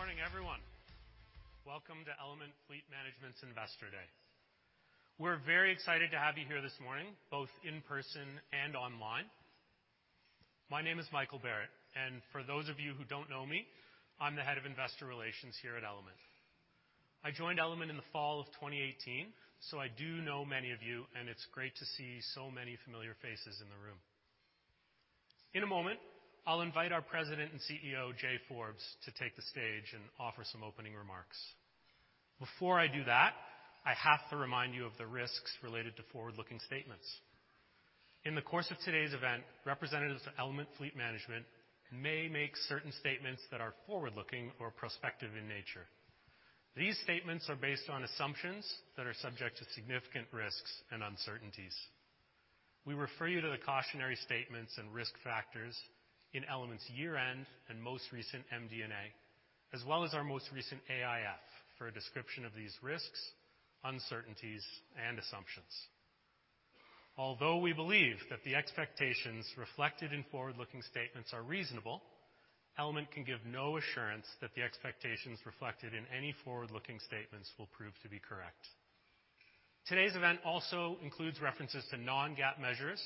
Good morning, everyone. Welcome to Element Fleet Management's Investor Day. We're very excited to have you here this morning, both in person and online. My name is Michael Barrett, and for those of you who don't know me, I'm the Head of Investor Relations here at Element. I joined Element in the fall of 2018, so I do know many of you, and it's great to see so many familiar faces in the room. In a moment, I'll invite our President and CEO, Jay Forbes, to take the stage and offer some opening remarks. Before I do that, I have to remind you of the risks related to forward-looking statements. In the course of today's event, representatives of Element Fleet Management may make certain statements that are forward-looking or prospective in nature. These statements are based on assumptions that are subject to significant risks and uncertainties. We refer you to the cautionary statements and risk factors in Element's year-end and most recent MD&A, as well as our most recent AIF, for a description of these risks, uncertainties, and assumptions. Although we believe that the expectations reflected in forward-looking statements are reasonable, Element can give no assurance that the expectations reflected in any forward-looking statements will prove to be correct. Today's event also includes references to non-GAAP measures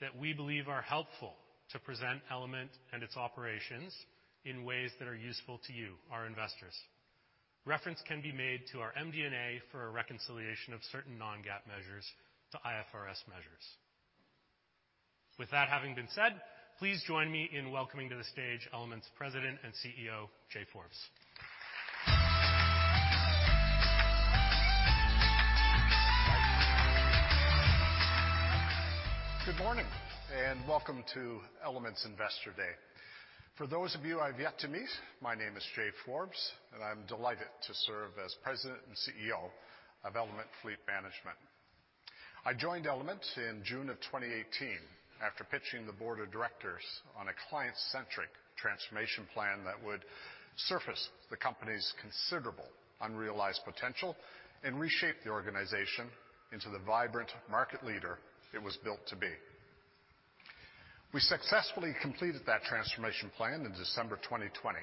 that we believe are helpful to present Element and its operations in ways that are useful to you, our investors. Reference can be made to our MD&A for a reconciliation of certain non-GAAP measures to IFRS measures. With that having been said, please join me in welcoming to the stage, Element's President and CEO, Jay Forbes. Good morning, welcome to Element's Investor Day. For those of you I've yet to meet, my name is Jay Forbes, and I'm delighted to serve as President and CEO of Element Fleet Management. I joined Element in June of 2018 after pitching the board of directors on a client-centric transformation plan that would surface the company's considerable unrealized potential and reshape the organization into the vibrant market leader it was built to be. We successfully completed that transformation plan in December 2020,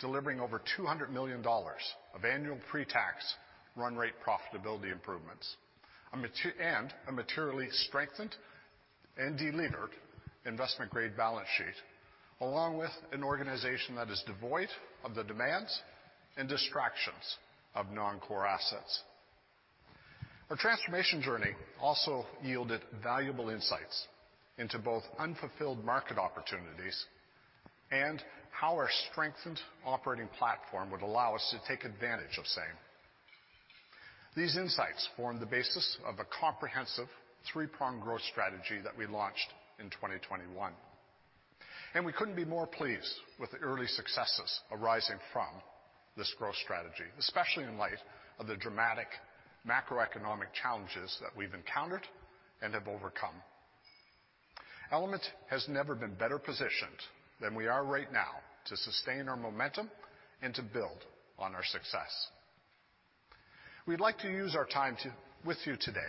delivering over $200 million of annual pre-tax run rate profitability improvements, and a materially strengthened and delevered investment-grade balance sheet, along with an organization that is devoid of the demands and distractions of non-core assets. Our transformation journey also yielded valuable insights into both unfulfilled market opportunities and how our strengthened operating platform would allow us to take advantage of same. These insights form the basis of a comprehensive three-pronged growth strategy that we launched in 2021. We couldn't be more pleased with the early successes arising from this growth strategy, especially in light of the dramatic macroeconomic challenges that we've encountered and have overcome. Element has never been better positioned than we are right now to sustain our momentum and to build on our success. We'd like to use our time with you today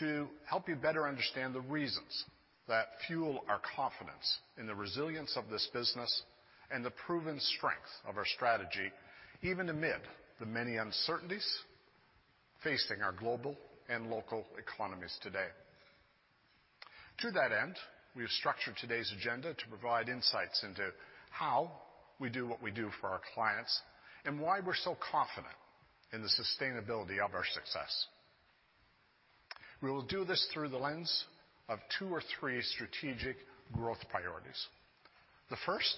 to help you better understand the reasons that fuel our confidence in the resilience of this business and the proven strength of our strategy, even amid the many uncertainties facing our global and local economies today. To that end, we have structured today's agenda to provide insights into how we do what we do for our clients and why we're so confident in the sustainability of our success. We will do this through the lens of two or three strategic growth priorities. The first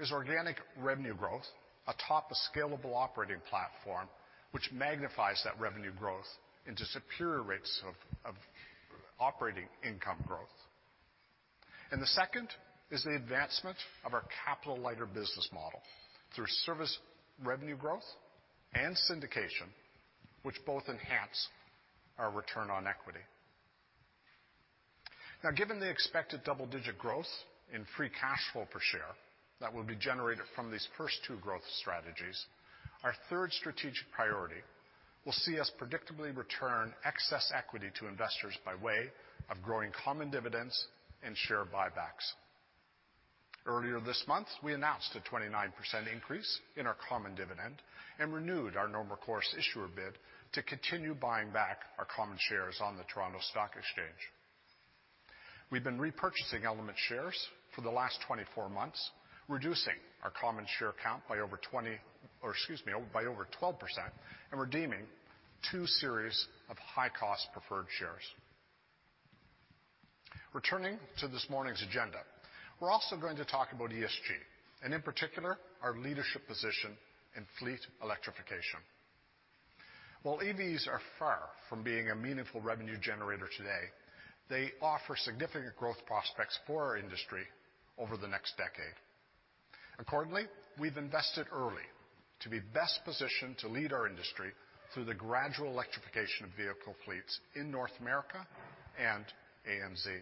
is organic revenue growth atop a scalable operating platform, which magnifies that revenue growth into superior rates of operating income growth. The second is the advancement of our capital-lighter business model through service revenue growth and syndication, which both enhance our return on equity. Given the expected double-digit growth in free cash flow per share that will be generated from these first two growth strategies, our third strategic priority will see us predictably return excess equity to investors by way of growing common dividends and share buybacks. Earlier this month, we announced a 29% increase in our common dividend and renewed our Normal Course Issuer Bid to continue buying back our common shares on the Toronto Stock Exchange. We've been repurchasing Element shares for the last 24 months, reducing our common share count by over 20, or excuse me, by over 12% and redeeming two series of high-cost preferred shares. Returning to this morning's agenda, we're also going to talk about ESG, and in particular, our leadership position in fleet electrification. While EVs are far from being a meaningful revenue generator today, they offer significant growth prospects for our industry over the next decade. Accordingly, we've invested early to be best positioned to lead our industry through the gradual electrification of vehicle fleets in North America and ANZ.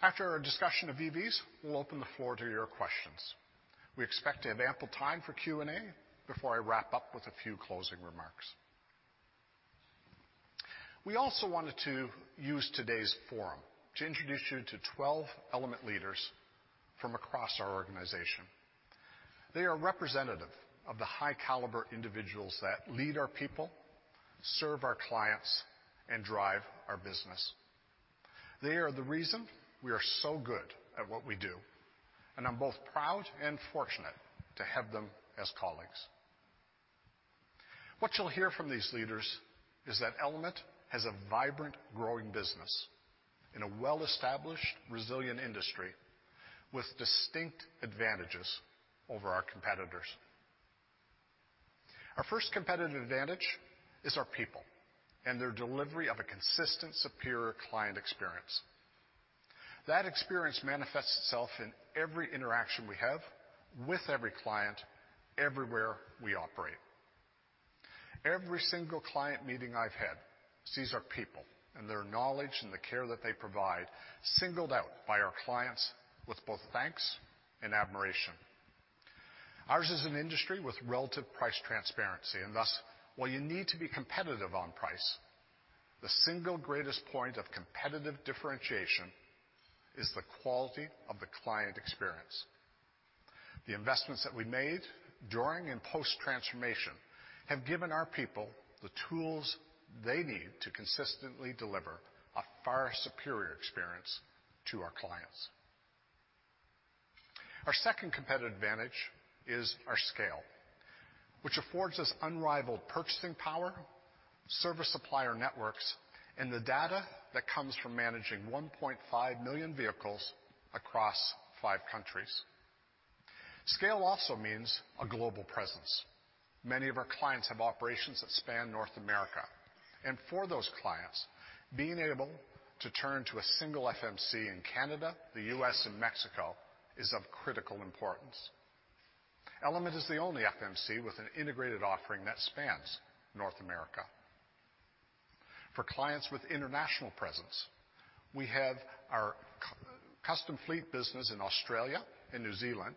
After our discussion of EVs, we'll open the floor to your questions. We expect to have ample time for Q&A before I wrap up with a few closing remarks. We also wanted to use today's forum to introduce you to 12 Element leaders from across our organization. They are representative of the high caliber individuals that lead our people, serve our clients, and drive our business. They are the reason we are so good at what we do, and I'm both proud and fortunate to have them as colleagues. What you'll hear from these leaders is that Element has a vibrant, growing business in a well-established, resilient industry with distinct advantages over our competitors. Our first competitive advantage is our people and their delivery of a consistent, superior client experience. That experience manifests itself in every interaction we have with every client, everywhere we operate. Every single client meeting I've had sees our people and their knowledge and the care that they provide, singled out by our clients with both thanks and admiration. Ours is an industry with relative price transparency, thus, while you need to be competitive on price, the single greatest point of competitive differentiation is the quality of the client experience. The investments that we made during and post-transformation have given our people the tools they need to consistently deliver a far superior experience to our clients. Our second competitive advantage is our scale, which affords us unrivaled purchasing power, service supplier networks, and the data that comes from managing 1.5 million vehicles across five countries. Scale also means a global presence. Many of our clients have operations that span North America, for those clients, being able to turn to a single FMC in Canada, the U.S., and Mexico, is of critical importance. Element is the only FMC with an integrated offering that spans North America. For clients with international presence, we have our Custom Fleet business in Australia and New Zealand,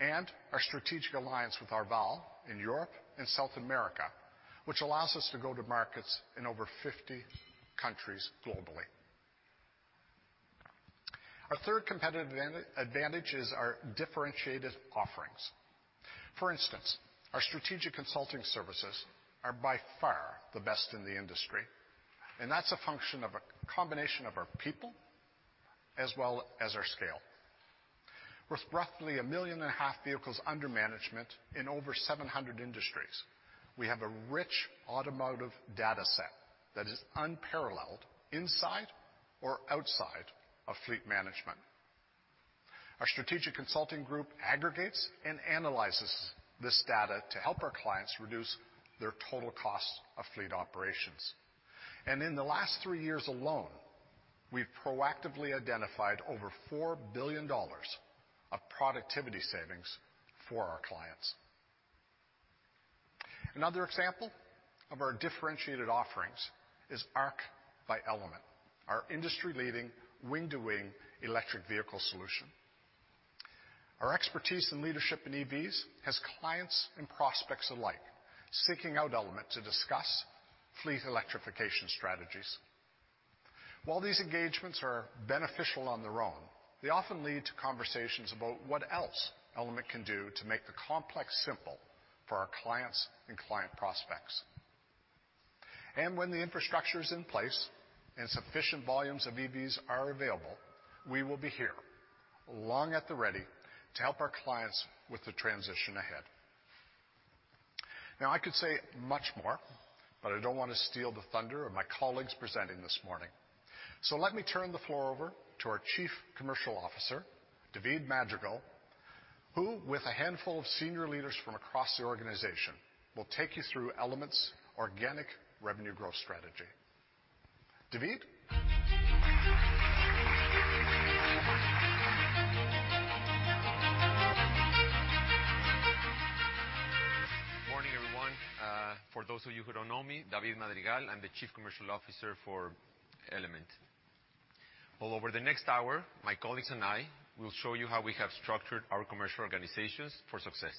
and our strategic alliance with Arval in Europe and South America, which allows us to go to markets in over 50 countries globally. Our third competitive advantage is our differentiated offerings. For instance, our strategic consulting services are by far the best in the industry, that's a function of a combination of our people as well as our scale. With roughly 1.5 million vehicles under management in over 700 industries, we have a rich automotive data set that is unparalleled inside or outside of fleet management. Our strategic consulting group aggregates and analyzes this data to help our clients reduce their total cost of fleet operations. In the last three years alone, we've proactively identified over $4 billion of productivity savings for our clients. Another example of our differentiated offerings is Arc by Element, our industry-leading wing-to-wing electric vehicle solution. Our expertise and leadership in EVs has clients and prospects alike seeking out Element to discuss fleet electrification strategies. While these engagements are beneficial on their own, they often lead to conversations about what else Element can do to make the complex simple for our clients and client prospects. When the infrastructure is in place and sufficient volumes of EVs are available, we will be here, along at the ready to help our clients with the transition ahead. Now, I could say much more, but I don't wanna steal the thunder of my colleagues presenting this morning. Let me turn the floor over to our Chief Commercial Officer, David Madrigal, who, with a handful of senior leaders from across the organization, will take you through Element's organic revenue growth strategy. David? Morning, everyone. For those of you who don't know me, David Madrigal. I'm the Chief Commercial Officer for Element. Over the next hour, my colleagues and I will show you how we have structured our commercial organizations for success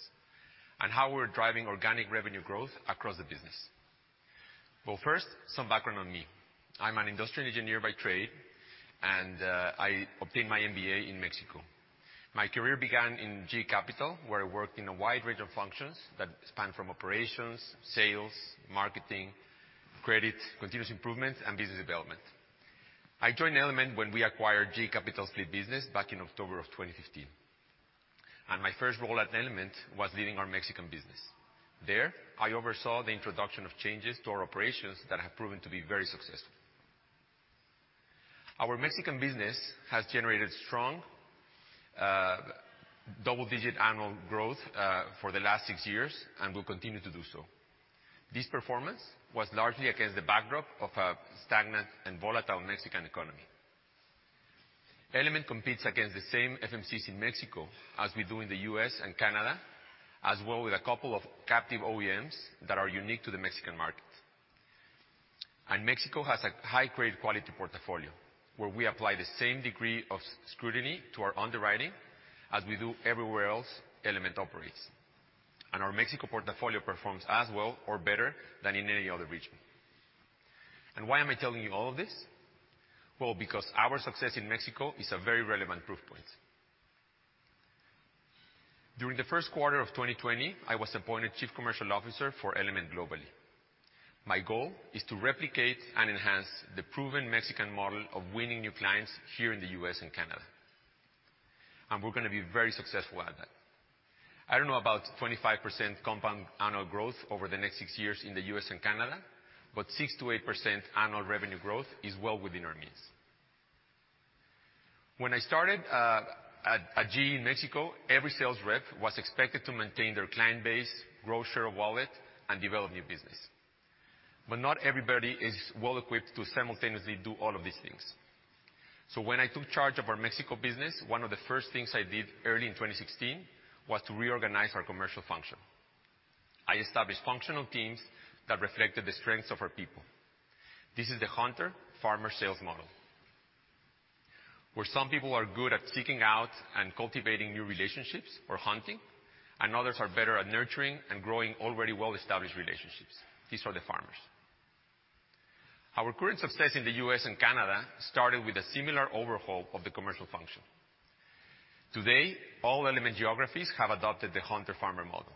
and how we're driving organic revenue growth across the business. First, some background on me. I'm an industrial engineer by trade, and I obtained my MBA in Mexico. My career began in GE Capital, where I worked in a wide range of functions that span from operations, sales, marketing, credit, continuous improvement, and business development. I joined Element when we acquired GE Capital Fleet business back in October of 2015, and my first role at Element was leading our Mexican business. There, I oversaw the introduction of changes to our operations that have proven to be very successful. Our Mexican business has generated strong, double-digit annual growth, for the last three years and will continue to do so. This performance was largely against the backdrop of a stagnant and volatile Mexican economy. Element competes against the same FMCs in Mexico as we do in the U.S. and Canada, as well with a couple of captive OEMs that are unique to the Mexican market. Mexico has a high-grade quality portfolio, where we apply the same degree of scrutiny to our underwriting as we do everywhere else Element operates. Our Mexico portfolio performs as well or better than in any other region. Why am I telling you all of this? Well, because our success in Mexico is a very relevant proof point. During the first quarter of 2020, I was appointed Chief Commercial Officer for Element globally. My goal is to replicate and enhance the proven Mexican model of winning new clients here in the U.S. and Canada. We're gonna be very successful at that. I don't know about 25% compound annual growth over the next six years in the U.S. and Canada, 6%-8% annual revenue growth is well within our means. When I started at GE in Mexico, every sales rep was expected to maintain their client base, grow share of wallet, and develop new business. Not everybody is well-equipped to simultaneously do all of these things. When I took charge of our Mexico business, one of the first things I did early in 2016 was to reorganize our commercial function. I established functional teams that reflected the strengths of our people. This is the hunter-farmer sales model, where some people are good at seeking out and cultivating new relationships or hunting, and others are better at nurturing and growing already well-established relationships. These are the farmers. Our current success in the U.S. and Canada started with a similar overhaul of the commercial function. Today, all Element geographies have adopted the hunter-farmer model.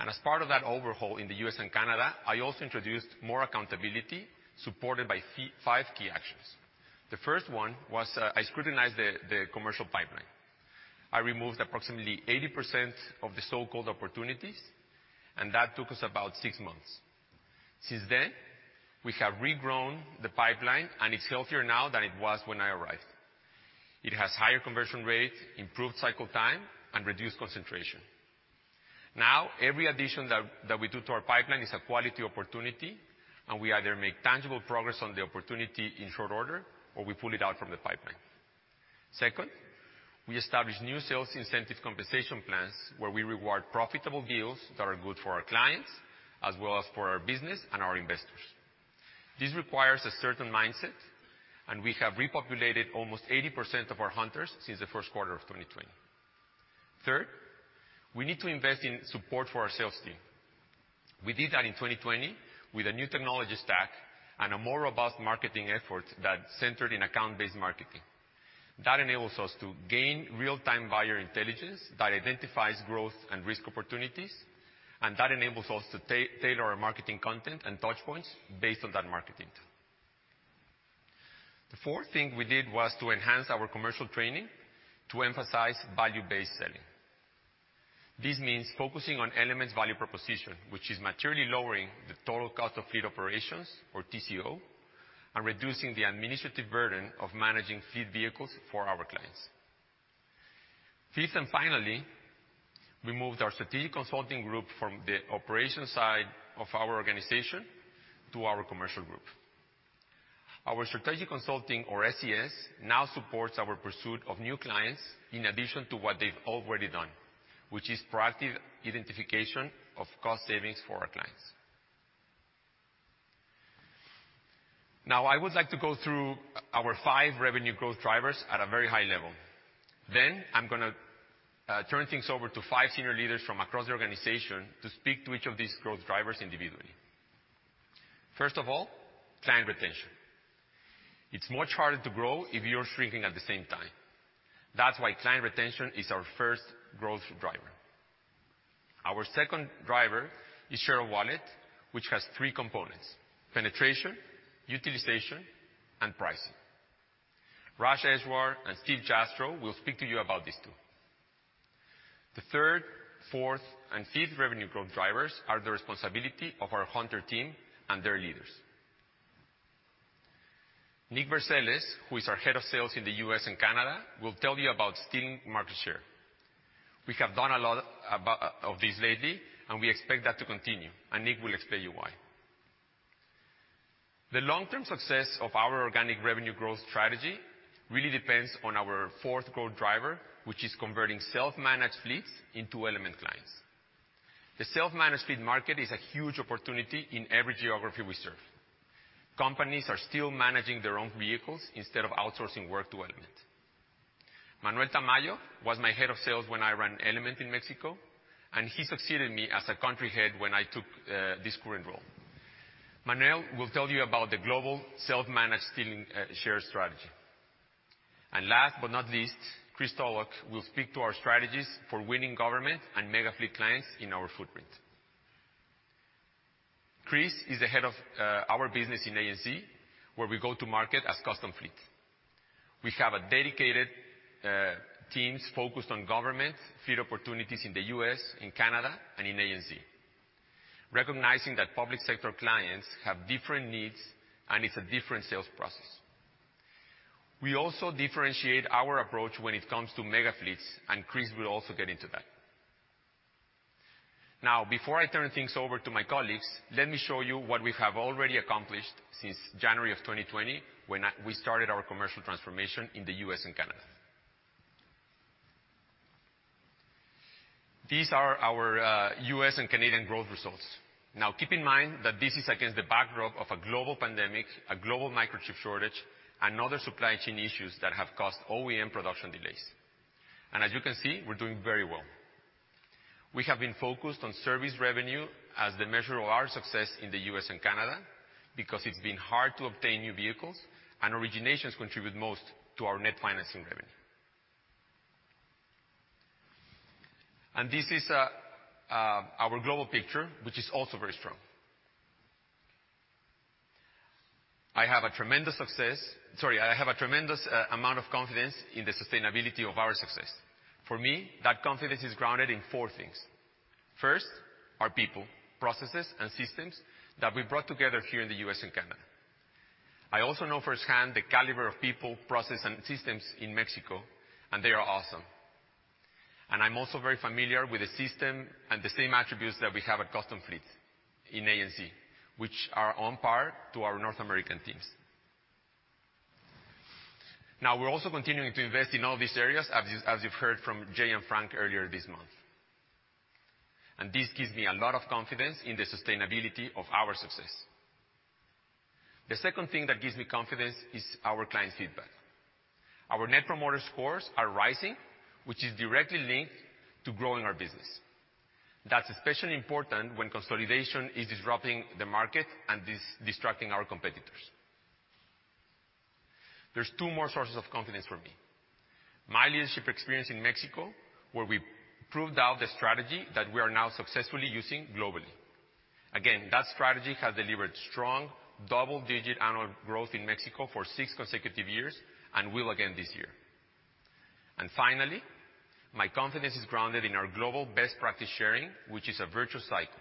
As part of that overhaul in the U.S. and Canada, I also introduced more accountability supported by five key actions. The first one was, I scrutinized the commercial pipeline. I removed approximately 80% of the so-called opportunities, and that took us about six months. Since then, we have regrown the pipeline, and it's healthier now than it was when I arrived. It has higher conversion rates, improved cycle time, and reduced concentration. Every addition that we do to our pipeline is a quality opportunity. We either make tangible progress on the opportunity in short order or we pull it out from the pipeline. We established new sales incentive compensation plans where we reward profitable deals that are good for our clients as well as for our business and our investors. This requires a certain mindset. We have repopulated almost 80% of our hunters since the 1st quarter of 2020. We need to invest in support for our sales team. We did that in 2020 with a new technology stack and a more robust marketing effort that centered in account-based marketing. That enables us to gain real-time buyer intelligence that identifies growth and risk opportunities. That enables us to tailor our marketing content and touchpoints based on that marketing. The fourth thing we did was to enhance our commercial training to emphasize value-based selling. This means focusing on Element's value proposition, which is materially lowering the total cost of fleet operations, or TCO, and reducing the administrative burden of managing fleet vehicles for our clients. Fifth and finally, we moved our strategic consulting group from the operations side of our organization to our commercial group. Our strategic consulting, or SCS, now supports our pursuit of new clients in addition to what they've already done, which is proactive identification of cost savings for our clients. I would like to go through our five revenue growth drivers at a very high level. I'm gonna turn things over to five senior leaders from across the organization to speak to each of these growth drivers individually. First of all, client retention. It's much harder to grow if you're shrinking at the same time. That's why client retention is our first growth driver. Our second driver is share of wallet, which has three components: penetration, utilization, and pricing. Raja Eswar and Steve Jastrow will speak to you about these two. The third, fourth, and fifth revenue growth drivers are the responsibility of our hunter team and their leaders. Nick Verceles, who is our head of sales in the U.S. and Canada, will tell you about stealing market share. We have done a lot of this lately, and we expect that to continue, and Nick will explain to you why. The long-term success of our organic revenue growth strategy really depends on our fourth growth driver, which is converting self-managed fleets into Element clients. The self-managed fleet market is a huge opportunity in every geography we serve. Companies are still managing their own vehicles instead of outsourcing work to Element. Manuel Tamayo was my head of sales when I ran Element in Mexico, and he succeeded me as a country head when I took this current role. Manuel will tell you about the global self-managed stealing share strategy. Last but not least, Chris Tulloch will speak to our strategies for winning government and mega fleet clients in our footprint. Chris is the head of our business in ANZ, where we go to market as Custom Fleet. We have a dedicated teams focused on government fleet opportunities in the U.S., in Canada, and in ANZ, recognizing that public sector clients have different needs, and it's a different sales process. We also differentiate our approach when it comes to mega fleets. Chris will also get into that. Before I turn things over to my colleagues, let me show you what we have already accomplished since January of 2020 when we started our commercial transformation in the U.S. and Canada. These are our U.S. and Canadian growth results. Keep in mind that this is against the backdrop of a global pandemic, a global microchip shortage, and other supply chain issues that have caused OEM production delays. As you can see, we're doing very well. We have been focused on service revenue as the measure of our success in the U.S. and Canada because it's been hard to obtain new vehicles and originations contribute most to our net financing revenue. This is our global picture, which is also very strong. I have a tremendous amount of confidence in the sustainability of our success. For me, that confidence is grounded in four things. First, our people, processes, and systems that we brought together here in the U.S. and Canada. I also know firsthand the caliber of people, process, and systems in Mexico, and they are awesome. I'm also very familiar with the system and the same attributes that we have at Custom Fleet in ANZ, which are on par to our North American teams. We're also continuing to invest in all these areas, as you've heard from Jay and Frank earlier this month. This gives me a lot of confidence in the sustainability of our success. The second thing that gives me confidence is our client feedback. Our Net Promoter Scores are rising, which is directly linked to growing our business. That's especially important when consolidation is disrupting the market and distracting our competitors. There's two more sources of confidence for me. My leadership experience in Mexico, where we proved out the strategy that we are now successfully using globally. Again, that strategy has delivered strong double-digit annual growth in Mexico for six consecutive years and will again this year. Finally, my confidence is grounded in our global best practice sharing, which is a virtual cycle.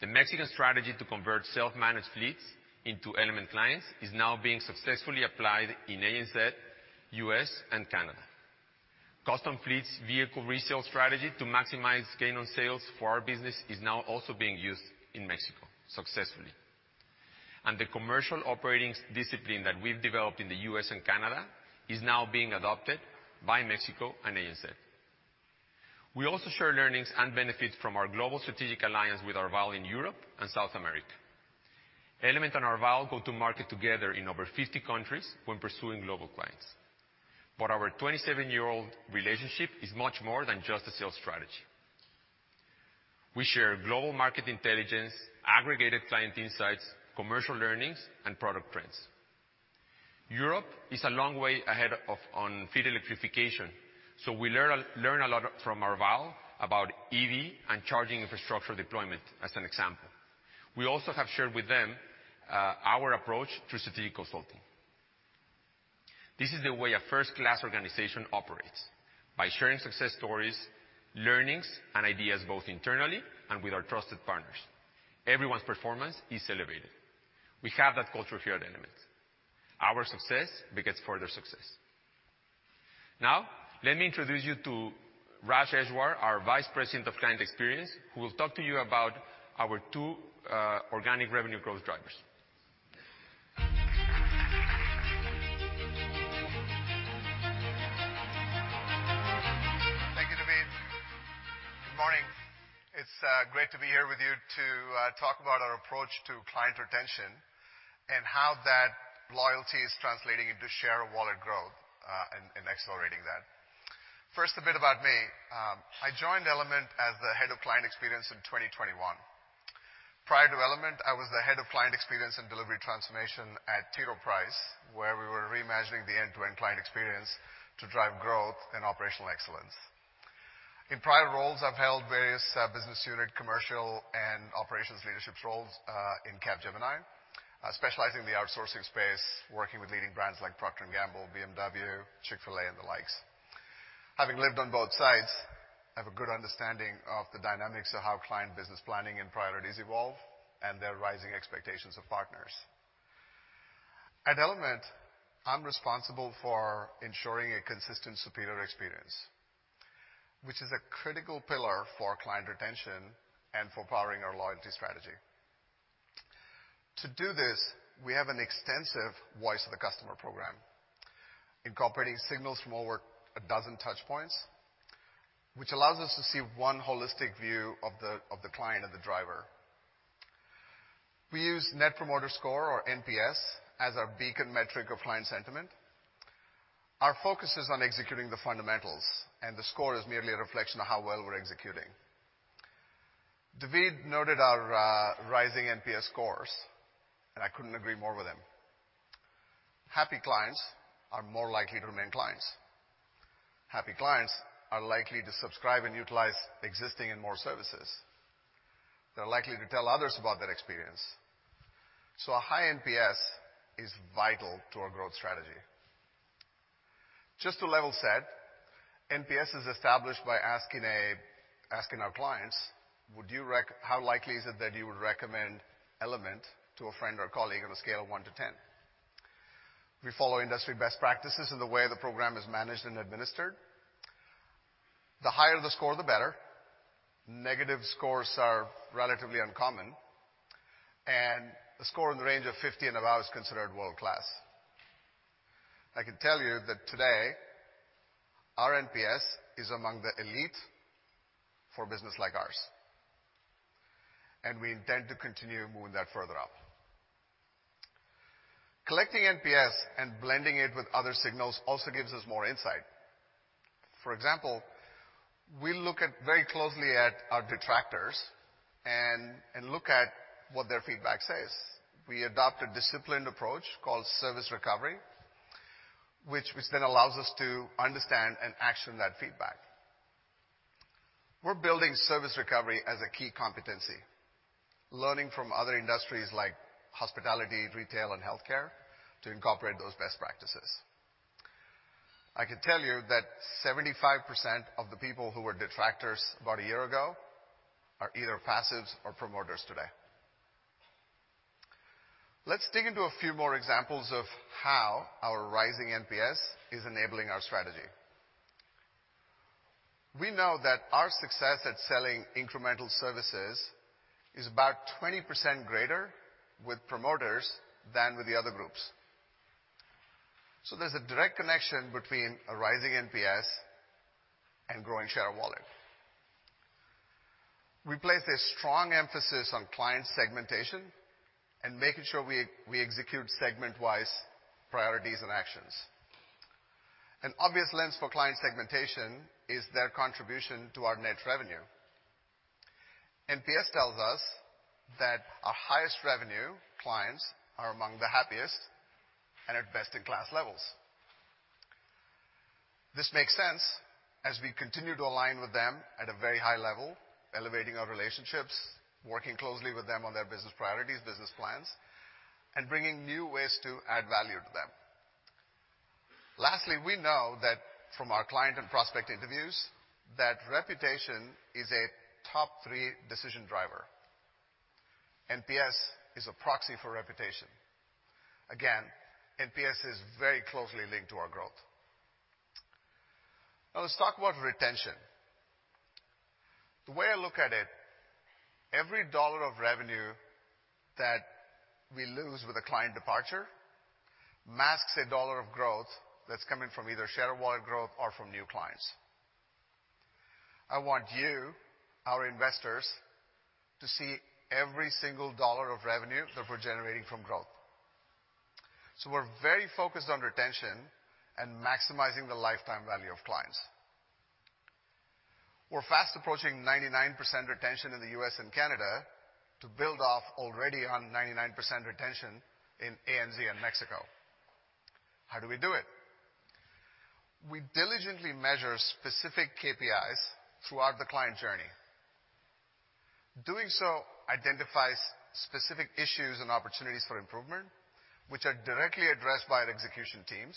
The Mexican strategy to convert self-managed fleets into Element clients is now being successfully applied in ANZ, U.S., and Canada. Custom Fleet's vehicle resale strategy to maximize gain on sales for our business is now also being used in Mexico successfully. The commercial operating discipline that we've developed in the U.S. and Canada is now being adopted by Mexico and ANZ. We also share learnings and benefits from our global strategic alliance with Arval in Europe and South America. Element and Arval go to market together in over 50 countries when pursuing global clients. Our 27-year-old relationship is much more than just a sales strategy. We share global market intelligence, aggregated client insights, commercial learnings, and product trends. Europe is a long way on fleet electrification, so we learn a lot from Arval about EV and charging infrastructure deployment as an example. We also have shared with them our approach to strategic consulting. This is the way a first-class organization operates, by sharing success stories, learnings, and ideas, both internally and with our trusted partners. Everyone's performance is elevated. We have that culture here at Element. Our success begets further success. Now, let me introduce you to Raja Eswar, our Vice President of Client Experience, who will talk to you about our two organic revenue growth drivers. Thank you, David. Good morning. It's great to be here with you to talk about our approach to client retention and how that loyalty is translating into share of wallet growth and accelerating that. First, a bit about me. I joined Element as the Head of Client Experience in 2021. Prior to Element, I was the head of Client Experience and Delivery Transformation at T. Rowe Price, where we were reimagining the end-to-end client experience to drive growth and operational excellence. In prior roles, I've held various business unit, commercial, and operations leadership roles in Capgemini, specializing in the outsourcing space, working with leading brands like Procter & Gamble, BMW, Chick-fil-A, and the likes. Having lived on both sides, I have a good understanding of the dynamics of how client business planning and priorities evolve and their rising expectations of partners. At Element, I'm responsible for ensuring a consistent, superior experience, which is a critical pillar for client retention and for powering our loyalty strategy. To do this, we have an extensive voice of the customer program incorporating signals from over a dozen touch points, which allows us to see one holistic view of the client and the driver. We use Net Promoter Score or NPS as our beacon metric of client sentiment. Our focus is on executing the fundamentals, the score is merely a reflection of how well we're executing. David noted our rising NPS scores, I couldn't agree more with him. Happy clients are more likely to remain clients. Happy clients are likely to subscribe and utilize existing and more services. They're likely to tell others about that experience. A high NPS is vital to our growth strategy. Just to level set, NPS is established by asking our clients, "How likely is it that you would recommend Element to a friend or colleague on a scale of 1 to 10?" We follow industry best practices in the way the program is managed and administered. The higher the score, the better. Negative scores are relatively uncommon, and a score in the range of 50 and above is considered world-class. I can tell you that today our NPS is among the elite for business like ours, and we intend to continue moving that further up. Collecting NPS and blending it with other signals also gives us more insight. For example, we look very closely at our detractors and look at what their feedback says. We adopt a disciplined approach called service recovery, which then allows us to understand and action that feedback. We're building service recovery as a key competency, learning from other industries like hospitality, retail, and healthcare to incorporate those best practices. I can tell you that 75% of the people who were detractors about a year ago are either passives or promoters today. Let's dig into a few more examples of how our rising NPS is enabling our strategy. We know that our success at selling incremental services is about 20% greater with promoters than with the other groups. There's a direct connection between a rising NPS and growing share of wallet. We place a strong emphasis on client segmentation and making sure we execute segment-wise priorities and actions. An obvious lens for client segmentation is their contribution to our net revenue. NPS tells us that our highest revenue clients are among the happiest and at best-in-class levels. This makes sense as we continue to align with them at a very high level, elevating our relationships, working closely with them on their business priorities, business plans, and bringing new ways to add value to them. Lastly, we know that from our client and prospect interviews, that reputation is a top three decision driver. NPS is a proxy for reputation. NPS is very closely linked to our growth. Let's talk about retention. The way I look at it, every dollar of revenue that we lose with a client departure masks a dollar of growth that's coming from either share wallet growth or from new clients. I want you, our investors, to see every single dollar of revenue that we're generating from growth. We're very focused on retention and maximizing the lifetime value of clients. We're fast approaching 99% retention in the U.S. and Canada to build off already on 99% retention in ANZ and Mexico. How do we do it? We diligently measure specific KPIs throughout the client journey. Doing so identifies specific issues and opportunities for improvement, which are directly addressed by our execution teams,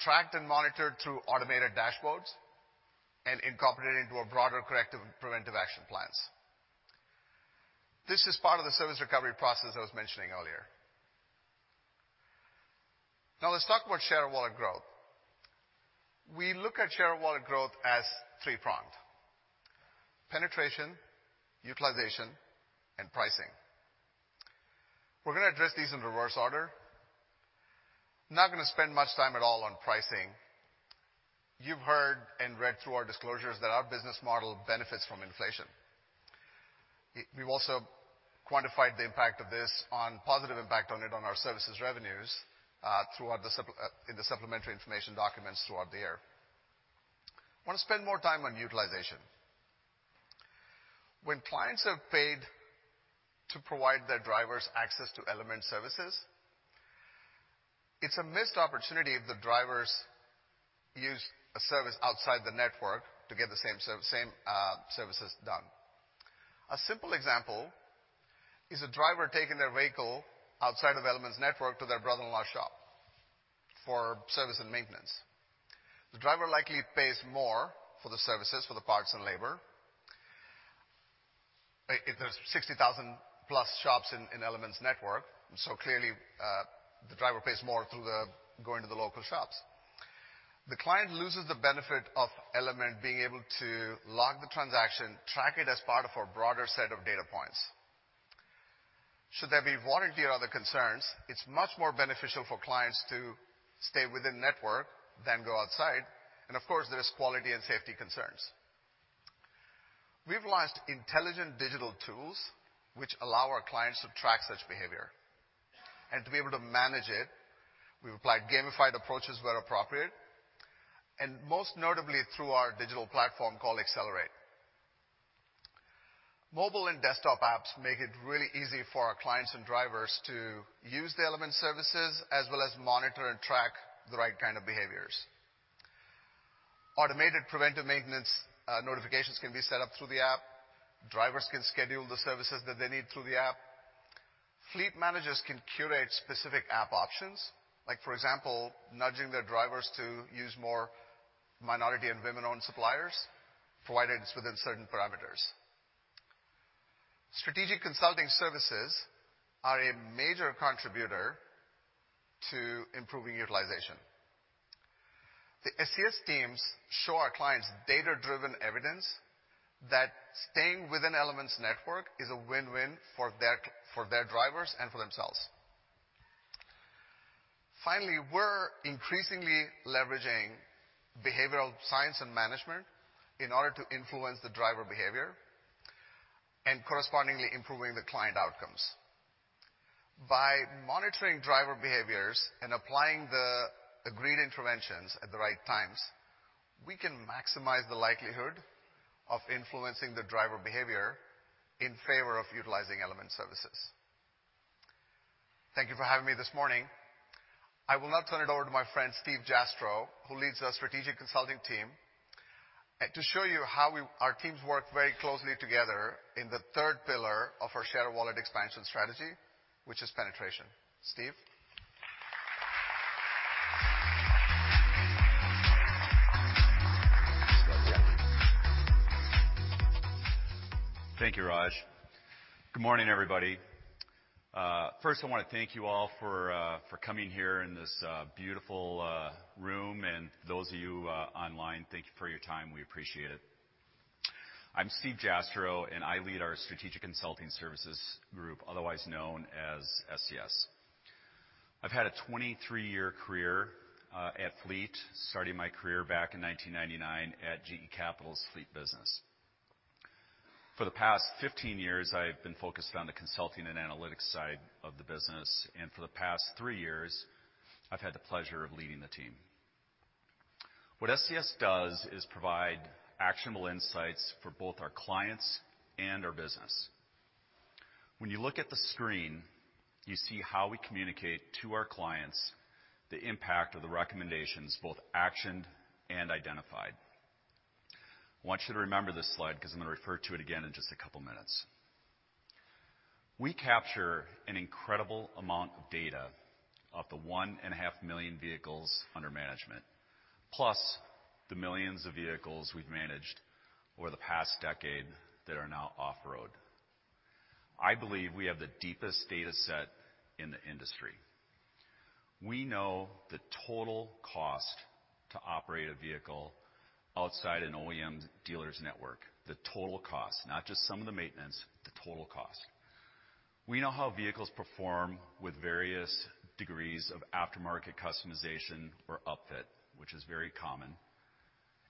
tracked and monitored through automated dashboards, and incorporated into a broader corrective and preventive action plans. This is part of the service recovery process I was mentioning earlier. Let's talk about share of wallet growth. We look at share of wallet growth as three-pronged: penetration, utilization, and pricing. We're gonna address these in reverse order. Not gonna spend much time at all on pricing. You've heard and read through our disclosures that our business model benefits from inflation. We've also quantified the impact of this on positive impact on it, on our services revenues throughout the supplementary information documents throughout the year. Wanna spend more time on utilization. When clients have paid to provide their drivers access to Element services, it's a missed opportunity if the drivers use a service outside the network to get the same services done. A simple example is a driver taking their vehicle outside of Element's network to their brother-in-law's shop for service and maintenance. The driver likely pays more for the services, for the parts and labor. There's 60,000 plus shops in Element's network, so clearly, the driver pays more through the going to the local shops. The client loses the benefit of Element being able to log the transaction, track it as part of our broader set of data points. Should there be warranty or other concerns, it's much more beneficial for clients to stay within network than go outside. Of course, there is quality and safety concerns. We've launched intelligent digital tools which allow our clients to track such behavior and to be able to manage it. We've applied gamified approaches where appropriate, and most notably through our digital platform called Xcelerate. Mobile and desktop apps make it really easy for our clients and drivers to use the Element services as well as monitor and track the right kind of behaviors. Automated preventive maintenance notifications can be set up through the app. Drivers can schedule the services that they need through the app. Fleet managers can curate specific app options, like for example, nudging their drivers to use more minority and women-owned suppliers provided it's within certain parameters. Strategic consulting services are a major contributor to improving utilization. The SCS teams show our clients data-driven evidence that staying within Element's network is a win-win for their drivers and for themselves. We're increasingly leveraging behavioral science and management in order to influence the driver behavior and correspondingly improving the client outcomes. By monitoring driver behaviors and applying the agreed interventions at the right times, we can maximize the likelihood of influencing the driver behavior in favor of utilizing Element services. Thank you for having me this morning. I will now turn it over to my friend, Steve Jastrow, who leads our strategic consulting team, to show you how our teams work very closely together in the third pillar of our share of wallet expansion strategy, which is penetration. Steve. Thank you, Raj. Good morning, everybody. First I wanna thank you all for coming here in this beautiful room, and those of you online, thank you for your time. We appreciate it. I'm Steve Jastrow, and I lead our strategic consulting services group, otherwise known as SCS. I've had a 23-year career at Fleet, starting my career back in 1999 at GE Capital's Fleet business. For the past 1five years, I've been focused on the consulting and analytics side of the business. For the past three years, I've had the pleasure of leading the team. What SCS does is provide actionable insights for both our clients and our business. When you look at the screen, you see how we communicate to our clients the impact of the recommendations, both actioned and identified. I want you to remember this slide 'cause I'm gonna refer to it again in just a couple minutes. We capture an incredible amount of data off the 1.5 million vehicles under management, plus the millions of vehicles we've managed over the past decade that are now off road. I believe we have the deepest data set in the industry. We know the total cost to operate a vehicle outside an OEM dealers network, the total cost, not just some of the maintenance, the total cost. We know how vehicles perform with various degrees of aftermarket customization or upfit, which is very common,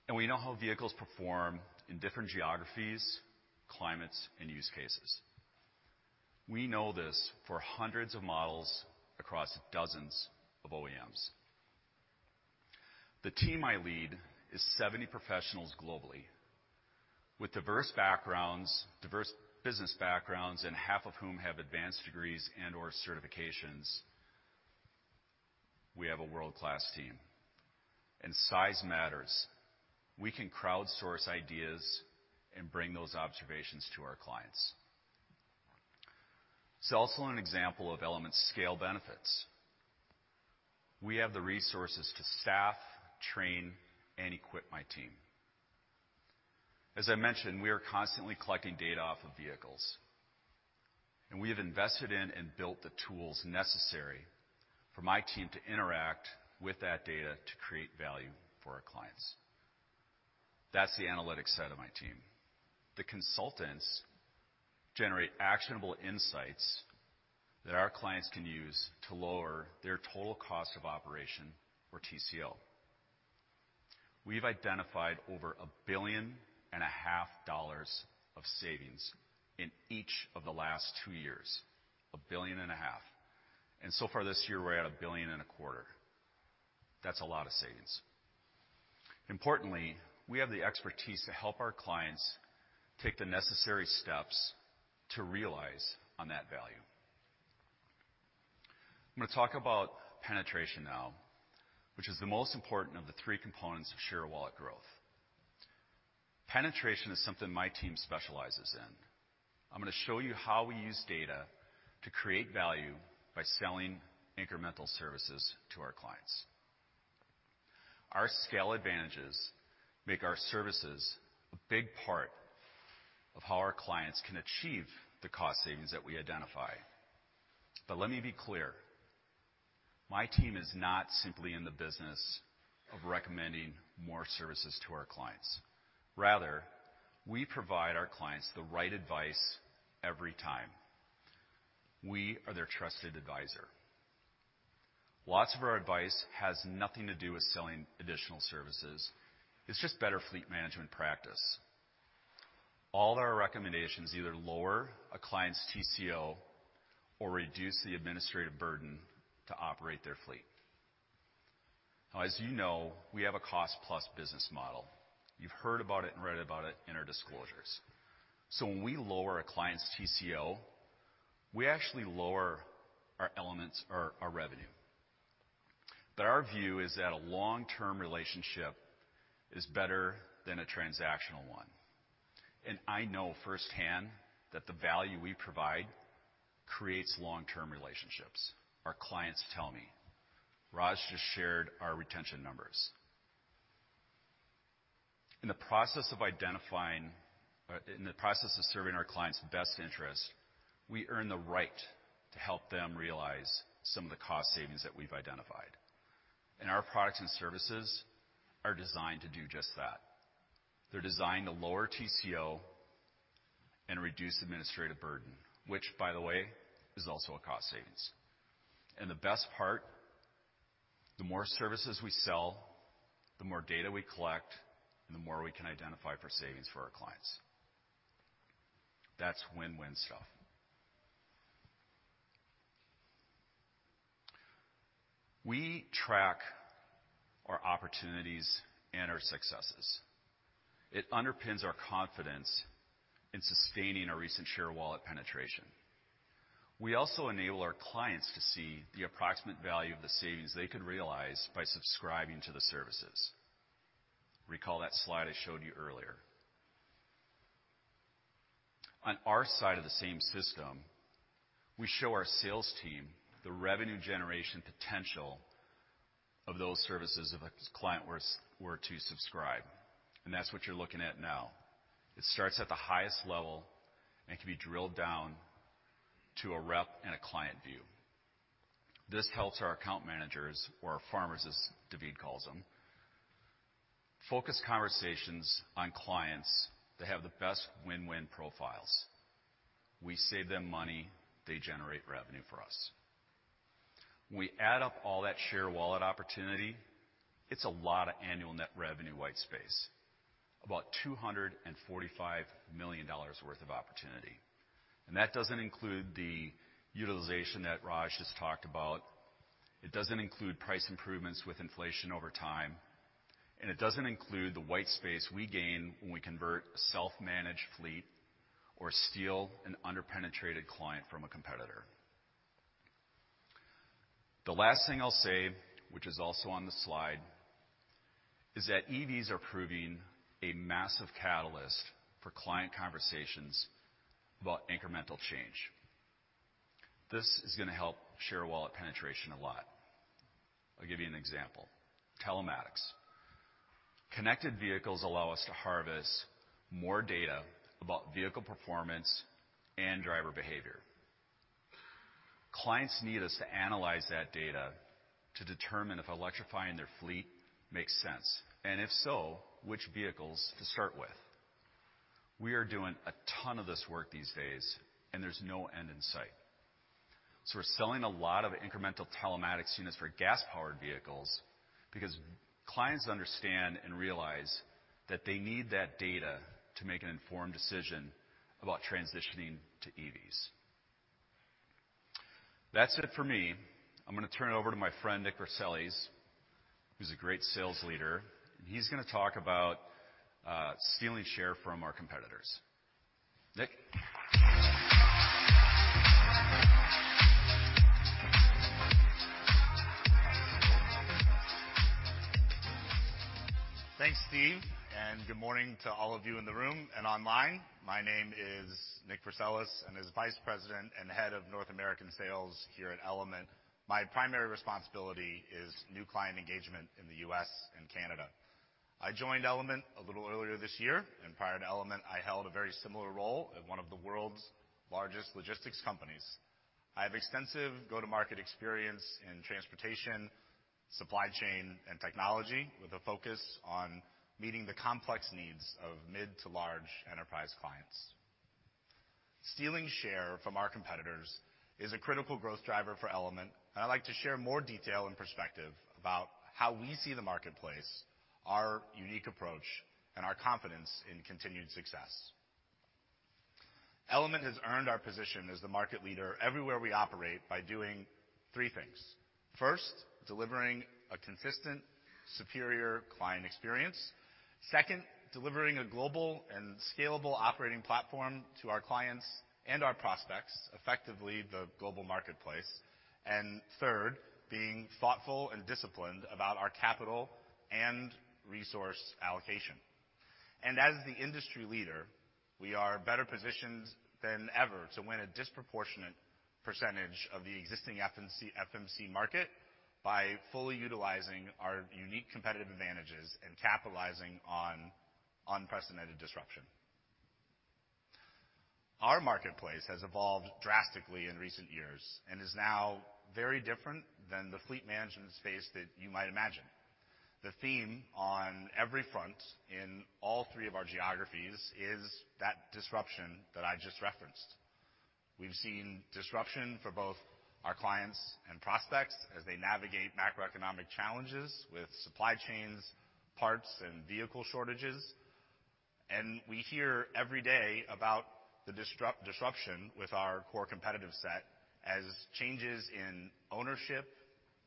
and we know how vehicles perform in different geographies, climates, and use cases. We know this for hundreds of models across dozens of OEMs. The team I lead is 70 professionals globally. With diverse backgrounds, diverse business backgrounds, and half of whom have advanced degrees and/or certifications, we have a world-class team. Size matters. We can crowdsource ideas and bring those observations to our clients. It's also an example of Element's scale benefits. We have the resources to staff, train, and equip my team. As I mentioned, we are constantly collecting data off of vehicles. We have invested in and built the tools necessary for my team to interact with that data to create value for our clients. That's the analytics side of my team. The consultants generate actionable insights that our clients can use to lower their total cost of operation or TCO. We've identified over a billion and a half dollars of savings in each of the last two years, a billion and a half. So far this year, we're at a billion and a quarter. That's a lot of savings. Importantly, we have the expertise to help our clients take the necessary steps to realize on that value. I'm gonna talk about penetration now, which is the most important of the three components of share wallet growth. Penetration is something my team specializes in. I'm gonna show you how we use data to create value by selling incremental services to our clients. Our scale advantages make our services a big part of how our clients can achieve the cost savings that we identify. Let me be clear. My team is not simply in the business of recommending more services to our clients. Rather, we provide our clients the right advice every time. We are their trusted advisor. Lots of our advice has nothing to do with selling additional services. It's just better fleet management practice. All of our recommendations either lower a client's TCO or reduce the administrative burden to operate their fleet. As you know, we have a cost plus business model. You've heard about it and read about it in our disclosures. When we lower a client's TCO, we actually lower our revenue. Our view is that a long-term relationship is better than a transactional one, and I know firsthand that the value we provide creates long-term relationships. Our clients tell me. Raj just shared our retention numbers. In the process of identifying, in the process of serving our clients' best interest, we earn the right to help them realize some of the cost savings that we've identified. Our products and services are designed to do just that. They're designed to lower TCO and reduce administrative burden, which by the way, is also a cost savings. The best part, the more services we sell, the more data we collect, and the more we can identify for savings for our clients. That's win-win stuff. We track our opportunities and our successes. It underpins our confidence in sustaining our recent share wallet penetration. We also enable our clients to see the approximate value of the savings they could realize by subscribing to the services. Recall that slide I showed you earlier. On our side of the same system, we show our sales team the revenue generation potential of those services if a client were to subscribe. That's what you're looking at now. It starts at the highest level and can be drilled down to a rep and a client view. This helps our account managers or our farmers, as David calls them, focus conversations on clients that have the best win-win profiles. We save them money, they generate revenue for us. We add up all that share wallet opportunity, it's a lot of annual net revenue white space, about $245 million worth of opportunity. That doesn't include the utilization that Raja just talked about, it doesn't include price improvements with inflation over time, it doesn't include the white space we gain when we convert a self-managed fleet or steal an under-penetrated client from a competitor. The last thing I'll say, which is also on the slide, is that EVs are proving a massive catalyst for client conversations about incremental change. This is gonna help share wallet penetration a lot. I'll give you an example. Telematics. Connected vehicles allow us to harvest more data about vehicle performance and driver behavior. Clients need us to analyze that data to determine if electrifying their fleet makes sense, and if so, which vehicles to start with. We are doing a ton of this work these days, there's no end in sight. We're selling a lot of incremental telematics units for gas-powered vehicles because clients understand and realize that they need that data to make an informed decision about transitioning to EVs. That's it for me. I'm gonna turn it over to my friend, Nick Verceles, who's a great sales leader, and he's gonna talk about stealing share from our competitors. Nick. Thanks, Steve, and good morning to all of you in the room and online. My name is Nick Verceles, and as Vice President and Head of North American Sales here at Element, my primary responsibility is new client engagement in the U.S. and Canada. I joined Element a little earlier this year, and prior to Element, I held a very similar role at one of the world's largest logistics companies. I have extensive go-to-market experience in transportation, supply chain, and technology, with a focus on meeting the complex needs of mid to large enterprise clients. Stealing share from our competitors is a critical growth driver for Element, and I'd like to share more detail and perspective about how we see the marketplace, our unique approach, and our confidence in continued success. Element has earned our position as the market leader everywhere we operate by doing three things. First, delivering a consistent, superior client experience. Second, delivering a global and scalable operating platform to our clients and our prospects, effectively the global marketplace. Third, being thoughtful and disciplined about our capital and resource allocation. As the industry leader, we are better positioned than ever to win a disproportionate percentage of the existing FMC market by fully utilizing our unique competitive advantages and capitalizing on unprecedented disruption. Our marketplace has evolved drastically in recent years and is now very different than the fleet management space that you might imagine. The theme on every front in all three of our geographies is that disruption that I just referenced. We've seen disruption for both our clients and prospects as they navigate macroeconomic challenges with supply chains, parts, and vehicle shortages. We hear every day about the disruption with our core competitive set as changes in ownership,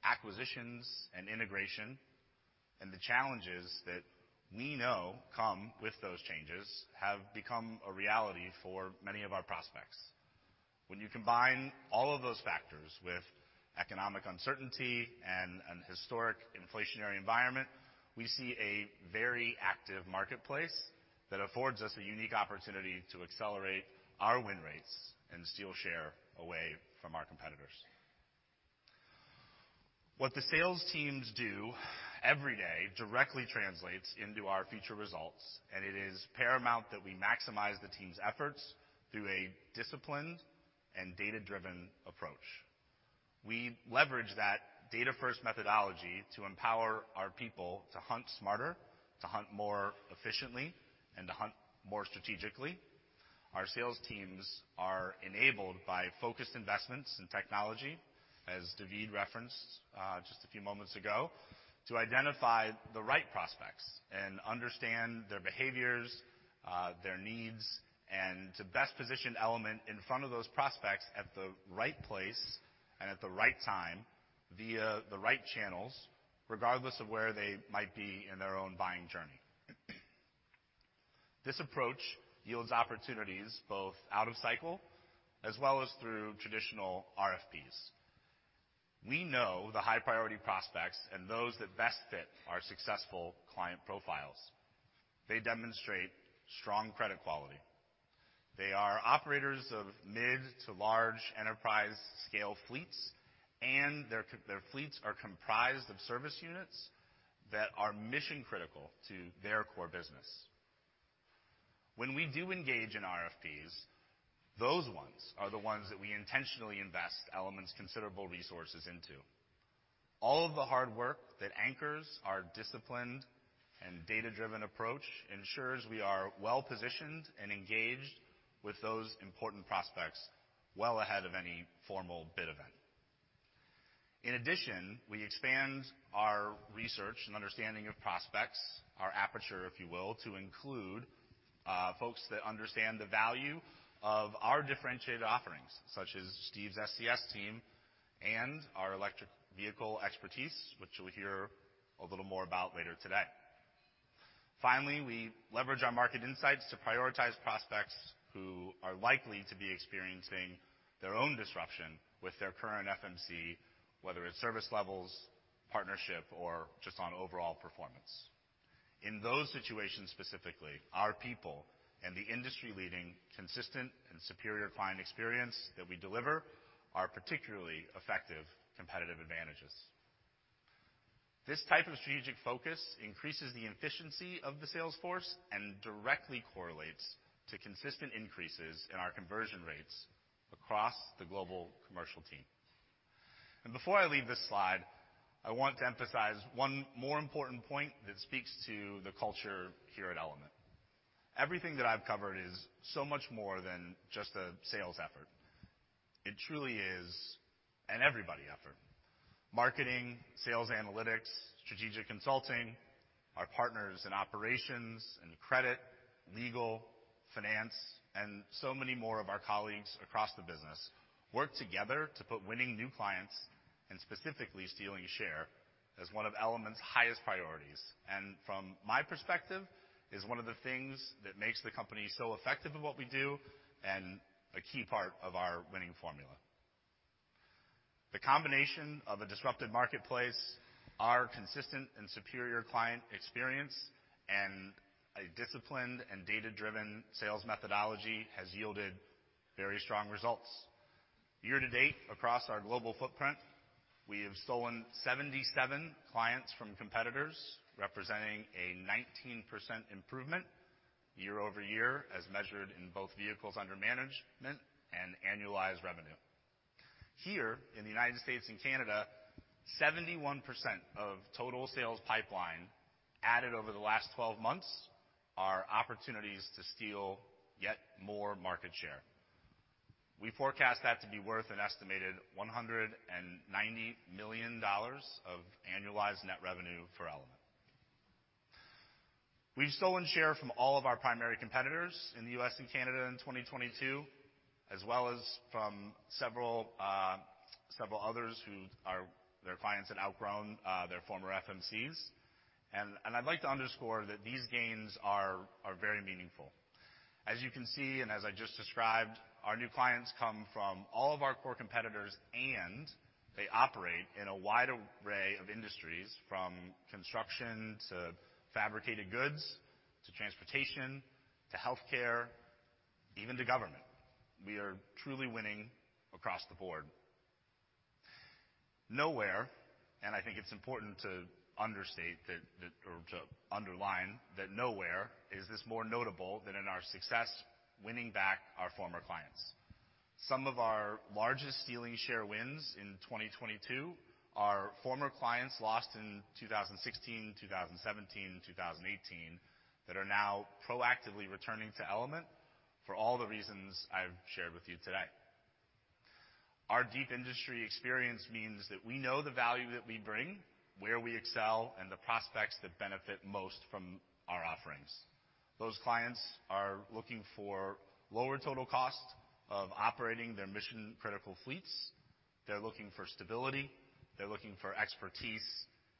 acquisitions, and integration, and the challenges that we know come with those changes have become a reality for many of our prospects. When you combine all of those factors with economic uncertainty and an historic inflationary environment, we see a very active marketplace that affords us the unique opportunity to accelerate our win rates and steal share away from our competitors. What the sales teams do every day directly translates into our future results, and it is paramount that we maximize the team's efforts through a disciplined and data-driven approach. We leverage that data-first methodology to empower our people to hunt smarter, to hunt more efficiently, and to hunt more strategically. Our sales teams are enabled by focused investments in technology, as David referenced, just a few moments ago, to identify the right prospects and understand their behaviors, their needs, and to best position Element in front of those prospects at the right place and at the right time via the right channels, regardless of where they might be in their own buying journey. This approach yields opportunities both out of cycle as well as through traditional RFPs. We know the high-priority prospects and those that best fit our successful client profiles. They demonstrate strong credit quality. They are operators of mid to large enterprise scale fleets, and their fleets are comprised of service units that are mission-critical to their core business. When we do engage in RFPs, those ones are the ones that we intentionally invest Element's considerable resources into. All of the hard work that anchors our disciplined and data-driven approach ensures we are well-positioned and engaged with those important prospects well ahead of any formal bid event. In addition, we expand our research and understanding of prospects, our aperture, if you will, to include folks that understand the value of our differentiated offerings, such as Steve's SCS team and our electric vehicle expertise, which we'll hear a little more about later today. Finally, we leverage our market insights to prioritize prospects who are likely to be experiencing their own disruption with their current FMC, whether it's service levels, partnership, or just on overall performance. In those situations, specifically, our people and the industry-leading consistent and superior client experience that we deliver are particularly effective competitive advantages. This type of strategic focus increases the efficiency of the sales force and directly correlates to consistent increases in our conversion rates across the global commercial team. Before I leave this slide, I want to emphasize one more important point that speaks to the culture here at Element. Everything that I've covered is so much more than just a sales effort. It truly is an everybody effort. Marketing, sales analytics, strategic consulting, our partners in operations and credit, legal, finance, and so many more of our colleagues across the business work together to put winning new clients, and specifically stealing share, as one of Element's highest priorities. From my perspective, is one of the things that makes the company so effective at what we do and a key part of our winning formula. The combination of a disrupted marketplace, our consistent and superior client experience, and a disciplined and data-driven sales methodology has yielded very strong results. Year-to-date across our global footprint, we have stolen 77 clients from competitors, representing a 19% improvement year-over-year as measured in both vehicles under management and annualized revenue. Here in the U.S. and Canada, 71% of total sales pipeline added over the last 12 months are opportunities to steal yet more market share. We forecast that to be worth an estimated $190 million of annualized net revenue for Element. We've stolen share from all of our primary competitors in the U.S. and Canada in 2022, as well as from several others their clients had outgrown their former FMCs. I'd like to underscore that these gains are very meaningful. As you can see, as I just described, our new clients come from all of our core competitors, and they operate in a wide array of industries, from construction to fabricated goods, to transportation, to healthcare, even to government. We are truly winning across the board. Nowhere, I think it's important to underline that nowhere is this more notable than in our success winning back our former clients. Some of our largest stealing share wins in 2022 are former clients lost in 2016, 2017, 2018 that are now proactively returning to Element for all the reasons I've shared with you today. Our deep industry experience means that we know the value that we bring, where we excel, and the prospects that benefit most from our offerings. Those clients are looking for lower total cost of operating their mission-critical fleets. They're looking for stability, they're looking for expertise,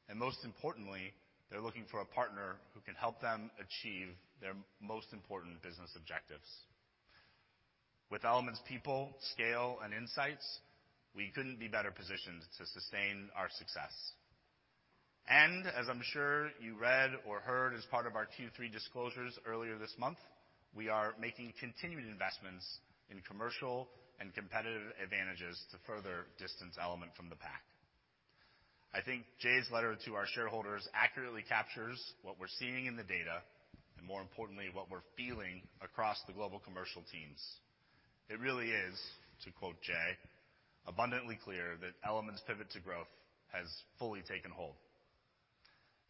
and most importantly, they're looking for a partner who can help them achieve their most important business objectives. With Element's people, scale, and insights, we couldn't be better positioned to sustain our success. As I'm sure you read or heard as part of our Q3 disclosures earlier this month, we are making continued investments in commercial and competitive advantages to further distance Element from the pack. I think Jay's letter to our shareholders accurately captures what we're seeing in the data, and more importantly, what we're feeling across the global commercial teams. It really is, to quote Jay, abundantly clear that Element's pivot to growth has fully taken hold.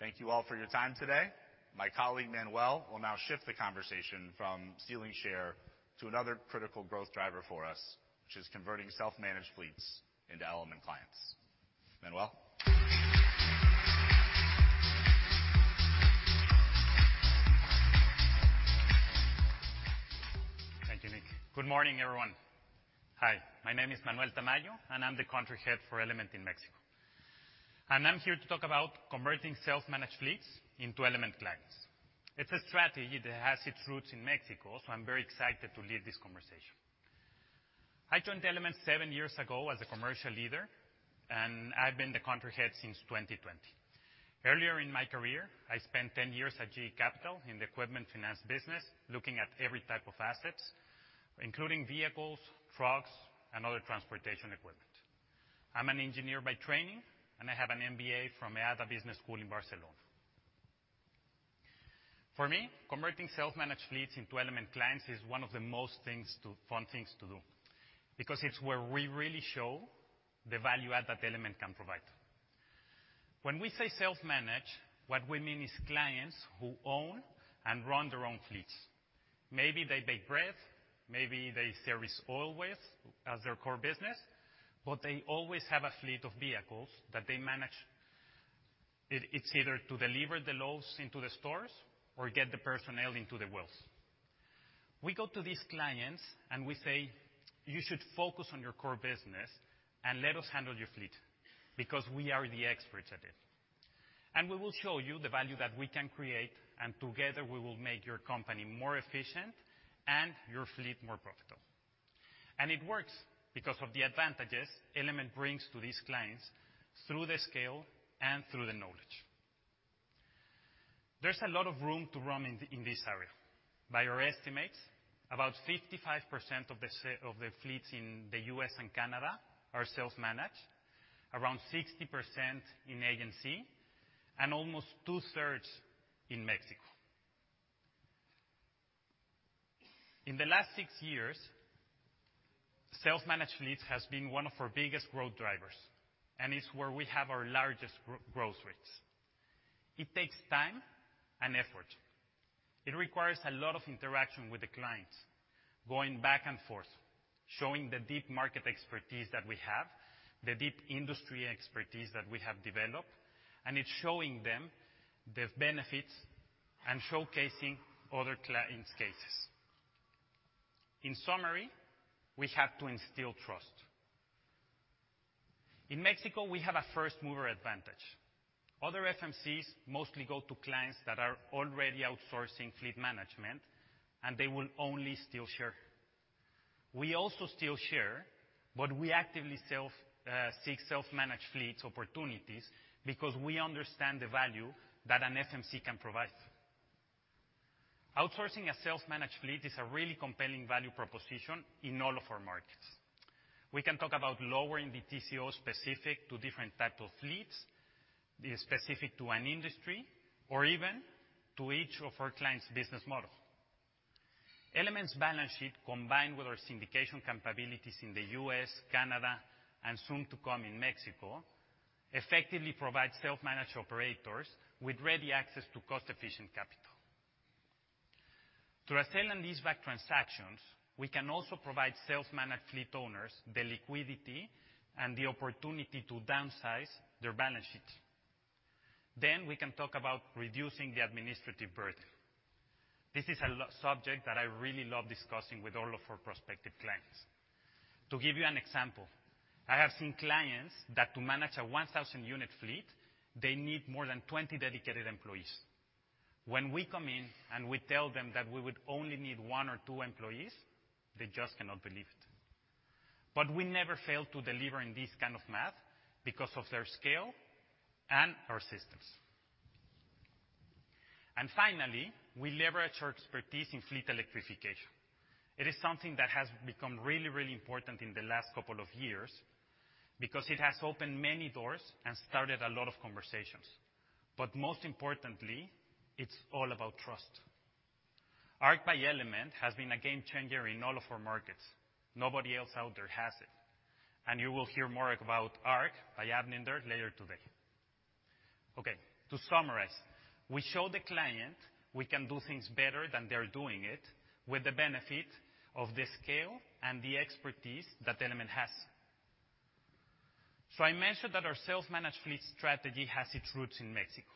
Thank you all for your time today. My colleague, Manuel, will now shift the conversation from stealing share to another critical growth driver for us, which is converting self-managed fleets into Element clients. Manuel? Thank you, Nick. Good morning, everyone. Hi, my name is Manuel Tamayo, and I'm the Country Head for Element in Mexico. I'm here to talk about converting self-managed fleets into Element clients. It's a strategy that has its roots in Mexico, so I'm very excited to lead this conversation. I joined Element seven years ago as a Commercial Leader, and I've been the Country Head since 2020. Earlier in my career, I spent 10 years at GE Capital in the equipment finance business, looking at every type of assets, including vehicles, trucks, and other transportation equipment. I'm an engineer by training, and I have an MBA from IESE Business School in Barcelona. For me, converting self-managed fleets into Element clients is one of the most fun things to do because it's where we really show the value add that Element can provide. When we say self-managed, what we mean is clients who own and run their own fleets. Maybe they bake bread, maybe they service oil wells as their core business, but they always have a fleet of vehicles that they manage. It's either to deliver the loads into the stores or get the personnel into the wells. We go to these clients and we say, "You should focus on your core business and let us handle your fleet because we are the experts at it. We will show you the value that we can create, and together we will make your company more efficient and your fleet more profitable." It works because of the advantages Element brings to these clients through the scale and through the knowledge. There's a lot of room to roam in this area. By our estimates, about 55% of the fleets in the U.S. and Canada are self-managed, around 60% in ANZ, and almost two-thirds in Mexico. In the last six years, self-managed fleets has been one of our biggest growth drivers. It's where we have our largest growth rates. It takes time and effort. It requires a lot of interaction with the clients, going back and forth, showing the deep market expertise that we have, the deep industry expertise that we have developed. It's showing them the benefits and showcasing other clients' cases. In summary, we have to instill trust. In Mexico, we have a first-mover advantage. Other FMCs mostly go to clients that are already outsourcing fleet management. They will only steal share. We also steal share, but we actively seek self-managed fleets opportunities because we understand the value that an FMC can provide. Outsourcing a self-managed fleet is a really compelling value proposition in all of our markets. We can talk about lowering the TCO specific to different type of fleets, specific to an industry or even to each of our clients' business model. Element's balance sheet combined with our syndication capabilities in the U.S., Canada, and soon to come in Mexico, effectively provide self-managed operators with ready access to cost-efficient capital. Through a sale-and-leaseback transactions, we can also provide self-managed fleet owners the liquidity and the opportunity to downsize their balance sheet. We can talk about reducing the administrative burden. This is a subject that I really love discussing with all of our prospective clients. To give you an example, I have seen clients that to manage a 1,000 unit fleet, they need more than 20 dedicated employees. When we come in and we tell them that we would only need one or two employees, they just cannot believe it. We never fail to deliver in this kind of math because of their scale and our systems. Finally, we leverage our expertise in fleet electrification. It is something that has become really, really important in the last couple of years because it has opened many doors and started a lot of conversations. Most importantly, it's all about trust. Arc by Element has been a game changer in all of our markets. Nobody else out there has it. You will hear more about Arc by Avninder later today. Okay, to summarize, we show the client we can do things better than they're doing it with the benefit of the scale and the expertise that Element has. I mentioned that our self-managed fleet strategy has its roots in Mexico,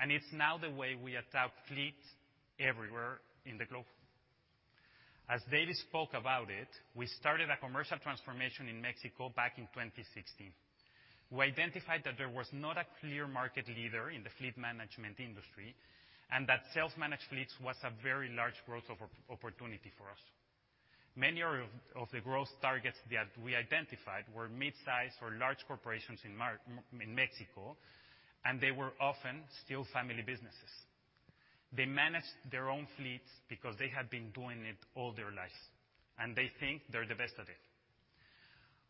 and it's now the way we attack fleets everywhere in the globe. As David spoke about it, we started a commercial transformation in Mexico back in 2016. We identified that there was not a clear market leader in the fleet management industry, and that self-managed fleets was a very large growth opportunity for us. Many are of the growth targets that we identified were midsize or large corporations in Mexico, and they were often still family businesses. They managed their own fleets because they had been doing it all their lives, and they think they're the best at it.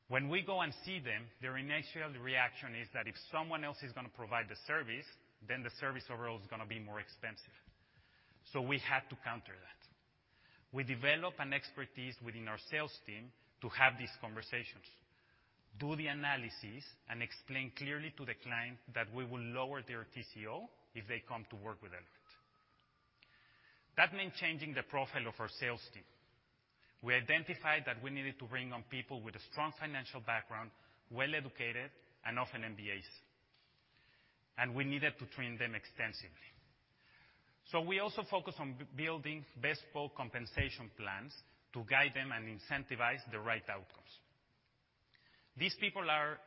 When we go and see them, their initial reaction is that if someone else is gonna provide the service, then the service overall is gonna be more expensive. We had to counter that. We developed an expertise within our sales team to have these conversations, do the analysis, and explain clearly to the client that we will lower their TCO if they come to work with Element. That meant changing the profile of our sales team. We identified that we needed to bring on people with a strong financial background, well-educated, and often MBAs. We needed to train them extensively. We also focused on building bespoke compensation plans to guide them and incentivize the right outcomes. These people are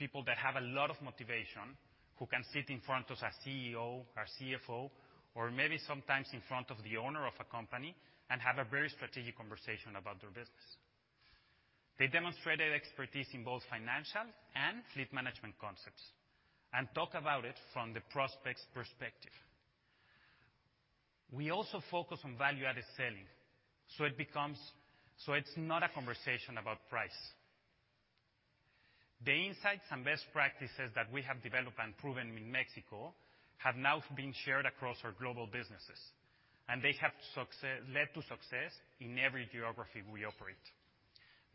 people that have a lot of motivation, who can sit in front of a CEO or CFO, or maybe sometimes in front of the owner of a company and have a very strategic conversation about their business. They demonstrated expertise in both financial and fleet management concepts and talk about it from the prospect's perspective. We also focus on value-added selling, it's not a conversation about price. The insights and best practices that we have developed and proven in Mexico have now been shared across our global businesses, and they have led to success in every geography we operate.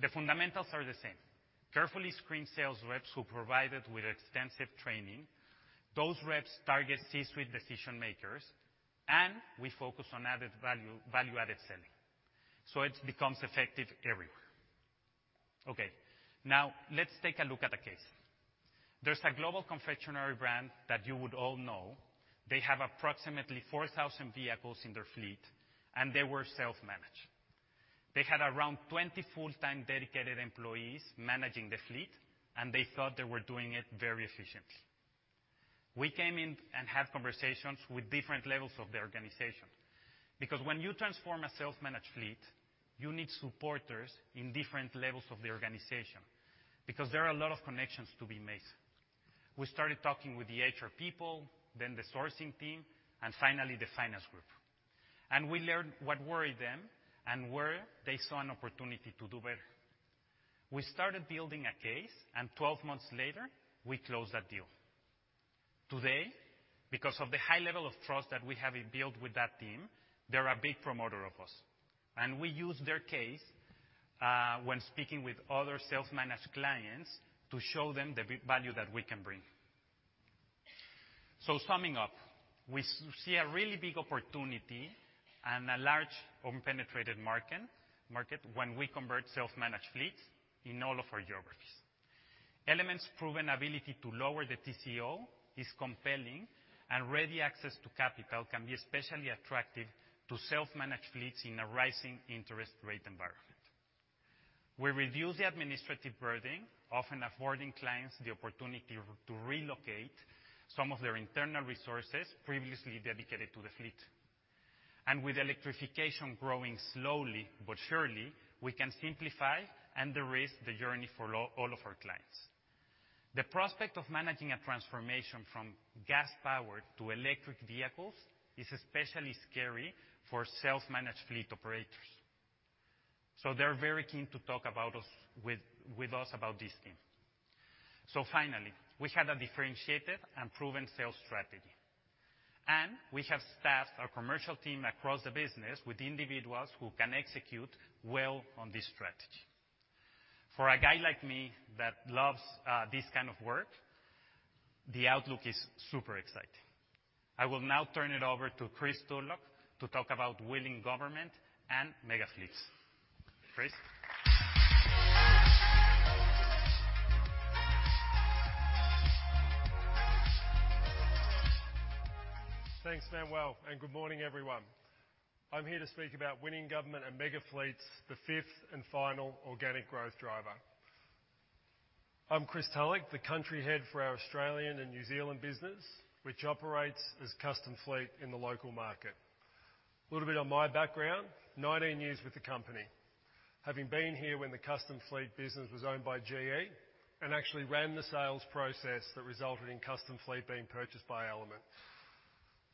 The fundamentals are the same. Carefully screened sales reps who provided with extensive training. Those reps target C-suite decision-makers, and we focus on value-added selling. It becomes effective everywhere. Okay. Let's take a look at a case. There's a global confectionery brand that you would all know. They have approximately 4,000 vehicles in their fleet, and they were self-managed. They had around 20 full-time dedicated employees managing the fleet, and they thought they were doing it very efficiently. We came in and had conversations with different levels of the organization, because when you transform a self-managed fleet, you need supporters in different levels of the organization because there are a lot of connections to be made. We started talking with the HR people, then the sourcing team, and finally the finance group. We learned what worried them and where they saw an opportunity to do better. We started building a case, and 12 months later, we closed that deal. Today, because of the high level of trust that we have built with that team, they're a big promoter of us. We use their case when speaking with other self-managed clients to show them the value that we can bring. Summing up, we see a really big opportunity and a large unpenetrated market when we convert self-managed fleets in all of our geographies. Element's proven ability to lower the TCO is compelling, and ready access to capital can be especially attractive to self-managed fleets in a rising interest rate environment. We review the administrative burden, often affording clients the opportunity to relocate some of their internal resources previously dedicated to the fleet. With electrification growing slowly but surely, we can simplify and de-risk the journey for all of our clients. The prospect of managing a transformation from gas-powered to electric vehicles is especially scary for self-managed fleet operators, so they're very keen to talk with us about this thing. Finally, we have a differentiated and proven sales strategy, and we have staffed our commercial team across the business with individuals who can execute well on this strategy. For a guy like me that loves this kind of work, the outlook is super exciting. I will now turn it over to Chris Tulloch to talk about winning government and mega fleets. Chris? Thanks, Manuel, and good morning, everyone. I'm here to speak about winning government and mega fleets, the fifth and final organic growth driver. I'm Chris Tulloch, the country head for our Australian and New Zealand business, which operates as Custom Fleet in the local market. Little bit on my background, 19 years with the company, having been here when the Custom Fleet business was owned by GE and actually ran the sales process that resulted in Custom Fleet being purchased by Element.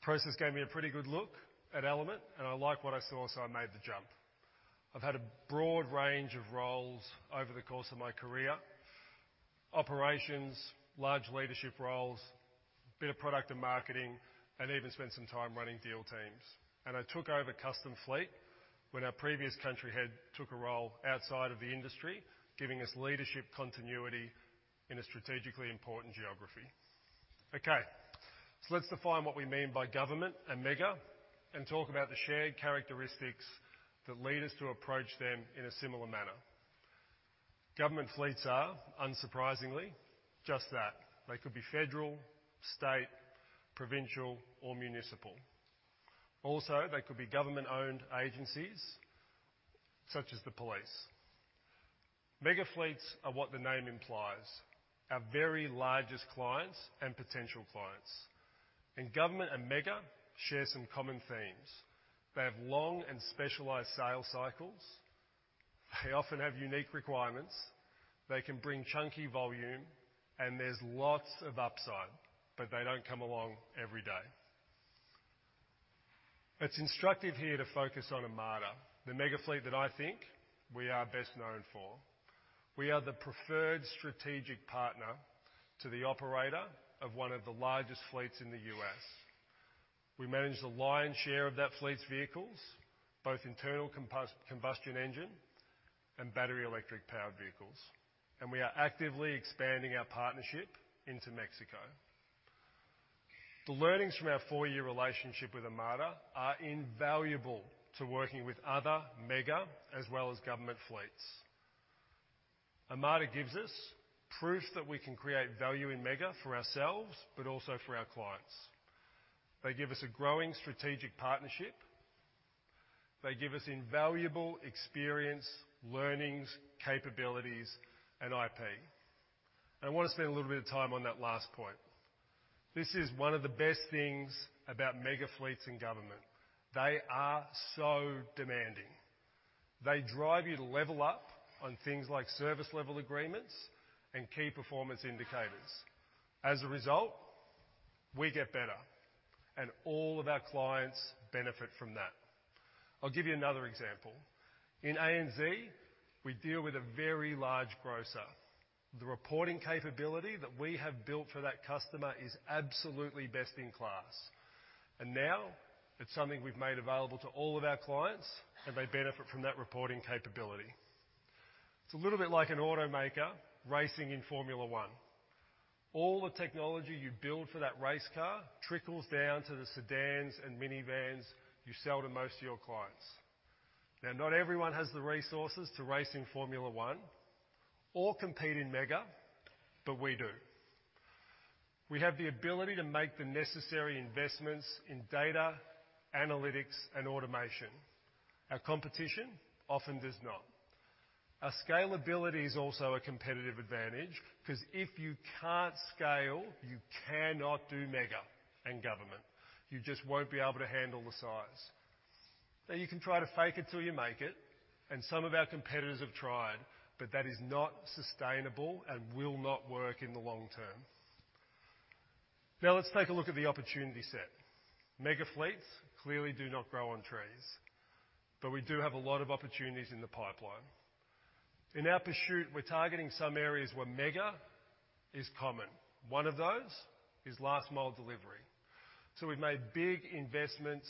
Process gave me a pretty good look at Element, and I liked what I saw, so I made the jump. I've had a broad range of roles over the course of my career, operations, large leadership roles, a bit of product and marketing, and even spent some time running deal teams. I took over Custom Fleet when our previous country head took a role outside of the industry, giving us leadership continuity in a strategically important geography. Let's define what we mean by government and mega and talk about the shared characteristics that lead us to approach them in a similar manner. Government fleets are, unsurprisingly, just that. They could be federal, state, provincial, or municipal. They could be government-owned agencies such as the police. Mega fleets are what the name implies, our very largest clients and potential clients. Government and mega share some common themes. They have long and specialized sales cycles. They often have unique requirements. They can bring chunky volume and there's lots of upside, but they don't come along every day. It's instructive here to focus on Aramark, the mega fleet that I think we are best known for. We are the preferred strategic partner to the operator of one of the largest fleets in the U.S. We manage the lion's share of that fleet's vehicles, both internal combustion engine and battery electric-powered vehicles. We are actively expanding our partnership into Mexico. The learnings from our four-year relationship with Aramark are invaluable to working with other mega as well as government fleets. Aramark gives us proof that we can create value in mega for ourselves, but also for our clients. They give us a growing strategic partnership. They give us invaluable experience, learnings, capabilities, and IP. I wanna spend a little bit of time on that last point. This is one of the best things about mega fleets in government. They are so demanding. They drive you to level up on things like service level agreements and key performance indicators. As a result, we get better and all of our clients benefit from that. I'll give you another example. In ANZ, we deal with a very large grocer. The reporting capability that we have built for that customer is absolutely best in class. Now it's something we've made available to all of our clients, and they benefit from that reporting capability. It's a little bit like an automaker racing in Formula One. All the technology you build for that race car trickles down to the sedans and minivans you sell to most of your clients. Now, not everyone has the resources to race in Formula One or compete in mega, but we do. We have the ability to make the necessary investments in data, analytics, and automation. Our competition often does not. Our scalability is also a competitive advantage because if you can't scale, you cannot do Mega and government. You just won't be able to handle the size. Now, you can try to fake it till you make it, and some of our competitors have tried, but that is not sustainable and will not work in the long term. Now, let's take a look at the opportunity set. Mega fleets clearly do not grow on trees, but we do have a lot of opportunities in the pipeline. In our pursuit, we're targeting some areas where Mega is common. One of those is last mile delivery, so we've made big investments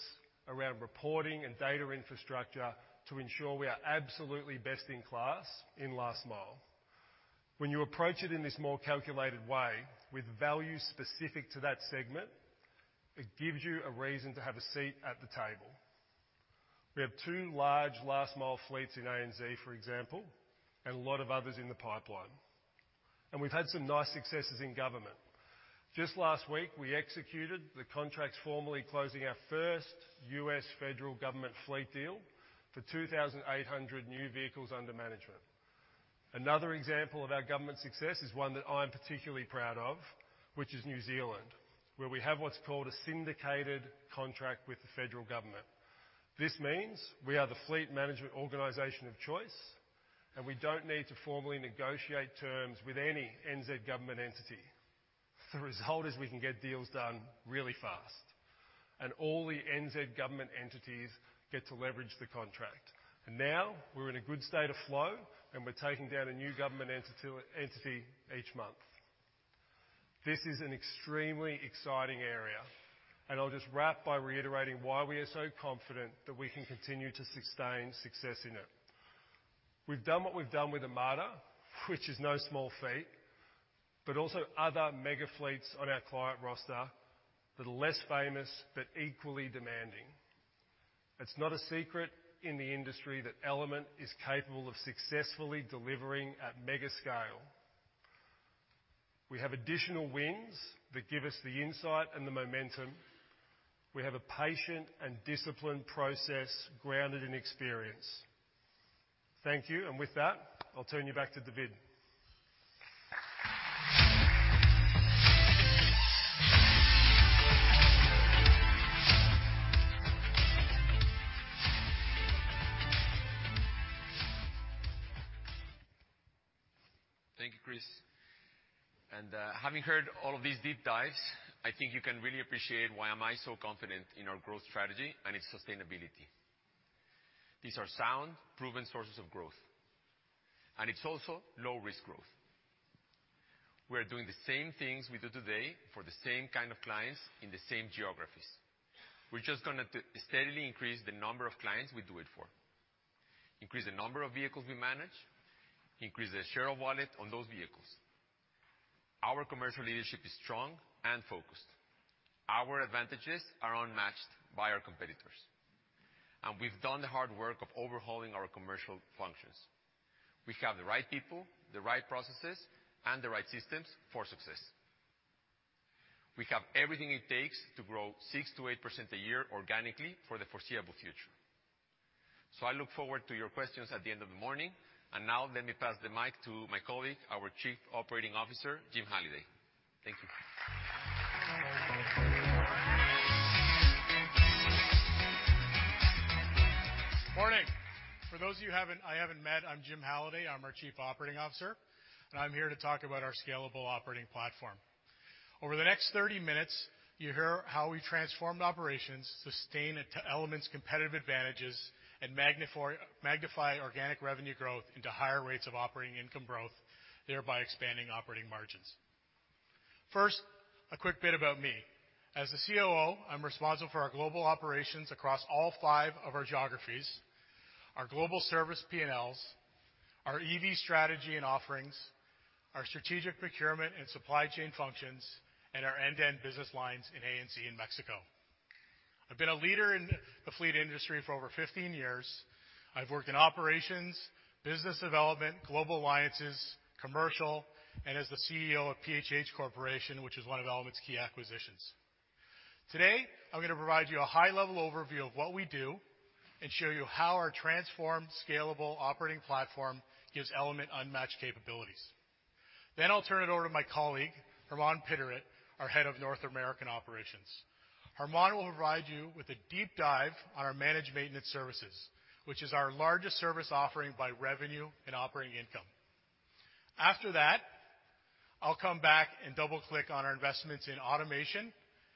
around reporting and data infrastructure to ensure we are absolutely best in class in last mile. When you approach it in this more calculated way with value specific to that segment, it gives you a reason to have a seat at the table. We have two large last mile fleets in ANZ, for example, a lot of others in the pipeline. We've had some nice successes in government. Just last week, we executed the contracts formally closing our first U.S. federal government fleet deal for 2,800 new vehicles under management. Another example of our government success is one that I'm particularly proud of, which is New Zealand, where we have what's called a syndicated contract with the federal government. This means we are the fleet management organization of choice, we don't need to formally negotiate terms with any NZ government entity. The result is we can get deals done really fast, all the NZ government entities get to leverage the contract. Now we're in a good state of flow, we're taking down a new government entity each month. This is an extremely exciting area, I'll just wrap by reiterating why we are so confident that we can continue to sustain success in it. We've done what we've done with Aramark, which is no small feat, but also other mega fleets on our client roster that are less famous but equally demanding. It's not a secret in the industry that Element is capable of successfully delivering at mega scale. We have additional wings that give us the insight and the momentum. We have a patient and disciplined process grounded in experience. Thank you. With that, I'll turn you back to David. Thank you, Chris. Having heard all of these deep dives, I think you can really appreciate why am I so confident in our growth strategy and its sustainability. These are sound proven sources of growth, and it's also low risk growth. We're doing the same things we do today for the same kind of clients in the same geographies. We're just gonna steadily increase the number of clients we do it for, increase the number of vehicles we manage, increase the share of wallet on those vehicles. Our commercial leadership is strong and focused. Our advantages are unmatched by our competitors. We've done the hard work of overhauling our commercial functions. We have the right people, the right processes, and the right systems for success. We have everything it takes to grow 6% to 8% a year organically for the foreseeable future. I look forward to your questions at the end of the morning. Now let me pass the mic to my colleague, our Chief Operating Officer, Jim Halliday. Thank you. Morning. For those of you I haven't met, I'm Jim Halliday. I'm our Chief Operating Officer, and I'm here to talk about our scalable operating platform. Over the next 30 minutes, you'll hear how we transformed operations, sustain it to Element's competitive advantages, and magnify organic revenue growth into higher rates of operating income growth, thereby expanding operating margins. First, a quick bit about me. As the COO, I'm responsible for our global operations across all 5 of our geographies, our global service P&Ls, our EV strategy, and offerings, our strategic procurement and supply chain functions, and our end-to-end business lines in ANZ in Mexico. I've been a leader in the fleet industry for over 1five years. I've worked in operations, business development, global alliances, commercial, and as the CEO of PHH Corporation, which is one of Element's key acquisitions. Today, I'm gonna provide you a high-level overview of what we do and show you how our transformed, scalable operating platform gives Element unmatched capabilities. I'll turn it over to my colleague, Germán Piderit, our Head of North American Operations. Germán will provide you with a deep dive on our managed maintenance services, which is our largest service offering by revenue and operating income. After that, I'll come back and double-click on our investments in automation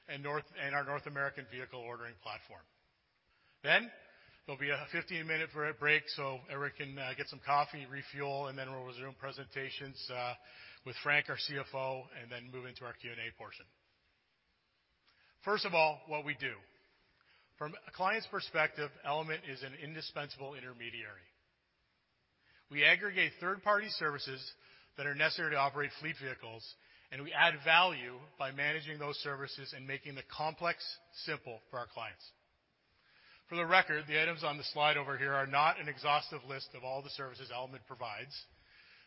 and our North American vehicle ordering platform. There'll be a 15-minute break, so everyone can get some coffee, refuel, and then we'll resume presentations with Frank, our CFO, and then move into our Q&A portion. First of all, what we do. From a client's perspective, Element is an indispensable intermediary. We aggregate third-party services that are necessary to operate fleet vehicles, and we add value by managing those services and making the complex simple for our clients. For the record, the items on the slide over here are not an exhaustive list of all the services Element provides.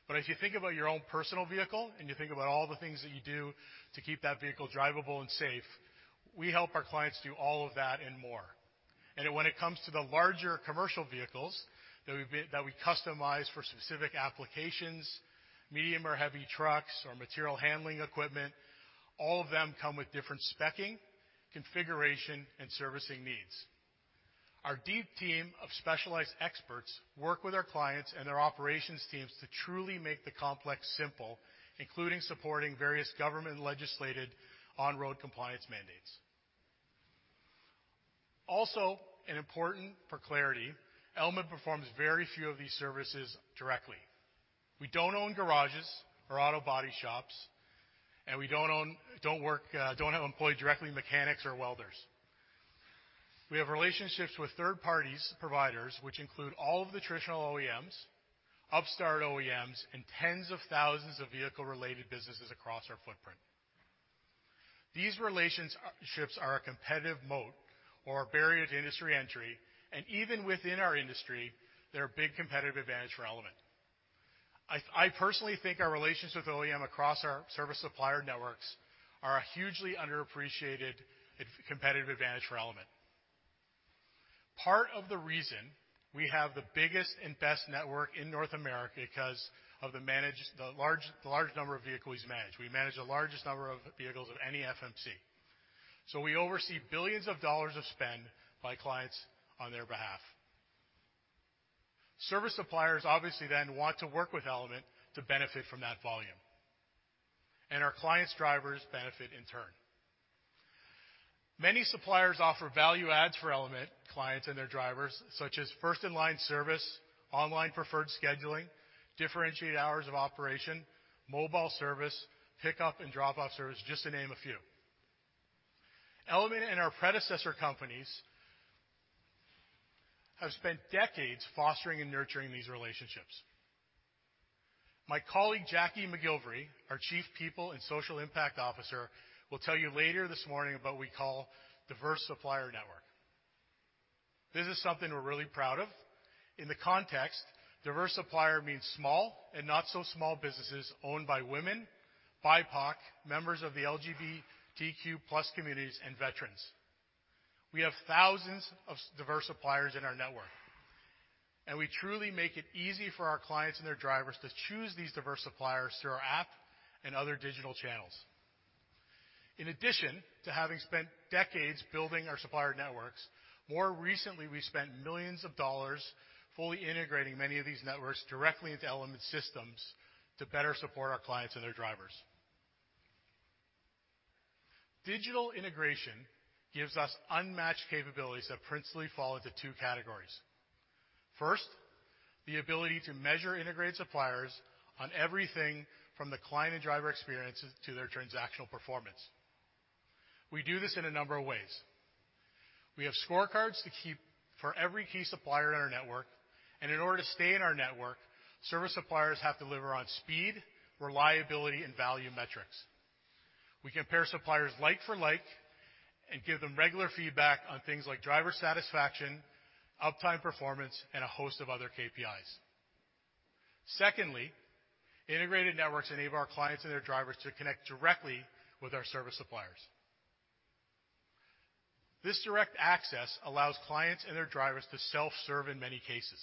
If you think about your own personal vehicle, and you think about all the things that you do to keep that vehicle drivable and safe, we help our clients do all of that and more. When it comes to the larger commercial vehicles that we customize for specific applications, medium or heavy trucks or material handling equipment, all of them come with different speccing, configuration, and servicing needs. Our deep team of specialized experts work with our clients and their operations teams to truly make the complex simple, including supporting various government-legislated on-road compliance mandates. Important for clarity, Element performs very few of these services directly. We don't own garages or auto body shops, we don't employ directly mechanics or welders. We have relationships with third parties, providers, which include all of the traditional OEMs, upstart OEMs, and tens of thousands of vehicle-related businesses across our footprint. These relationships are a competitive moat or a barrier to industry entry, even within our industry, they're a big competitive advantage for Element. I personally think our relations with OEM across our service supplier networks are a hugely underappreciated competitive advantage for Element. Part of the reason we have the biggest and best network in North America because of the large number of vehicles we manage. We manage the largest number of vehicles of any FMC. We oversee billions of dollars of spend by clients on their behalf. Service suppliers obviously want to work with Element to benefit from that volume, our clients' drivers benefit in turn. Many suppliers offer value adds for Element, clients, and their drivers, such as first in line service, online preferred scheduling, differentiated hours of operation, mobile service, pickup, and drop-off service, just to name a few. Element and our predecessor companies have spent decades fostering and nurturing these relationships. My colleague, Jacqui McGillivray, our Chief People and Social Impact Officer, will tell you later this morning about what we call diverse supplier network. This is something we're really proud of. In the context, diverse supplier means small and not so small businesses owned by women, BIPOC, members of the LGBTQ+ communities, and veterans. We have thousands of diverse suppliers in our network, and we truly make it easy for our clients and their drivers to choose these diverse suppliers through our app and other digital channels. In addition to having spent decades building our supplier networks, more recently, we spent millions of dollars fully integrating many of these networks directly into Element systems to better support our clients and their drivers. Digital integration gives us unmatched capabilities that principally fall into two categories. First, the ability to measure integrated suppliers on everything from the client and driver experiences to their transactional performance. We do this in a number of ways. We have scorecards to keep for every key supplier in our network, and in order to stay in our network, service suppliers have to deliver on speed, reliability, and value metrics. We compare suppliers like for like and give them regular feedback on things like driver satisfaction, uptime performance, and a host of other KPIs. Integrated networks enable our clients and their drivers to connect directly with our service suppliers. This direct access allows clients and their drivers to self-serve in many cases,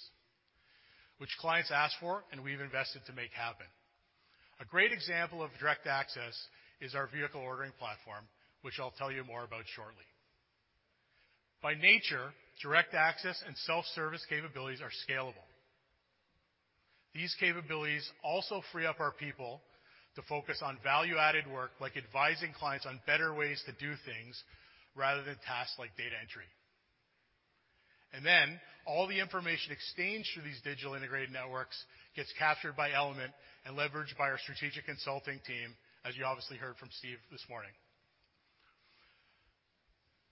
which clients ask for, and we've invested to make happen. A great example of direct access is our vehicle ordering platform, which I'll tell you more about shortly. By nature, direct access and self-service capabilities are scalable. These capabilities also free up our people to focus on value-added work, like advising clients on better ways to do things, rather than tasks like data entry. All the information exchanged through these digital integrated networks gets captured by Element and leveraged by our strategic consulting team, as you obviously heard from Steve this morning.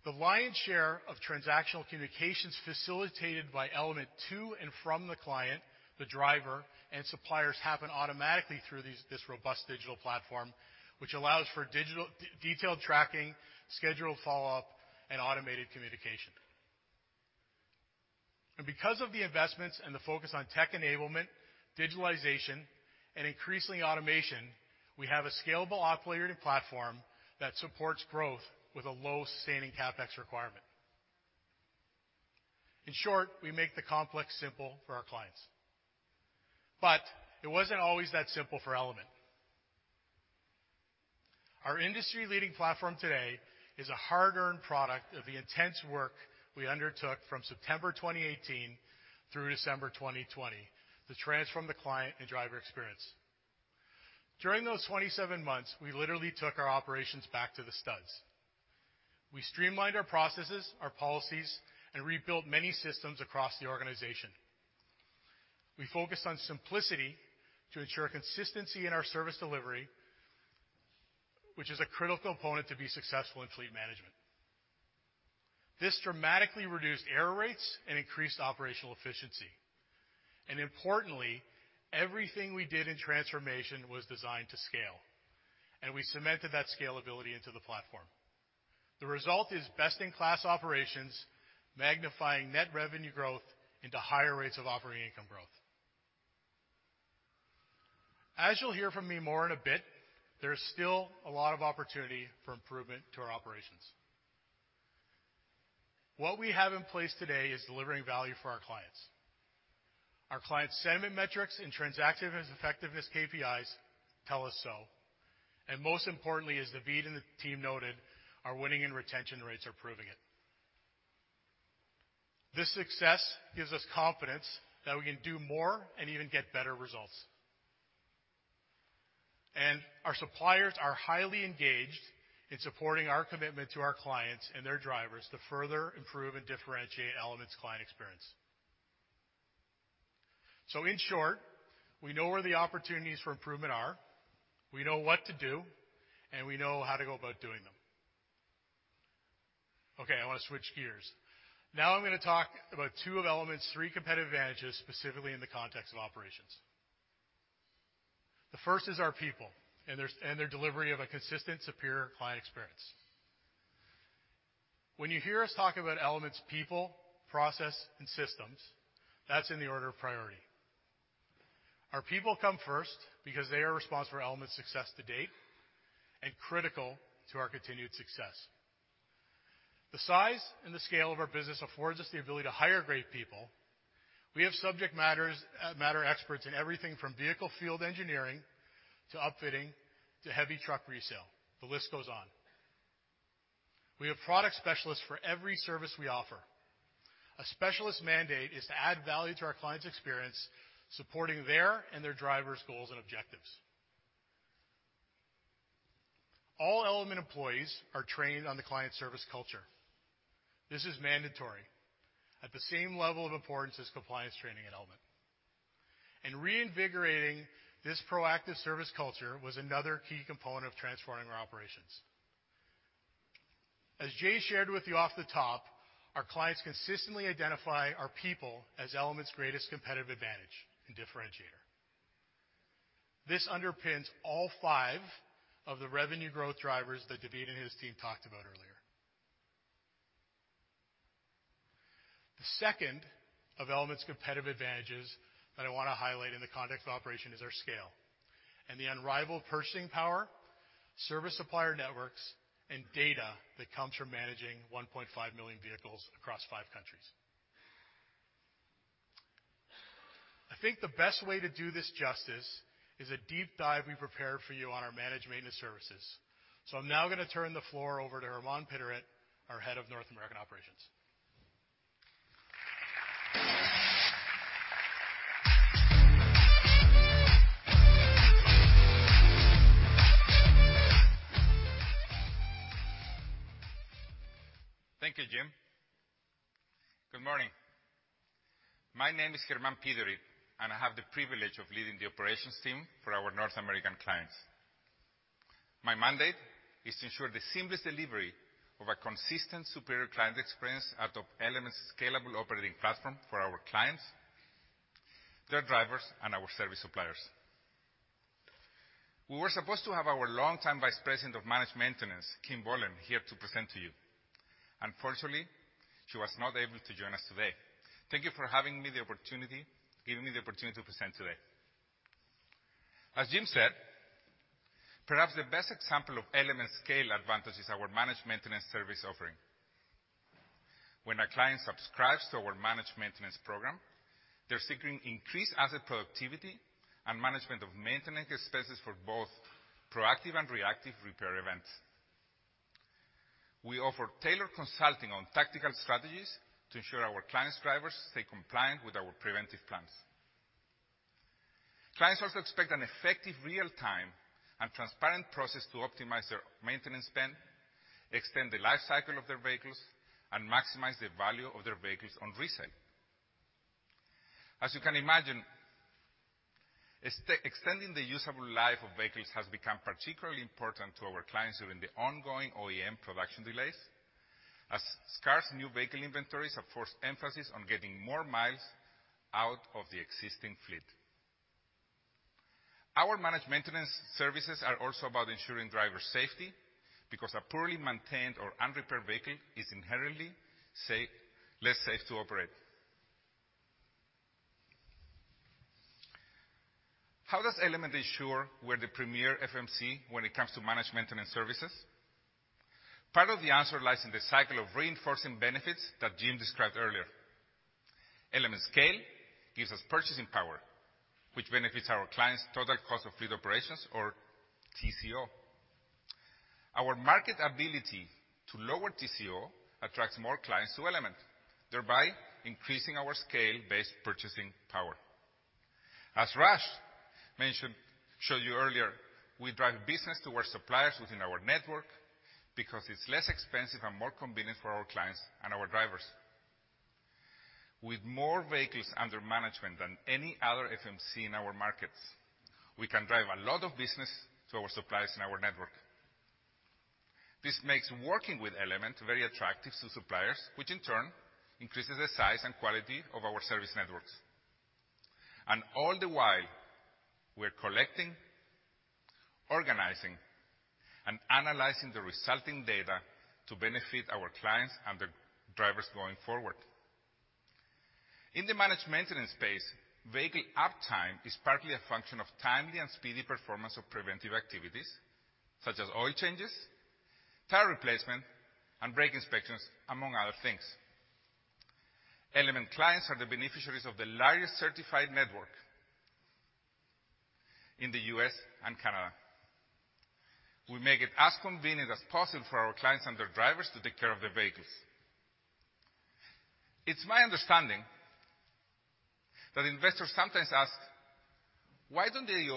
The lion's share of transactional communications facilitated by Element to and from the client, the driver, and suppliers happen automatically through this robust digital platform, which allows for digital de-detailed tracking, scheduled follow-up, and automated communication. Because of the investments and the focus on tech enablement, digitalization, and increasingly automation, we have a scalable operating platform that supports growth with a low sustaining CapEx requirement. In short, we make the complex simple for our clients. It wasn't always that simple for Element. Our industry-leading platform today is a hard-earned product of the intense work we undertook from September 2018 through December 2020 to transform the client and driver experience. During those 27 months, we literally took our operations back to the studs. We streamlined our processes, our policies, and rebuilt many systems across the organization. We focused on simplicity to ensure consistency in our service delivery, which is a critical component to be successful in fleet management. Importantly, everything we did in transformation was designed to scale, and we cemented that scalability into the platform. The result is best-in-class operations, magnifying net revenue growth into higher rates of operating income growth. As you'll hear from me more in a bit, there is still a lot of opportunity for improvement to our operations. What we have in place today is delivering value for our clients. Our client's segment metrics and transaction effectiveness KPIs tell us so, and most importantly, as David and the team noted, our winning and retention rates are proving it. This success gives us confidence that we can do more and even get better results. Our suppliers are highly engaged in supporting our commitment to our clients and their drivers to further improve and differentiate Element's client experience. In short, we know where the opportunities for improvement are, we know what to do, and we know how to go about doing them. I want to switch gears. I'm going to talk about two of Element's three competitive advantages, specifically in the context of operations. The first is our people and their delivery of a consistent, superior client experience. When you hear us talk about Element's people, process, and systems, that's in the order of priority. Our people come first because they are responsible for Element's success to date and critical to our continued success. The size and the scale of our business affords us the ability to hire great people. We have subject matter experts in everything from vehicle field engineering to upfitting to heavy truck resale. The list goes on. We have product specialists for every service we offer. A specialist mandate is to add value to our clients' experience, supporting their and their drivers' goals and objectives. All Element employees are trained on the client service culture. This is mandatory at the same level of importance as compliance training at Element. Reinvigorating this proactive service culture was another key component of transforming our operations. As Jay shared with you off the top, our clients consistently identify our people as Element's greatest competitive advantage and differentiator. This underpins all five of the revenue growth drivers that David and his team talked about earlier. The second of Element's competitive advantages that I want to highlight in the context of operation is our scale and the unrivaled purchasing power, service supplier networks, and data that comes from managing 1.5 million vehicles across five countries. I think the best way to do this justice is a deep dive we prepared for you on our managed maintenance services. I'm now going to turn the floor over to Germán Piderit, our Head of North American Operations. Thank you, Jim. Good morning. My name is Germán Piderit, and I have the privilege of leading the operations team for our North American clients. My mandate is to ensure the seamless delivery of a consistent, superior client experience out of Element's scalable operating platform for our clients, their drivers, and our service suppliers. We were supposed to have our longtime Vice President of Managed Maintenance, Kim Bolen, here to present to you. Unfortunately, she was not able to join us today. Thank you for giving me the opportunity to present today. As Jim said, perhaps the best example of Element scale advantage is our managed maintenance service offering. When a client subscribes to our managed maintenance program, they're seeking increased asset productivity and management of maintenance expenses for both proactive and reactive repair events. We offer tailored consulting on tactical strategies to ensure our clients' drivers stay compliant with our preventive plans. Clients also expect an effective real-time and transparent process to optimize their maintenance spend, extend the life cycle of their vehicles, and maximize the value of their vehicles on resale. As you can imagine, extending the usable life of vehicles has become particularly important to our clients during the ongoing OEM production delays, as scarce new vehicle inventories have forced emphasis on getting more miles out of the existing fleet. Our managed maintenance services are also about ensuring driver safety because a poorly maintained or unrepaired vehicle is inherently less safe to operate. How does Element ensure we're the premier FMC when it comes to managed maintenance services? Part of the answer lies in the cycle of reinforcing benefits that Jim described earlier. Element scale gives us purchasing power, which benefits our clients' total cost of fleet operations, or TCO. Our market ability to lower TCO attracts more clients to Element, thereby increasing our scale-based purchasing power. As Raj showed you earlier, we drive business to our suppliers within our network because it's less expensive and more convenient for our clients and our drivers. With more vehicles under management than any other FMC in our markets, we can drive a lot of business to our suppliers in our network. This makes working with Element very attractive to suppliers, which in turn increases the size and quality of our service networks. All the while, we're collecting, organizing, and analyzing the resulting data to benefit our clients and their drivers going forward. In the managed maintenance space, vehicle uptime is partly a function of timely and speedy performance of preventive activities, such as oil changes, tire replacement, and brake inspections, among other things. Element clients are the beneficiaries of the largest certified network in the U.S. and Canada. We make it as convenient as possible for our clients and their drivers to take care of their vehicles. It's my understanding that investors sometimes ask, "Why don't the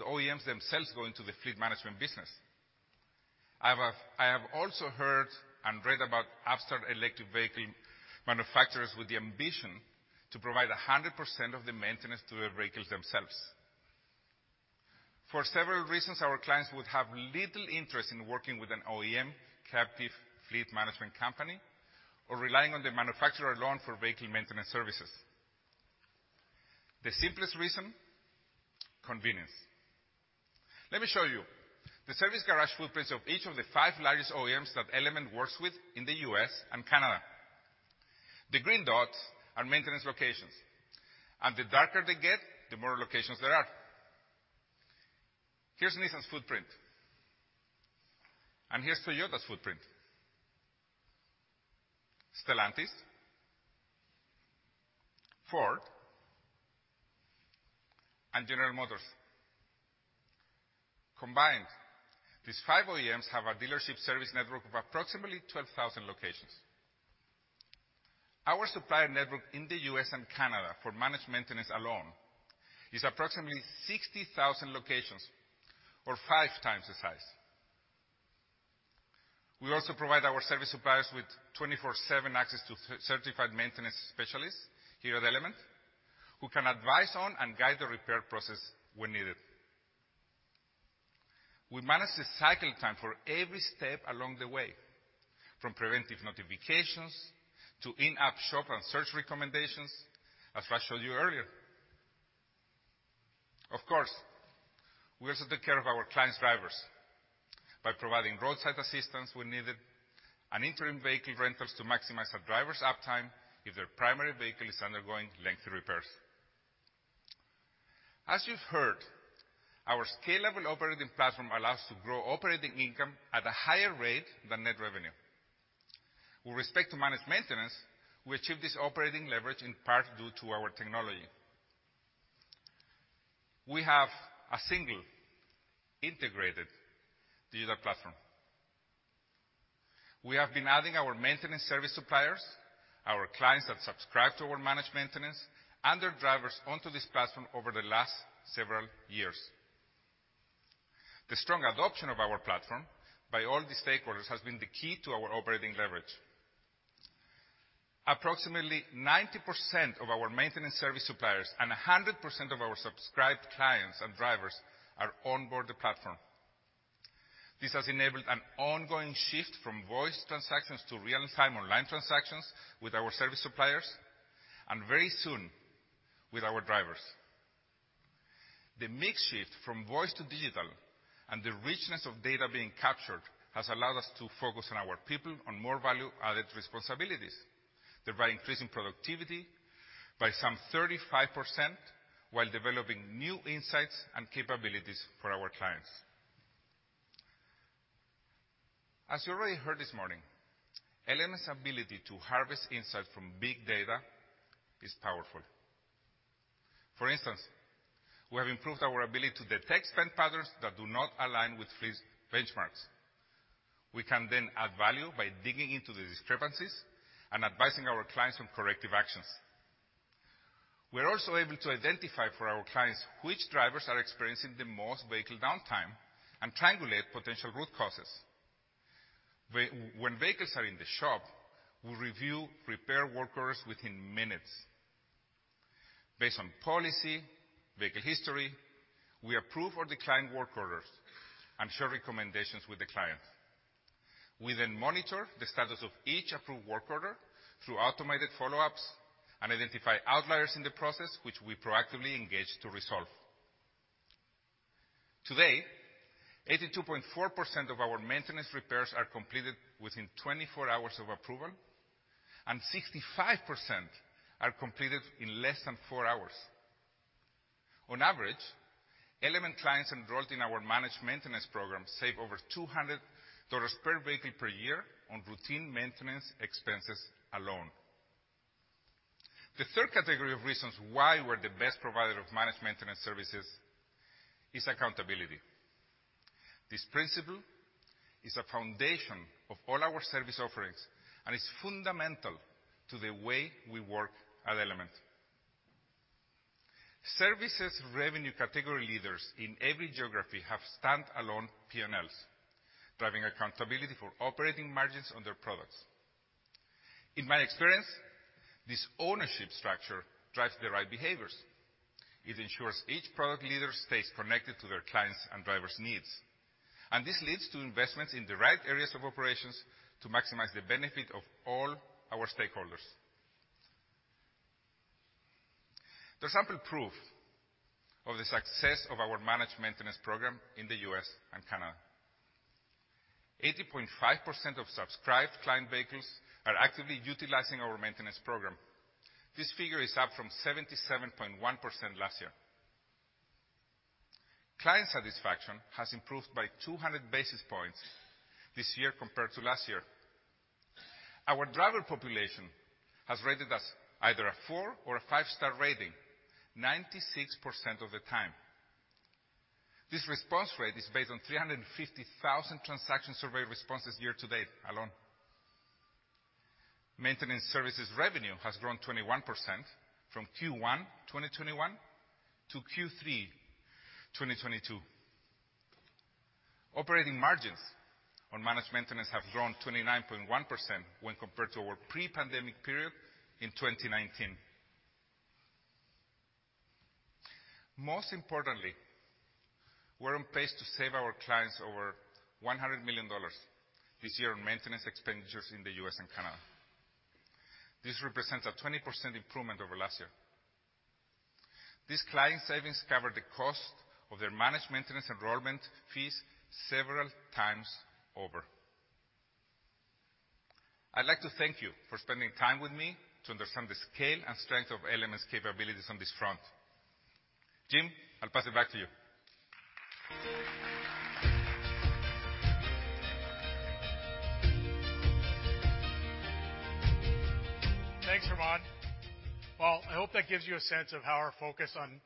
OEMs themselves go into the fleet management business?" I have also heard and read about upstart electric vehicle manufacturers with the ambition to provide 100% of the maintenance to their vehicles themselves. For several reasons, our clients would have little interest in working with an OEM captive fleet management company or relying on the manufacturer alone for vehicle maintenance services. The simplest reason, convenience. Let me show you the service garage footprints of each of the 5 largest OEMs that Element works with in the U.S. and Canada. The green dots are maintenance locations, and the darker they get, the more locations there are. Here's Nissan's footprint. Here's Toyota's footprint. Stellantis, Ford, and General Motors. Combined, these 5 OEMs have a dealership service network of approximately 12,000 locations. Our supplier network in the U.S. and Canada for managed maintenance alone is approximately 60,000 locations, or 5 times the size. We also provide our service suppliers with 24/7 access to certified maintenance specialists here at Element who can advise on and guide the repair process when needed. We manage the cycle time for every step along the way, from preventive notifications to in-app shop and search recommendations, as Raj showed you earlier. Of course, we also take care of our clients' drivers by providing roadside assistance when needed and interim vehicle rentals to maximize our drivers' uptime if their primary vehicle is undergoing lengthy repairs. As you've heard, our scalable operating platform allows to grow operating income at a higher rate than net revenue. With respect to Managed Maintenance, we achieve this operating leverage in part due to our technology. We have a single integrated digital platform. We have been adding our maintenance service suppliers, our clients that subscribe to our Managed Maintenance, and their drivers onto this platform over the last several years. The strong adoption of our platform by all the stakeholders has been the key to our operating leverage. Approximately 90% of our maintenance service suppliers and 100% of our subscribed clients and drivers are on board the platform. This has enabled an ongoing shift from voice transactions to real-time online transactions with our service suppliers, and very soon, with our drivers. The mix shift from voice to digital and the richness of data being captured has allowed us to focus on our people on more value added responsibilities, thereby increasing productivity by some 35% while developing new insights and capabilities for our clients. As you already heard this morning, Element's ability to harvest insight from big data is powerful. For instance, we have improved our ability to detect spend patterns that do not align with fleet's benchmarks. We can then add value by digging into the discrepancies and advising our clients on corrective actions. We're also able to identify for our clients which drivers are experiencing the most vehicle downtime and triangulate potential root causes. When vehicles are in the shop, we review repair work orders within minutes. Based on policy, vehicle history, we approve or decline work orders and share recommendations with the client. We monitor the status of each approved work order through automated follow-ups and identify outliers in the process, which we proactively engage to resolve. Today, 82.4% of our maintenance repairs are completed within 24 hours of approval, and 65% are completed in less than four hours. On average, Element clients enrolled in our managed maintenance program save over $200 per vehicle per year on routine maintenance expenses alone. The third category of reasons why we're the best provider of managed maintenance services is accountability. This principle is a foundation of all our service offerings, and it's fundamental to the way we work at Element. Services revenue category leaders in every geography have standalone P&Ls, driving accountability for operating margins on their products. In my experience, this ownership structure drives the right behaviors. It ensures each product leader stays connected to their clients' and drivers' needs. This leads to investments in the right areas of operations to maximize the benefit of all our stakeholders. There's ample proof of the success of our managed maintenance program in the U.S. and Canada. 80.5% of subscribed client vehicles are actively utilizing our maintenance program. This figure is up from 77.1% last year. Client satisfaction has improved by 200 basis points this year compared to last year. Our driver population has rated us either a four or a five-star rating 96% of the time. This response rate is based on 350,000 transaction survey responses year to date alone. Maintenance services revenue has grown 21% from Q1, 2021 to Q3, 2022. Operating margins on managed maintenance have grown 29.1% when compared to our pre-pandemic period in 2019. Most importantly, we're on pace to save our clients over $100 million this year on maintenance expenditures in the U.S. and Canada. This represents a 20% improvement over last year. These client savings cover the cost of their managed maintenance enrollment fees several times over. I'd like to thank you for spending time with me to understand the scale and strength of Element's capabilities on this front. Jim, I'll pass it back to you. Thanks, Germán. Well, I hope that gives you a sense of how our focus on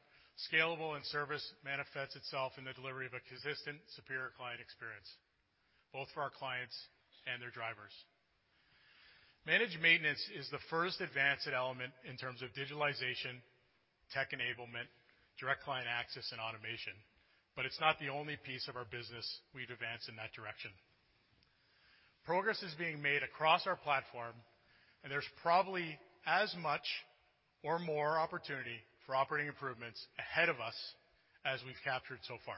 scalable and service manifests itself in the delivery of a consistent, superior client experience, both for our clients and their drivers. Managed maintenance is the first advance at Element in terms of digitalization, tech enablement, direct client access, and automation. It's not the only piece of our business we've advanced in that direction. Progress is being made across our platform, there's probably as much or more opportunity for operating improvements ahead of us as we've captured so far.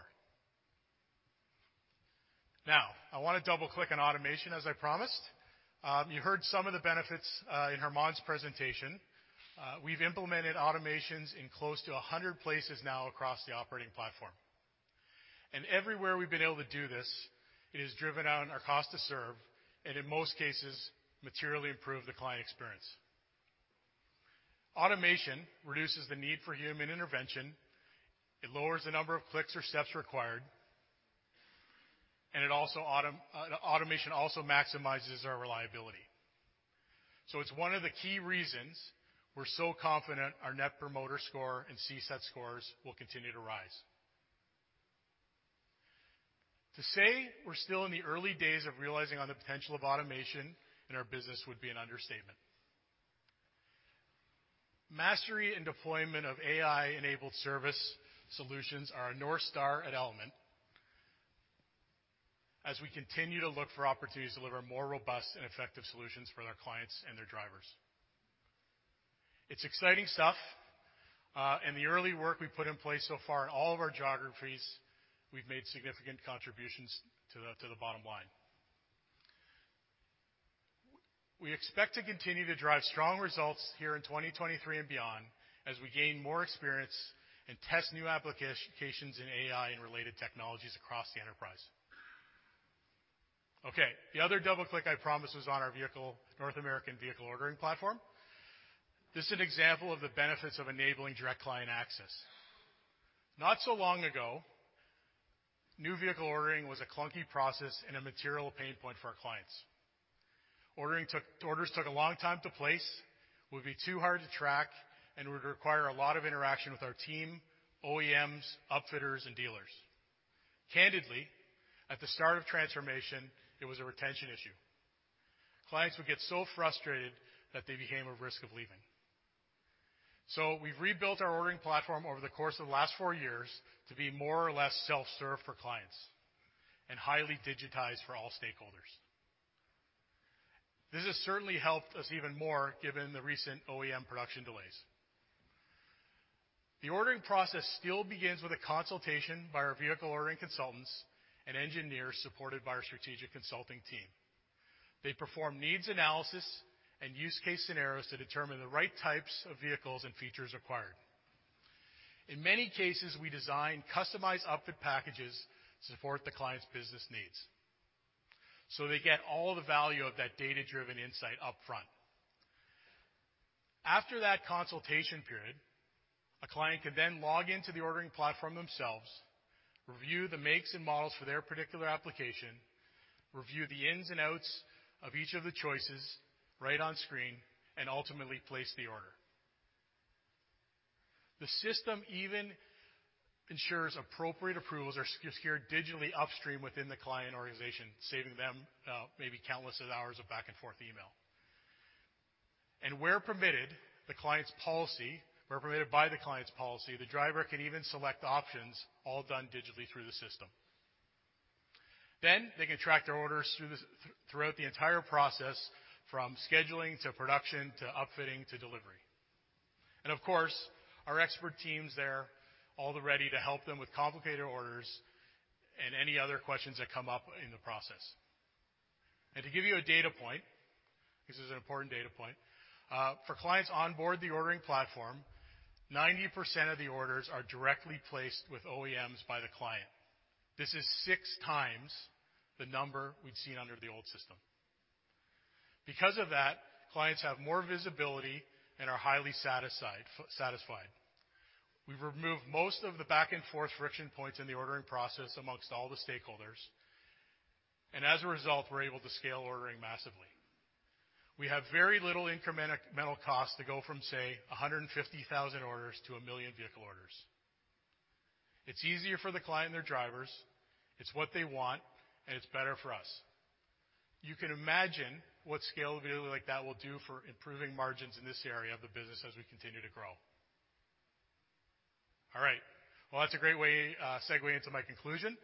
I wanna double-click on automation as I promised. You heard some of the benefits in Germán's presentation. We've implemented automations in close to 100 places now across the operating platform. Everywhere we've been able to do this, it has driven down our cost to serve and, in most cases, materially improved the client experience. Automation reduces the need for human intervention, it lowers the number of clicks or steps required, and it also automation also maximizes our reliability. It's one of the key reasons we're so confident our Net Promoter Score and CSAT scores will continue to rise. To say we're still in the early days of realizing on the potential of automation in our business would be an understatement. Mastery and deployment of AI-enabled service solutions are a North Star at Element as we continue to look for opportunities to deliver more robust and effective solutions for their clients and their drivers. It's exciting stuff. The early work we've put in place so far in all of our geographies, we've made significant contributions to the bottom line. We expect to continue to drive strong results here in 2023 and beyond, as we gain more experience and test new applications in AI and related technologies across the enterprise. Okay, the other double-click, I promise, is on our vehicle, North American vehicle ordering platform. This is an example of the benefits of enabling direct client access. Not so long ago, new vehicle ordering was a clunky process and a material pain point for our clients. Orders took a long time to place, would be too hard to track, and would require a lot of interaction with our team, OEMs, upfitters, and dealers. Candidly, at the start of transformation, it was a retention issue. Clients would get so frustrated that they became a risk of leaving. We've rebuilt our ordering platform over the course of the last four years to be more or less self-serve for clients and highly digitized for all stakeholders. This has certainly helped us even more given the recent OEM production delays. The ordering process still begins with a consultation by our vehicle ordering consultants and engineers supported by our strategic consulting team. They perform needs analysis and use case scenarios to determine the right types of vehicles and features required. In many cases, we design customized upfit packages to support the client's business needs. They get all the value of that data-driven insight up front. After that consultation period, a client can then log into the ordering platform themselves, review the makes and models for their particular application, review the ins and outs of each of the choices right on screen, and ultimately place the order. The system even ensures appropriate approvals are secured digitally upstream within the client organization, saving them countless hours of back and forth email. Where permitted, where permitted by the client's policy, the driver can even select options all done digitally through the system. They can track their orders throughout the entire process, from scheduling to production, to upfitting, to delivery. Of course, our expert team's there all the ready to help them with complicated orders and any other questions that come up in the process. To give you a data point, this is an important data point, for clients on board the ordering platform, 90% of the orders are directly placed with OEMs by the client. This is 6 times the number we'd seen under the old system. Because of that, clients have more visibility and are highly satisfied. We've removed most of the back and forth friction points in the ordering process amongst all the stakeholders. As a result, we're able to scale ordering massively. We have very little incremental cost to go from, say, 150,000 orders to 1 million vehicle orders. It's easier for the client and their drivers. It's what they want, and it's better for us. You can imagine what scalability like that will do for improving margins in this area of the business as we continue to grow. All right. That's a great way, segue into my conclusion.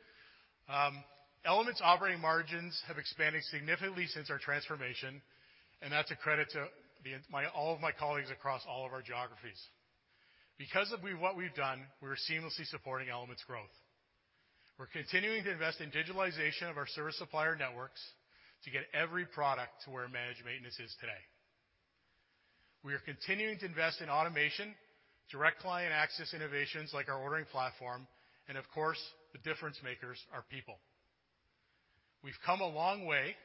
Element's operating margins have expanded significantly since our transformation. That's a credit to all of my colleagues across all of our geographies. Because of what we've done, we're seamlessly supporting Element's growth. We're continuing to invest in digitalization of our service supplier networks to get every product to where managed maintenance is today. We are continuing to invest in automation, direct client access innovations like our ordering platform. Of course, the difference makers are people. We've come a long way.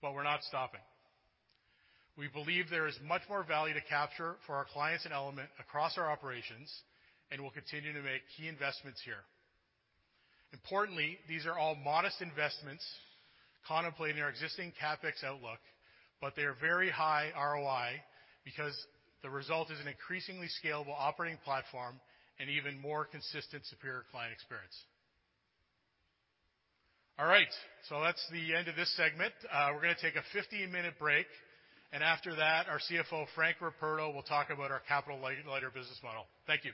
We're not stopping. We believe there is much more value to capture for our clients in Element across our operations. We'll continue to make key investments here. Importantly, these are all modest investments contemplating our existing CapEx outlook, but they are very high ROI because the result is an increasingly scalable operating platform and even more consistent, superior client experience. All right, that's the end of this segment. We're gonna take a 15-minute break, and after that, our CFO, Frank Ruperto, will talk about our capital lighter business model. Thank you.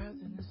[Music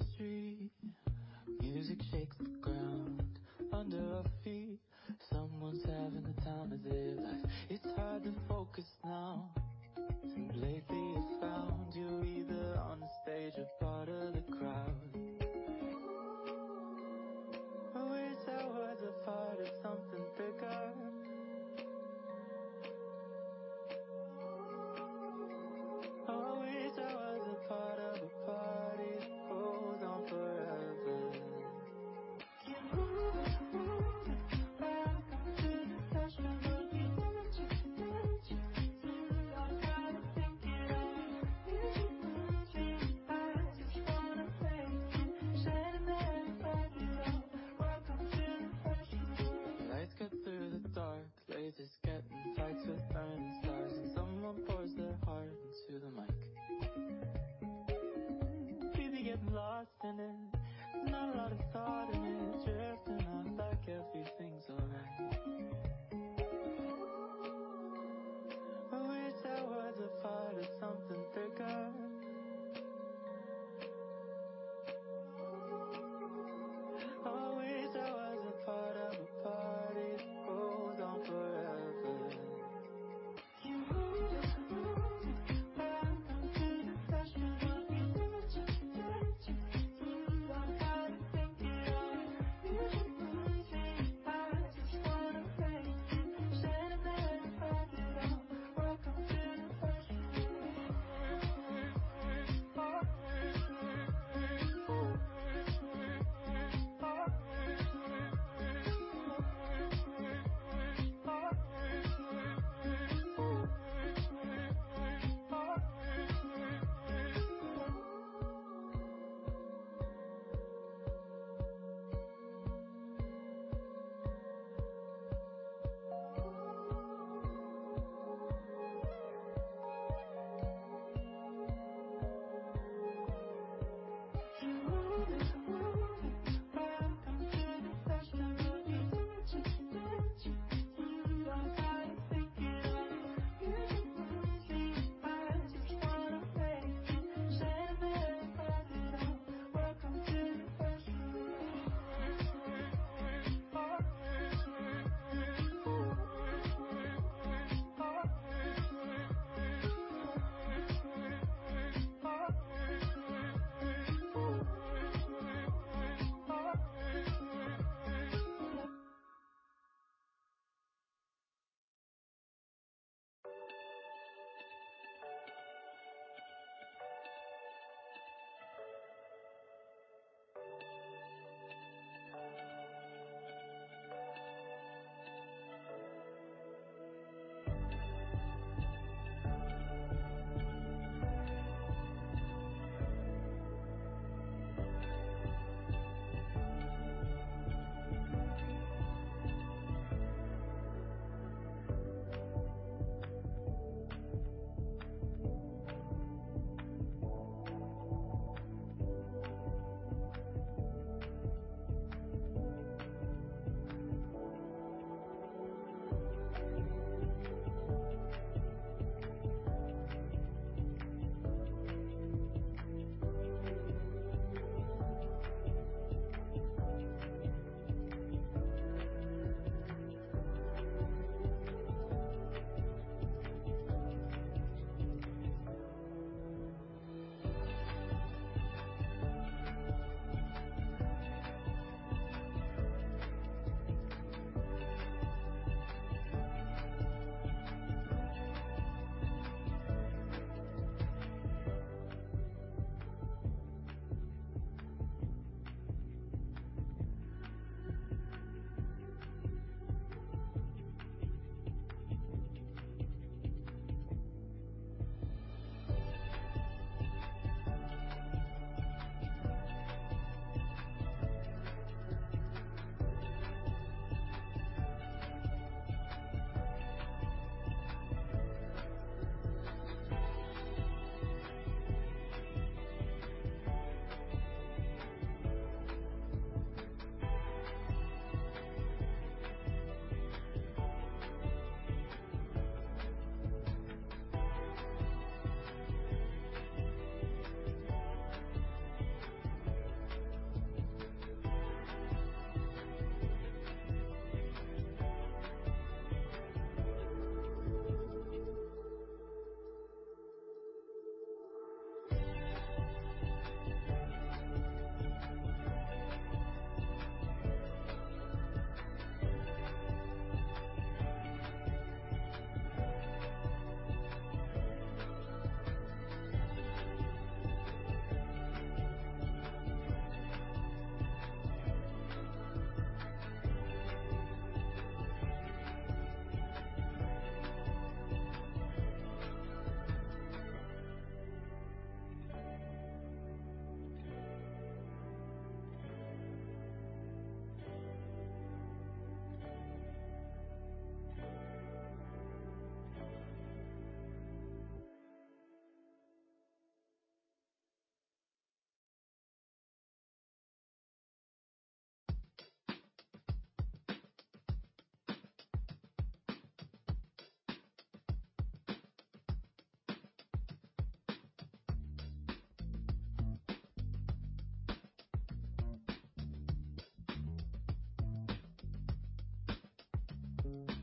background].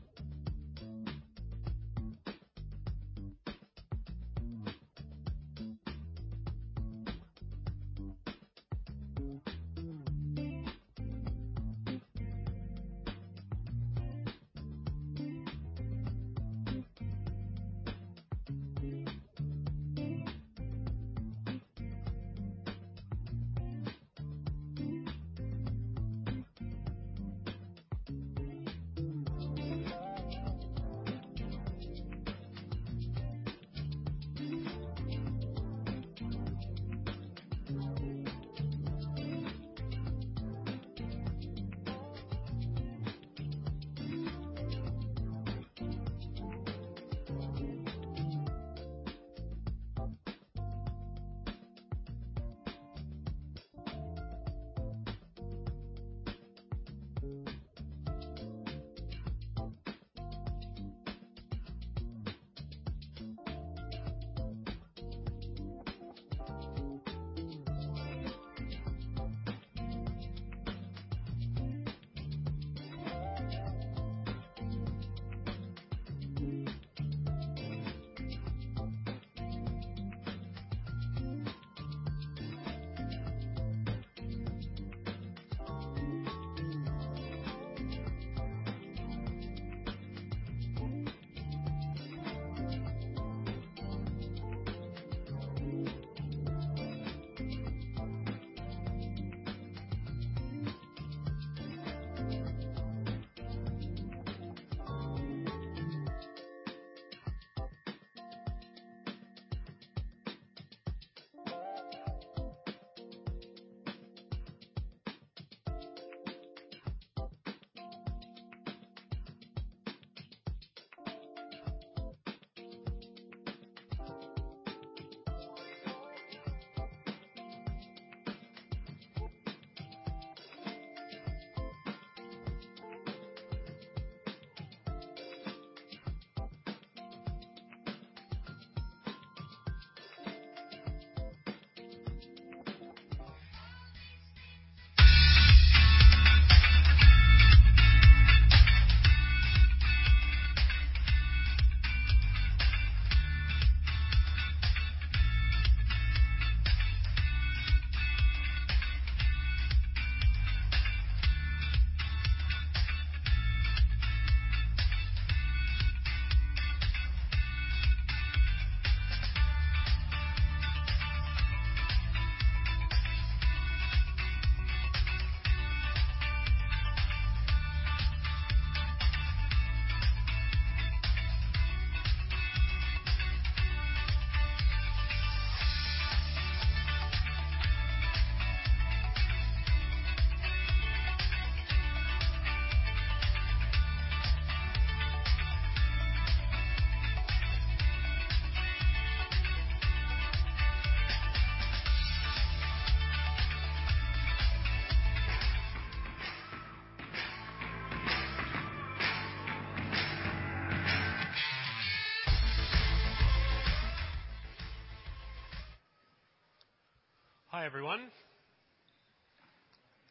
Hi, everyone.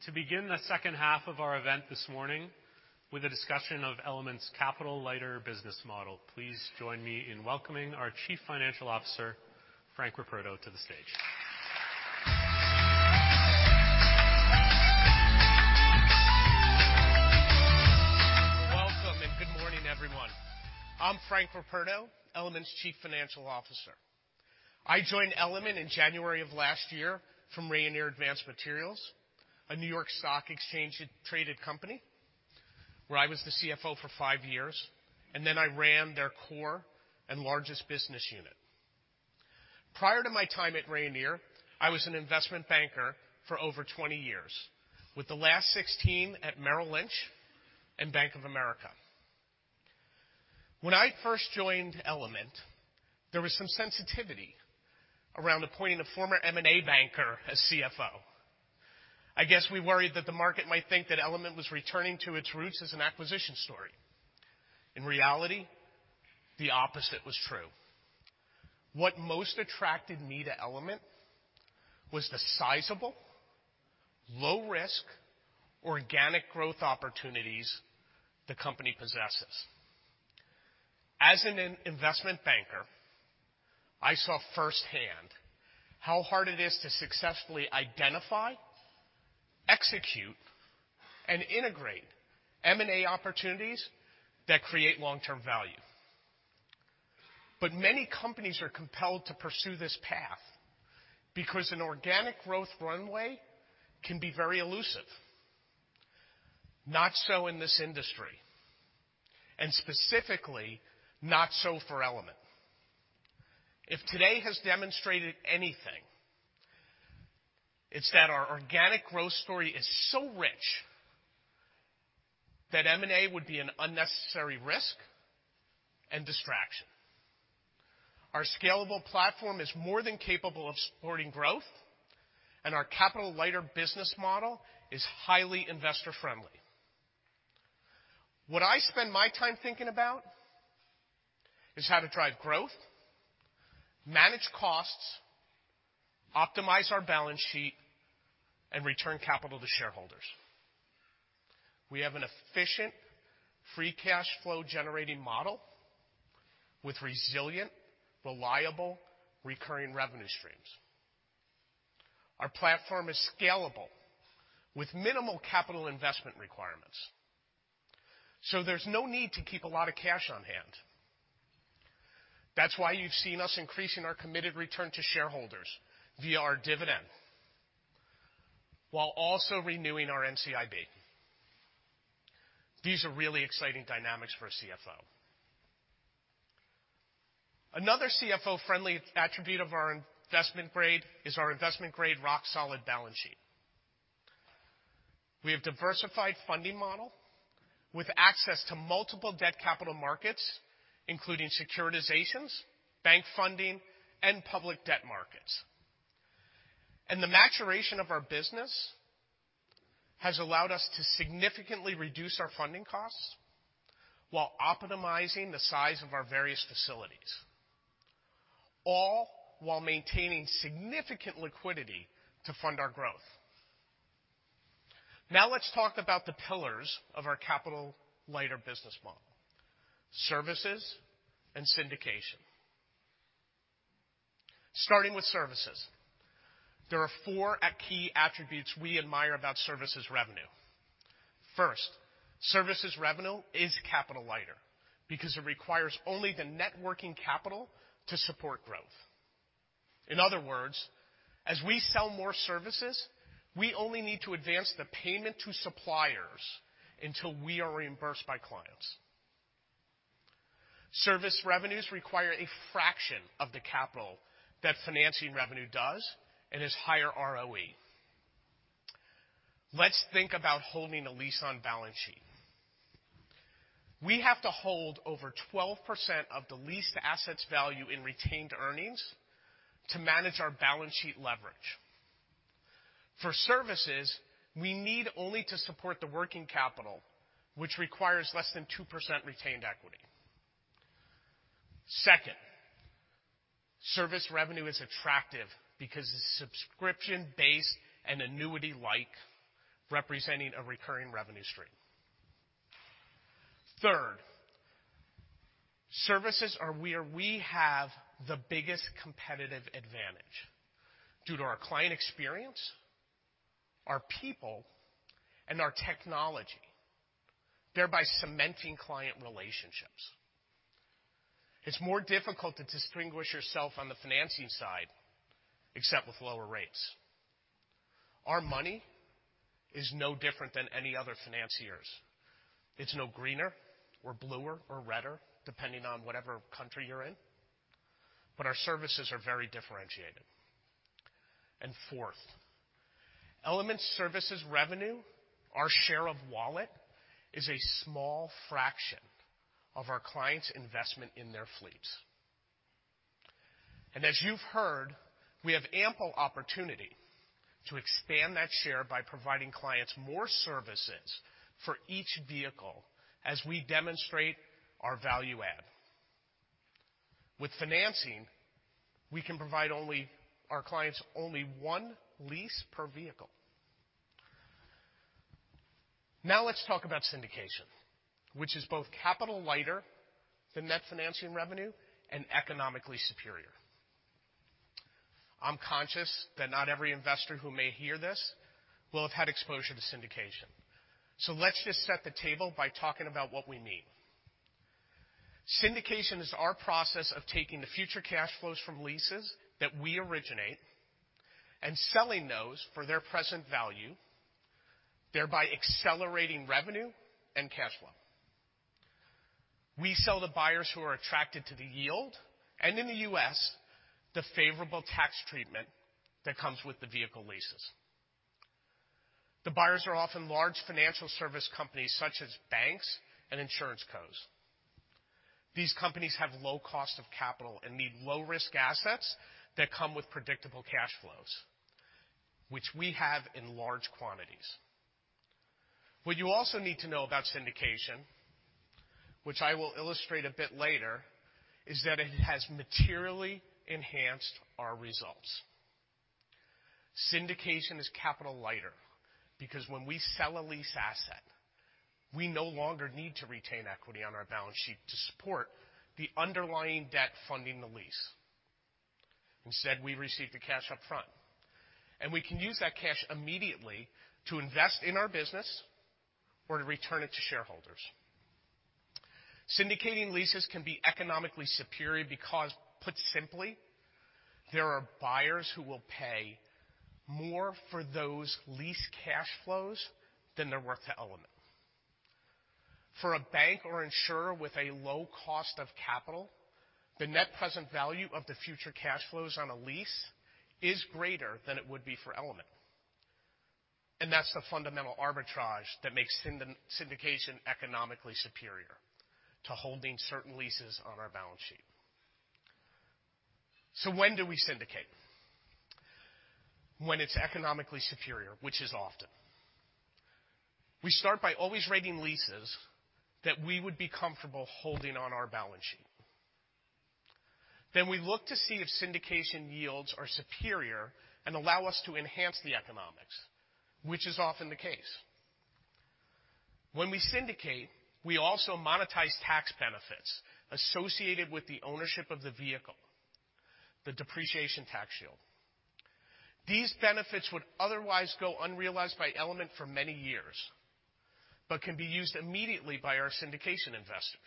To begin the second half of our event this morning with a discussion of Element's capital lighter business model, please join me in welcoming our Chief Financial Officer, Frank Ruperto, to the stage. Welcome, good morning, everyone. I'm Frank Ruperto, Element's Chief Financial Officer. I joined Element in January of last year from Rayonier Advanced Materials, a New York Stock Exchange traded company, where I was the CFO for five years, then I ran their core and largest business unit. Prior to my time at Rayonier, I was an investment banker for over 20 years, with the last 16 at Merrill Lynch and Bank of America. When I first joined Element, there was some sensitivity around appointing a former M&A banker as CFO. I guess we worried that the market might think that Element was returning to its roots as an acquisition story. In reality, the opposite was true. What most attracted me to Element was the sizable, low risk, organic growth opportunities the company possesses. As an investment banker, I saw firsthand how hard it is to successfully identify, execute, and integrate M&A opportunities that create long-term value. Many companies are compelled to pursue this path because an organic growth runway can be very elusive. Not so in this industry, and specifically, not so for Element. If today has demonstrated anything, it's that our organic growth story is so rich that M&A would be an unnecessary risk and distraction. Our scalable platform is more than capable of supporting growth, and our capital lighter business model is highly investor friendly. What I spend my time thinking about is how to drive growth, manage costs, optimize our balance sheet, and return capital to shareholders. We have an efficient free cash flow generating model with resilient, reliable, recurring revenue streams. Our platform is scalable with minimal capital investment requirements, so there's no need to keep a lot of cash on hand. That's why you've seen us increasing our committed return to shareholders via our dividend while also renewing our NCIB. These are really exciting dynamics for a CFO. Another CFO friendly attribute of our investment grade is our investment grade rock solid balance sheet. We have diversified funding model with access to multiple debt capital markets, including securitizations, bank funding, and public debt markets. The maturation of our business has allowed us to significantly reduce our funding costs while optimizing the size of our various facilities, all while maintaining significant liquidity to fund our growth. Now let's talk about the pillars of our capital lighter business model, services and syndication. Starting with services. There are four at key attributes we admire about services revenue. First, services revenue is capital lighter because it requires only the networking capital to support growth. In other words, as we sell more services, we only need to advance the payment to suppliers until we are reimbursed by clients. Service revenues require a fraction of the capital that financing revenue does and is higher ROE. Let's think about holding a lease on balance sheet. We have to hold over 12% of the leased assets value in retained earnings to manage our balance sheet leverage. For services, we need only to support the working capital, which requires less than 2% retained equity. Second, service revenue is attractive because it's subscription-based and annuity-like, representing a recurring revenue stream. Third, services are where we have the biggest competitive advantage due to our client experience, our people, and our technology, thereby cementing client relationships. It's more difficult to distinguish yourself on the financing side, except with lower rates. Our money is no different than any other financiers. It's no greener or bluer or redder, depending on whatever country you're in, but our services are very differentiated. Fourth, Element services revenue, our share of wallet, is a small fraction of our clients' investment in their fleets. As you've heard, we have ample opportunity to expand that share by providing clients more services for each vehicle as we demonstrate our value add. With financing, we can provide our clients only one lease per vehicle. Let's talk about syndication, which is both capital lighter than net financing revenue and economically superior. I'm conscious that not every investor who may hear this will have had exposure to syndication. Let's just set the table by talking about what we mean. Syndication is our process of taking the future cash flows from leases that we originate and selling those for their present value, thereby accelerating revenue and cash flow. We sell the buyers who are attracted to the yield, and in the U.S., the favorable tax treatment that comes with the vehicle leases. The buyers are often large financial service companies such as banks and insurance cos. These companies have low cost of capital and need low-risk assets that come with predictable cash flows, which we have in large quantities. What you also need to know about syndication, which I will illustrate a bit later, is that it has materially enhanced our results. Syndication is capital lighter because when we sell a lease asset, we no longer need to retain equity on our balance sheet to support the underlying debt funding the lease. Instead, we receive the cash up front, we can use that cash immediately to invest in our business or to return it to shareholders. Syndicating leases can be economically superior because put simply, there are buyers who will pay more for those lease cash flows than they're worth to Element. For a bank or insurer with a low cost of capital, the net present value of the future cash flows on a lease is greater than it would be for Element. That's the fundamental arbitrage that makes syndication economically superior to holding certain leases on our balance sheet. When do we syndicate? When it's economically superior, which is often. We start by always rating leases that we would be comfortable holding on our balance sheet. We look to see if syndication yields are superior and allow us to enhance the economics, which is often the case. When we syndicate, we also monetize tax benefits associated with the ownership of the vehicle, the depreciation tax shield. These benefits would otherwise go unrealized by Element for many years, but can be used immediately by our syndication investors.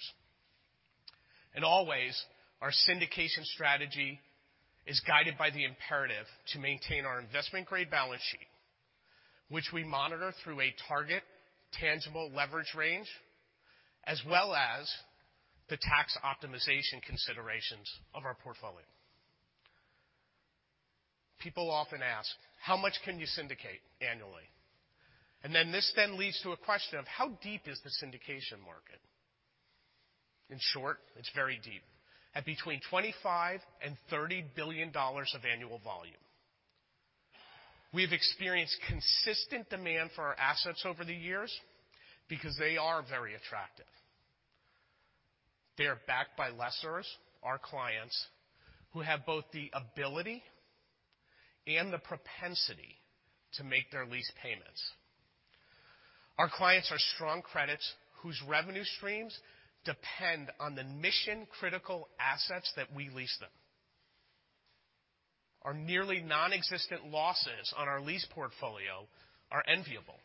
Always, our syndication strategy is guided by the imperative to maintain our investment-grade balance sheet, which we monitor through a target tangible leverage range, as well as the tax optimization considerations of our portfolio. People often ask, "How much can you syndicate annually?" Then this then leads to a question of how deep is the syndication market? In short, it's very deep. At between $25 billion and $30 billion of annual volume. We've experienced consistent demand for our assets over the years because they are very attractive. They are backed by lessors, our clients, who have both the ability and the propensity to make their lease payments. Our clients are strong credits whose revenue streams depend on the mission-critical assets that we lease them. Our nearly nonexistent losses on our lease portfolio are enviable,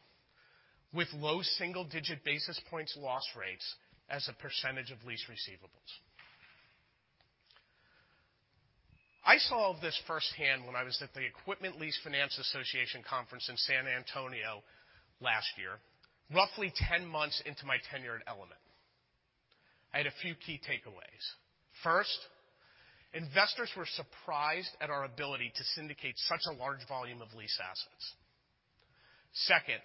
with low single-digit basis points loss rates as a percentage of lease receivables. I saw all of this firsthand when I was at the Equipment Leasing and Finance Association conference in San Antonio last year, roughly 10 months into my tenure at Element. I had a few key takeaways. First, investors were surprised at our ability to syndicate such a large volume of lease assets. Second,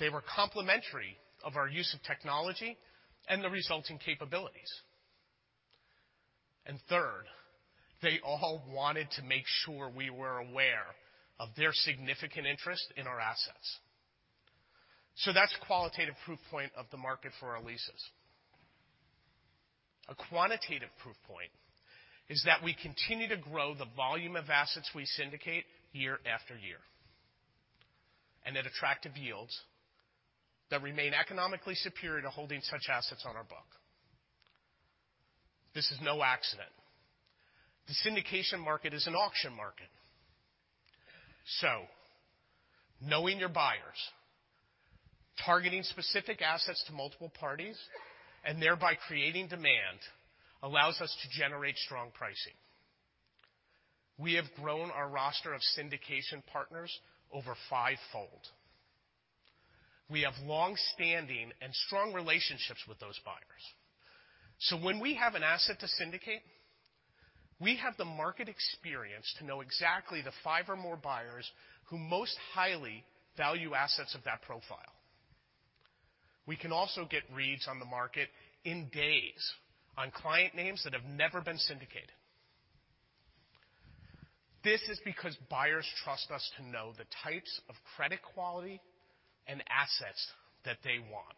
they were complimentary of our use of technology and the resulting capabilities. Third, they all wanted to make sure we were aware of their significant interest in our assets. That's qualitative proof point of the market for our leases. A quantitative proof point is that we continue to grow the volume of assets we syndicate year after year, and at attractive yields that remain economically superior to holding such assets on our book. This is no accident. The syndication market is an auction market. Knowing your buyers, targeting specific assets to multiple parties, and thereby creating demand allows us to generate strong pricing. We have grown our roster of syndication partners over fivefold. We have long-standing and strong relationships with those buyers. When we have an asset to syndicate, we have the market experience to know exactly the five or more buyers who most highly value assets of that profile. We can also get reads on the market in days on client names that have never been syndicated. This is because buyers trust us to know the types of credit quality and assets that they want.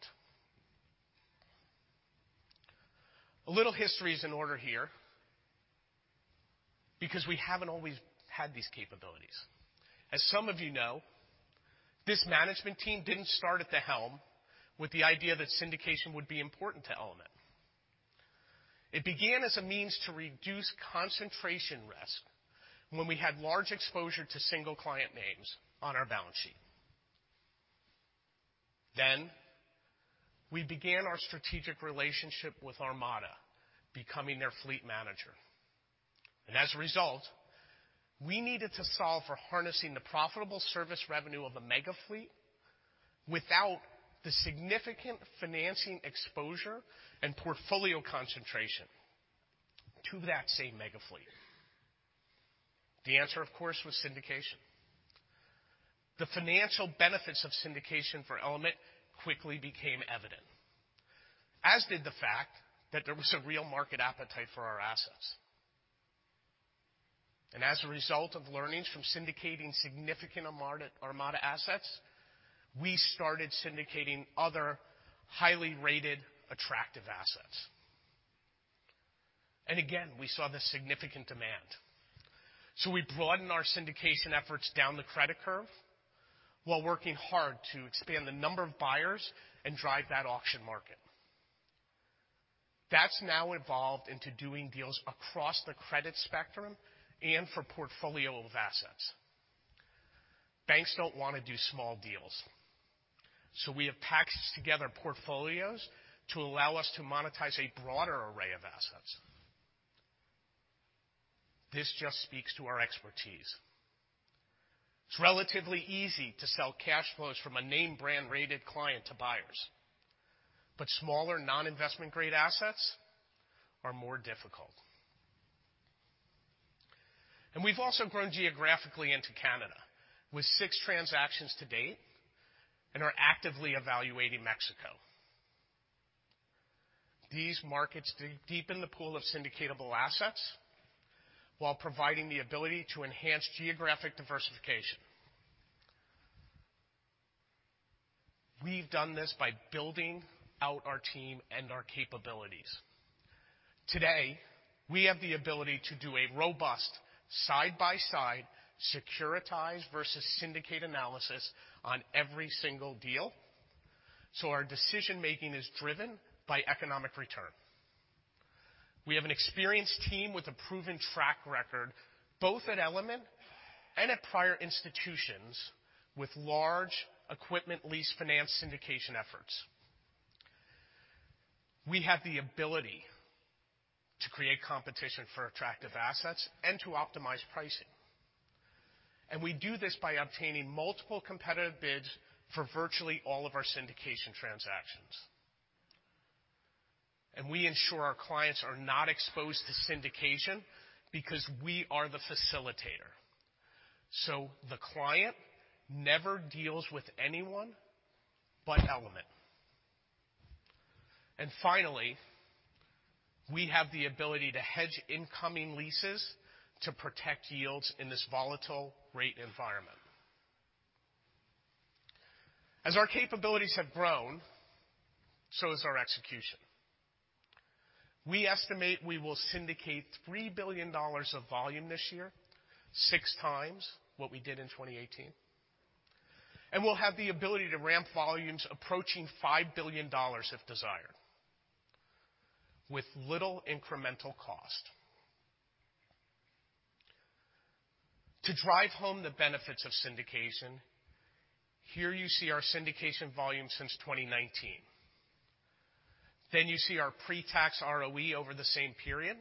A little history is in order here because we haven't always had these capabilities. As some of you know, this management team didn't start at the helm with the idea that syndication would be important to Element. It began as a means to reduce concentration risk when we had large exposure to single client names on our balance sheet. We began our strategic relationship with Aramark, becoming their fleet manager. As a result, we needed to solve for harnessing the profitable service revenue of a mega fleet without the significant financing exposure and portfolio concentration. To that same mega fleet. The answer, of course, was syndication. The financial benefits of syndication for Element quickly became evident, as did the fact that there was a real market appetite for our assets. As a result of learnings from syndicating significant Aramark assets, we started syndicating other highly rated, attractive assets. Again, we saw the significant demand. We broadened our syndication efforts down the credit curve while working hard to expand the number of buyers and drive that auction market. That's now evolved into doing deals across the credit spectrum and for portfolio of assets. Banks don't wanna do small deals, we have packaged together portfolios to allow us to monetize a broader array of assets. This just speaks to our expertise. It's relatively easy to sell cash flows from a name brand rated client to buyers, smaller non-investment grade assets are more difficult. We've also grown geographically into Canada with six transactions to date and are actively evaluating Mexico. These markets deepen the pool of syndicatable assets while providing the ability to enhance geographic diversification. We've done this by building out our team and our capabilities. Today, we have the ability to do a robust side-by-side securitize versus syndicate analysis on every single deal, so our decision-making is driven by economic return. We have an experienced team with a proven track record, both at Element and at prior institutions with large equipment lease finance syndication efforts. We have the ability to create competition for attractive assets and to optimize pricing. We do this by obtaining multiple competitive bids for virtually all of our syndication transactions. We ensure our clients are not exposed to syndication because we are the facilitator. The client never deals with anyone but Element. Finally, we have the ability to hedge incoming leases to protect yields in this volatile rate environment. As our capabilities have grown, so has our execution. We estimate we will syndicate $3 billion of volume this year, 6x what we did in 2018. We'll have the ability to ramp volumes approaching $5 billion if desired with little incremental cost. To drive home the benefits of syndication, here you see our syndication volume since 2019. You see our pre-tax ROE over the same period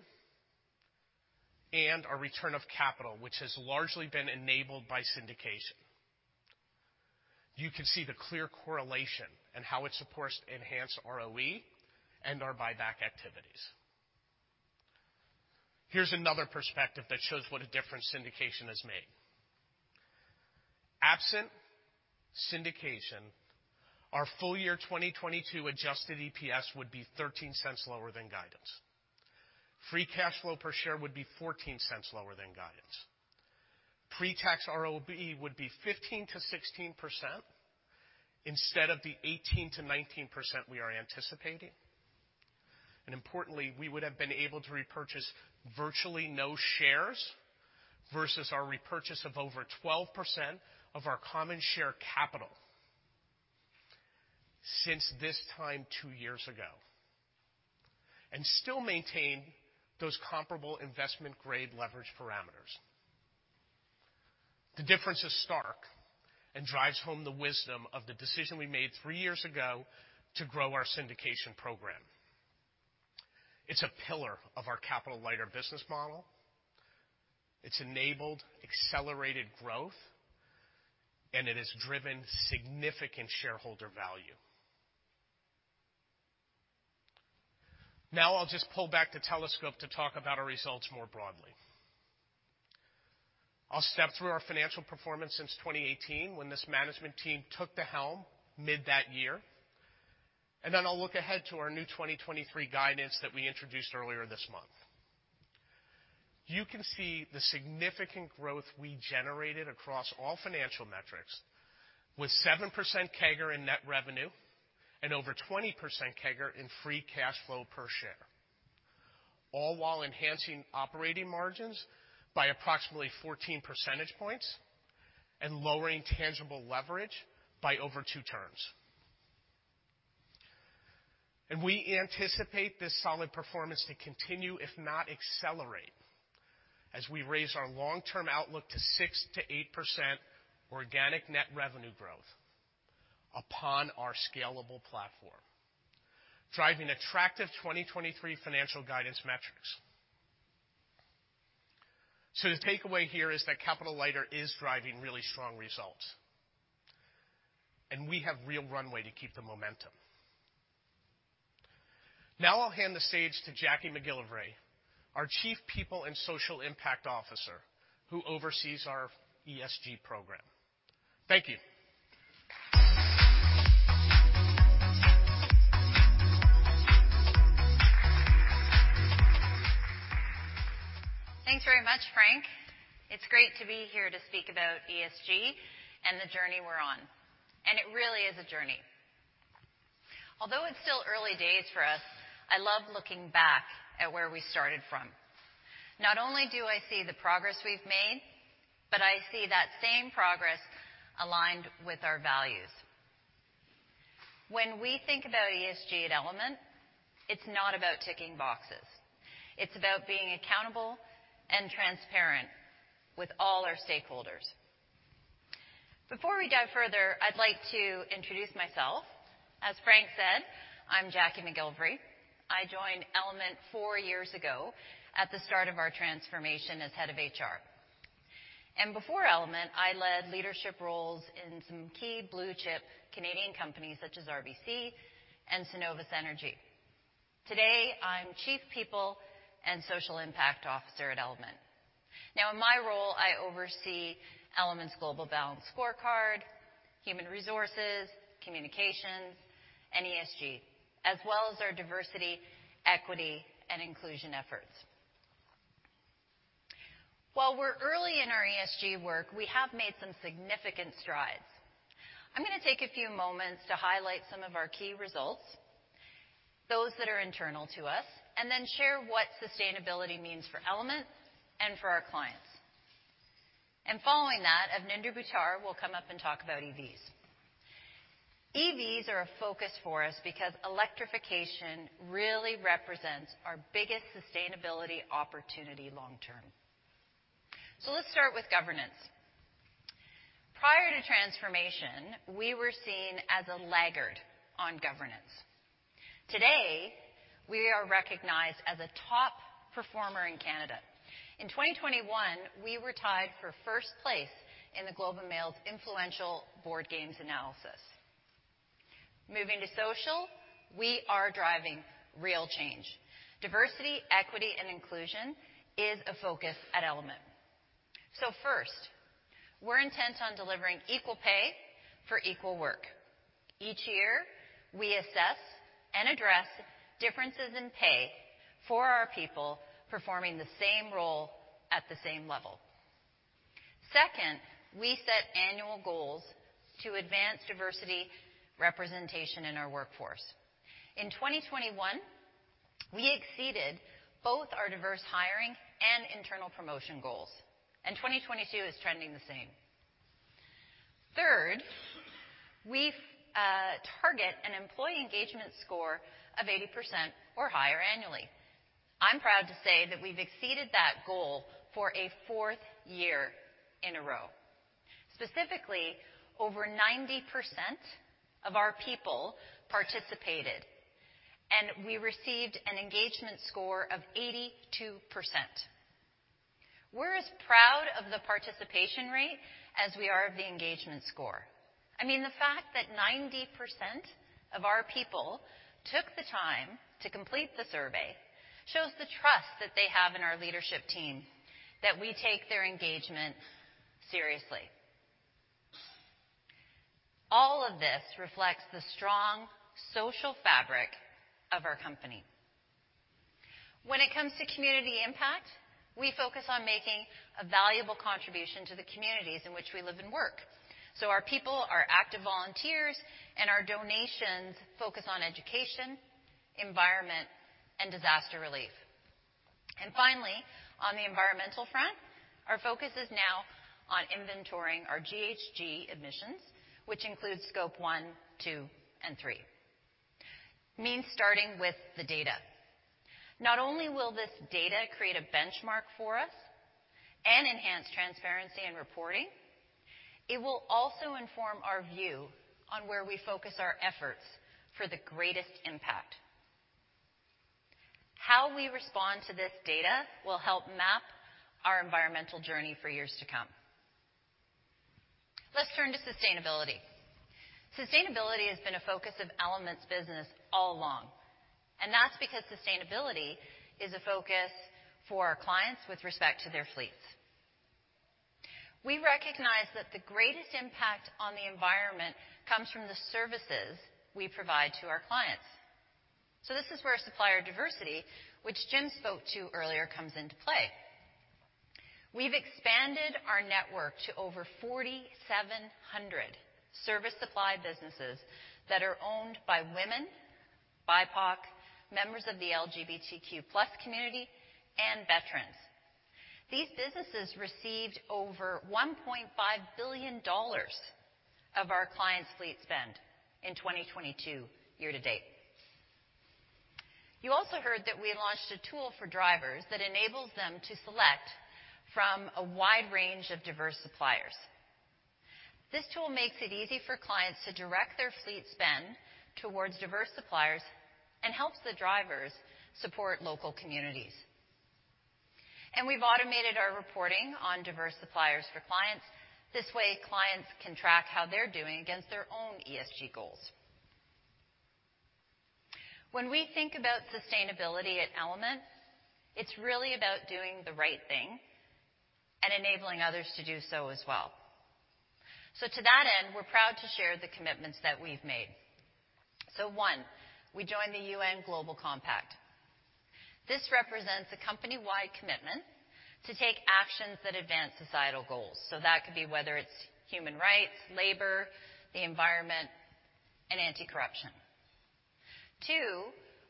and our return of capital, which has largely been enabled by syndication. You can see the clear correlation and how it supports enhanced ROE and our buyback activities. Here's another perspective that shows what a difference syndication has made. Absent syndication, our full year 2022 adjusted EPS would be $0.13 lower than guidance. Free cash flow per share would be $0.14 lower than guidance. Pre-tax ROE would be 15%-16% instead of the 18%-19% we are anticipating. Importantly, we would have been able to repurchase virtually no shares versus our repurchase of over 12% of our common share capital since this time two years ago, and still maintain those comparable investment-grade leverage parameters. The difference is stark and drives home the wisdom of the decision we made three years ago to grow our syndication program. It's a pillar of our capital-lighter business model. It's enabled accelerated growth, and it has driven significant shareholder value. I'll just pull back the telescope to talk about our results more broadly. I'll step through our financial performance since 2018 when this management team took the helm mid that year, and I'll look ahead to our new 2023 guidance that we introduced earlier this month. You can see the significant growth we generated across all financial metrics with 7% CAGR in net revenue and over 20% CAGR in free cash flow per share, all while enhancing operating margins by approximately 14 percentage points and lowering tangible leverage by over 2 terms. We anticipate this solid performance to continue, if not accelerate, as we raise our long-term outlook to 6%-8% organic net revenue growth upon our scalable platform, driving attractive 2023 financial guidance metrics. The takeaway here is that Capital Lighter is driving really strong results, and we have real runway to keep the momentum. Now I'll hand the stage to Jacqui McGillivray, our Chief People and Social Impact Officer, who oversees our ESG program. Thank you. Thanks very much, Frank. It's great to be here to speak about ESG and the journey we're on. It really is a journey. Although it's still early days for us, I love looking back at where we started from. Not only do I see the progress we've made, but I see that same progress aligned with our values. When we think about ESG at Element, it's not about ticking boxes. It's about being accountable and transparent with all our stakeholders. Before we dive further, I'd like to introduce myself. As Frank said, I'm Jacqui McGillivray. I joined Element four years ago at the start of our transformation as head of HR. Before Element, I led leadership roles in some key blue-chip Canadian companies such as RBC and Cenovus Energy. Today, I'm Chief People and Social Impact Officer at Element. In my role, I oversee Element's global balance scorecard, human resources, communications, and ESG, as well as our diversity, equity, and inclusion efforts. While we're early in our ESG work, we have made some significant strides. I'm gonna take a few moments to highlight some of our key results, those that are internal to us, and then share what sustainability means for Element and for our clients. Following that, Avninder Buttar will come up and talk about EVs. EVs are a focus for us because electrification really represents our biggest sustainability opportunity long term. Let's start with governance. Prior to transformation, we were seen as a laggard on governance. Today, we are recognized as a top performer in Canada. In 2021, we were tied for first place in The Globe and Mail's influential board games analysis. Moving to social, we are driving real change. Diversity, equity, and inclusion is a focus at Element. First, we're intent on delivering equal pay for equal work. Each year, we assess and address differences in pay for our people performing the same role at the same level. Second, we set annual goals to advance diversity representation in our workforce. In 2021, we exceeded both our diverse hiring and internal promotion goals. 2022 is trending the same. Third, we target an employee engagement score of 80% or higher annually. I'm proud to say that we've exceeded that goal for a fourth year in a row. Specifically, over 90% of our people participated. We received an engagement score of 82%. We're as proud of the participation rate as we are of the engagement score. I mean, the fact that 90% of our people took the time to complete the survey shows the trust that they have in our leadership team, that we take their engagement seriously. All of this reflects the strong social fabric of our company. When it comes to community impact, we focus on making a valuable contribution to the communities in which we live and work. Our people are active volunteers, and our donations focus on education, environment, and disaster relief. Finally, on the environmental front, our focus is now on inventorying our GHG emissions, which includes Scope 1, 2, and 3. Means starting with the data. Not only will this data create a benchmark for us and enhance transparency in reporting, it will also inform our view on where we focus our efforts for the greatest impact. How we respond to this data will help map our environmental journey for years to come. Let's turn to sustainability. Sustainability has been a focus of Element's business all along. That's because sustainability is a focus for our clients with respect to their fleets. We recognize that the greatest impact on the environment comes from the services we provide to our clients. This is where supplier diversity, which Jim spoke to earlier, comes into play. We've expanded our network to over 4,700 service supply businesses that are owned by women, BIPOC, members of the LGBTQ+ community, and veterans. These businesses received over $1.5 billion of our clients' fleet spend in 2022 year to date. You also heard that we launched a tool for drivers that enables them to select from a wide range of diverse suppliers. This tool makes it easy for clients to direct their fleet spend towards diverse suppliers and helps the drivers support local communities. We've automated our reporting on diverse suppliers for clients. This way, clients can track how they're doing against their own ESG goals. When we think about sustainability at Element, it's really about doing the right thing and enabling others to do so as well. To that end, we're proud to share the commitments that we've made. One, we joined the UN Global Compact. This represents a company-wide commitment to take actions that advance societal goals. That could be whether it's human rights, labor, the environment, and anti-corruption. Two,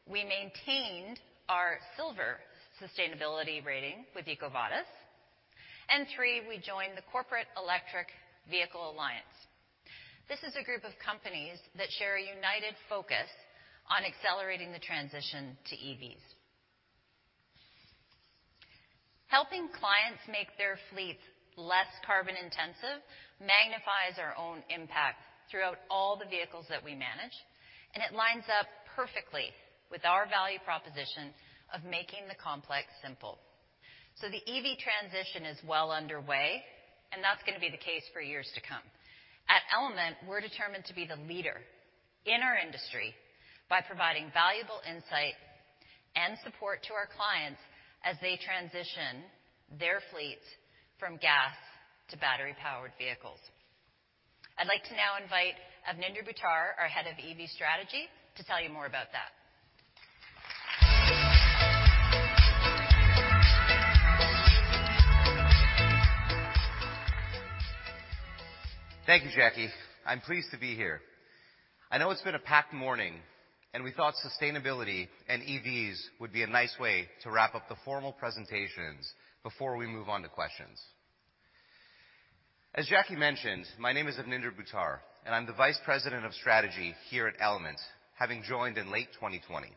we maintained our Silver sustainability rating with EcoVadis. Three, we joined the Corporate Electric Vehicle Alliance. This is a group of companies that share a united focus on accelerating the transition to EVs. Helping clients make their fleets less carbon-intensive magnifies our own impact throughout all the vehicles that we manage, and it lines up perfectly with our value proposition of making the complex simple. The EV transition is well underway, and that's gonna be the case for years to come. At Element, we're determined to be the leader in our industry by providing valuable insight and support to our clients as they transition their fleets from gas to battery-powered vehicles. I'd like to now invite Avninder Buttar, our head of EV strategy, to tell you more about that. Thank you, Jacqui. I'm pleased to be here. I know it's been a packed morning, we thought sustainability and EVs would be a nice way to wrap up the formal presentations before we move on to questions. As Jacqui mentioned, my name is Avninder Buttar, and I'm the Vice President of Strategy here at Element, having joined in late 2020.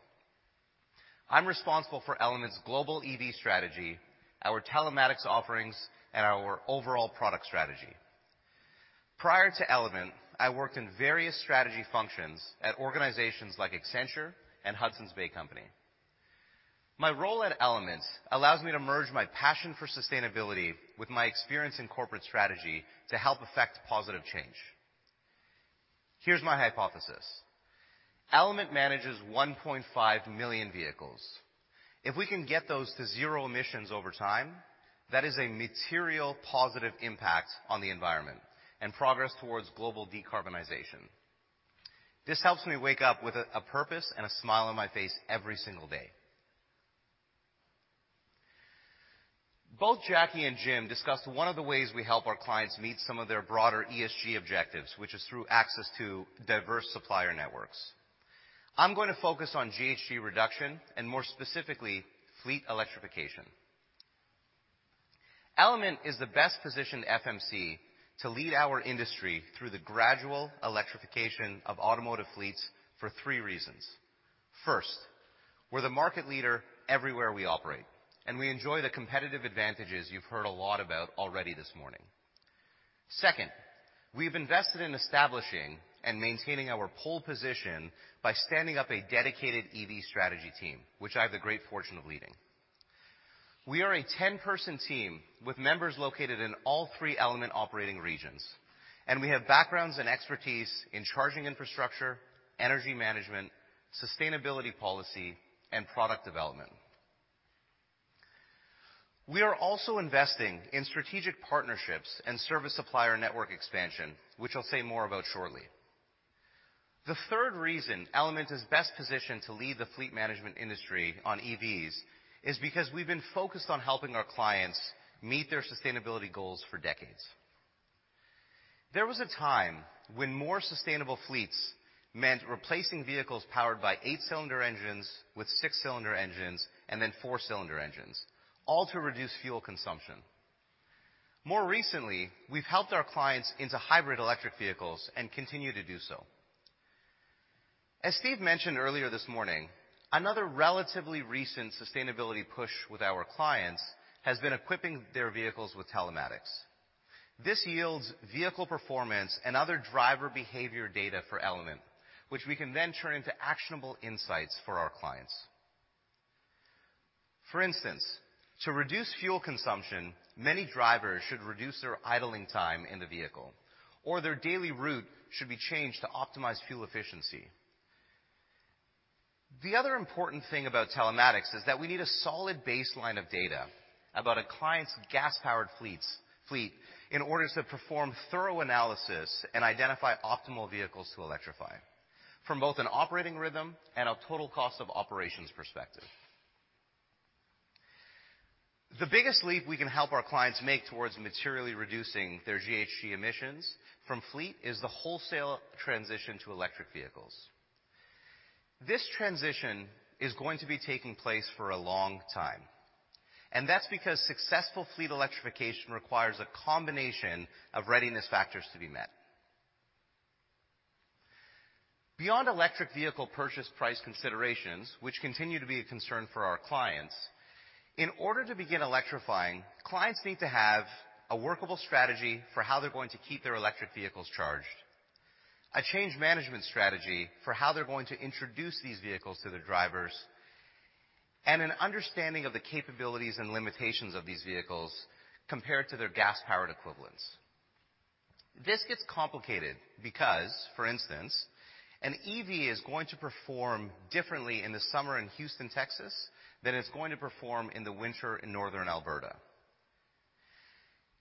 I'm responsible for Element's global EV strategy, our telematics offerings, and our overall product strategy. Prior to Element, I worked in various strategy functions at organizations like Accenture and Hudson's Bay Company. My role at Element allows me to merge my passion for sustainability with my experience in corporate strategy to help affect positive change. Here's my hypothesis. Element manages 1.5 million vehicles. If we can get those to zero emissions over time, that is a material positive impact on the environment and progress towards global decarbonization. This helps me wake up with a purpose and a smile on my face every single day. Both Jacqui and Jim discussed one of the ways we help our clients meet some of their broader ESG objectives, which is through access to diverse supplier networks. I'm gonna focus on GHG reduction and, more specifically, fleet electrification. Element is the best-positioned FMC to lead our industry through the gradual electrification of automotive fleets for three reasons. First, we're the market leader everywhere we operate, and we enjoy the competitive advantages you've heard a lot about already this morning. Second, we've invested in establishing and maintaining our pole position by standing up a dedicated EV strategy team, which I have the great fortune of leading. We are a 10-person team with members located in all three Element operating regions, and we have backgrounds and expertise in charging infrastructure, energy management, sustainability policy, and product development. We are also investing in strategic partnerships and service supplier network expansion, which I'll say more about shortly. The third reason Element is best positioned to lead the fleet management industry on EVs is because we've been focused on helping our clients meet their sustainability goals for decades. There was a time when more sustainable fleets meant replacing vehicles powered by eight-cylinder engines with six-cylinder engines and then four-cylinder engines, all to reduce fuel consumption. More recently, we've helped our clients into hybrid electric vehicles and continue to do so. As Steve mentioned earlier this morning, another relatively recent sustainability push with our clients has been equipping their vehicles with telematics. This yields vehicle performance and other driver behavior data for Element, which we can then turn into actionable insights for our clients. For instance, to reduce fuel consumption, many drivers should reduce their idling time in the vehicle, or their daily route should be changed to optimize fuel efficiency. The other important thing about telematics is that we need a solid baseline of data about a client's gas-powered fleet in order to perform thorough analysis and identify optimal vehicles to electrify from both an operating rhythm and a total cost of operations perspective. The biggest leap we can help our clients make towards materially reducing their GHG emissions from fleet is the wholesale transition to electric vehicles. This transition is going to be taking place for a long time. That's because successful fleet electrification requires a combination of readiness factors to be met. Beyond electric vehicle purchase price considerations, which continue to be a concern for our clients, in order to begin electrifying, clients need to have a workable strategy for how they're going to keep their electric vehicles charged, a change management strategy for how they're going to introduce these vehicles to their drivers, and an understanding of the capabilities and limitations of these vehicles compared to their gas-powered equivalents. This gets complicated because, for instance, an EV is going to perform differently in the summer in Houston, Texas, than it's going to perform in the winter in Northern Alberta.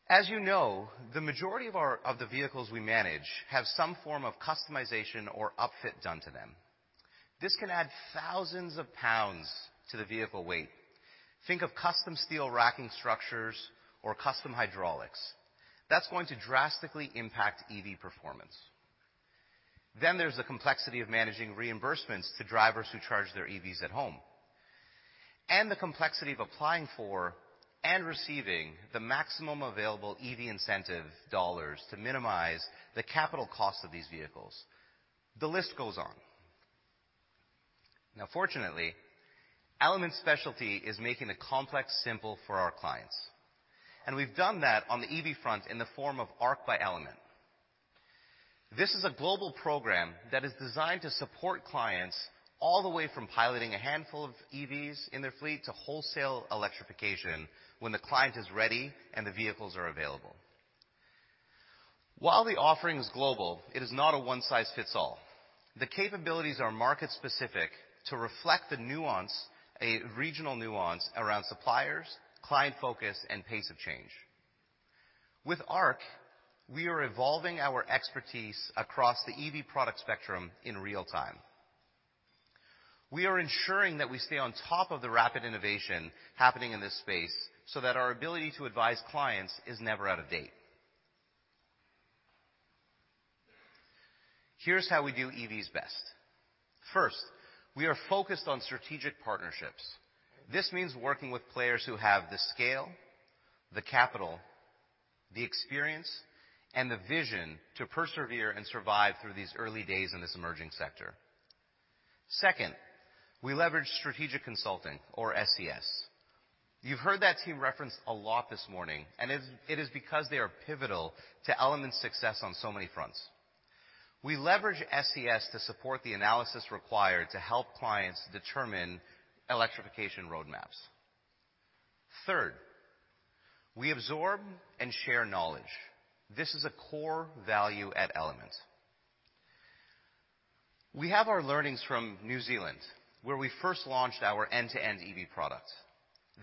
As you know, the majority of the vehicles we manage have some form of customization or upfit done to them. This can add thousands of pounds to the vehicle weight. Think of custom steel racking structures or custom hydraulics. That's going to drastically impact EV performance. There's the complexity of managing reimbursements to drivers who charge their EVs at home, and the complexity of applying for and receiving the maximum available EV incentive dollars to minimize the capital cost of these vehicles. The list goes on. Fortunately, Element Specialty is making the complex simple for our clients, and we've done that on the EV front in the form of Arc by Element. This is a global program that is designed to support clients all the way from piloting a handful of EVs in their fleet to wholesale electrification when the client is ready and the vehicles are available. While the offering is global, it is not a one-size-fits-all. The capabilities are market-specific to reflect the nuance, a regional nuance, around suppliers, client focus, and pace of change. With Arc, we are evolving our expertise across the EV product spectrum in real time. We are ensuring that we stay on top of the rapid innovation happening in this space so that our ability to advise clients is never out of date. Here's how we do EVs best. First, we are focused on strategic partnerships. This means working with players who have the scale, the capital, the experience, and the vision to persevere and survive through these early days in this emerging sector. Second, we leverage strategic consulting or SCS. You've heard that team referenced a lot this morning. It is because they are pivotal to Element's success on so many fronts. We leverage SCS to support the analysis required to help clients determine electrification roadmaps. Third, we absorb and share knowledge. This is a core value at Element. We have our learnings from New Zealand, where we first launched our end-to-end EV product.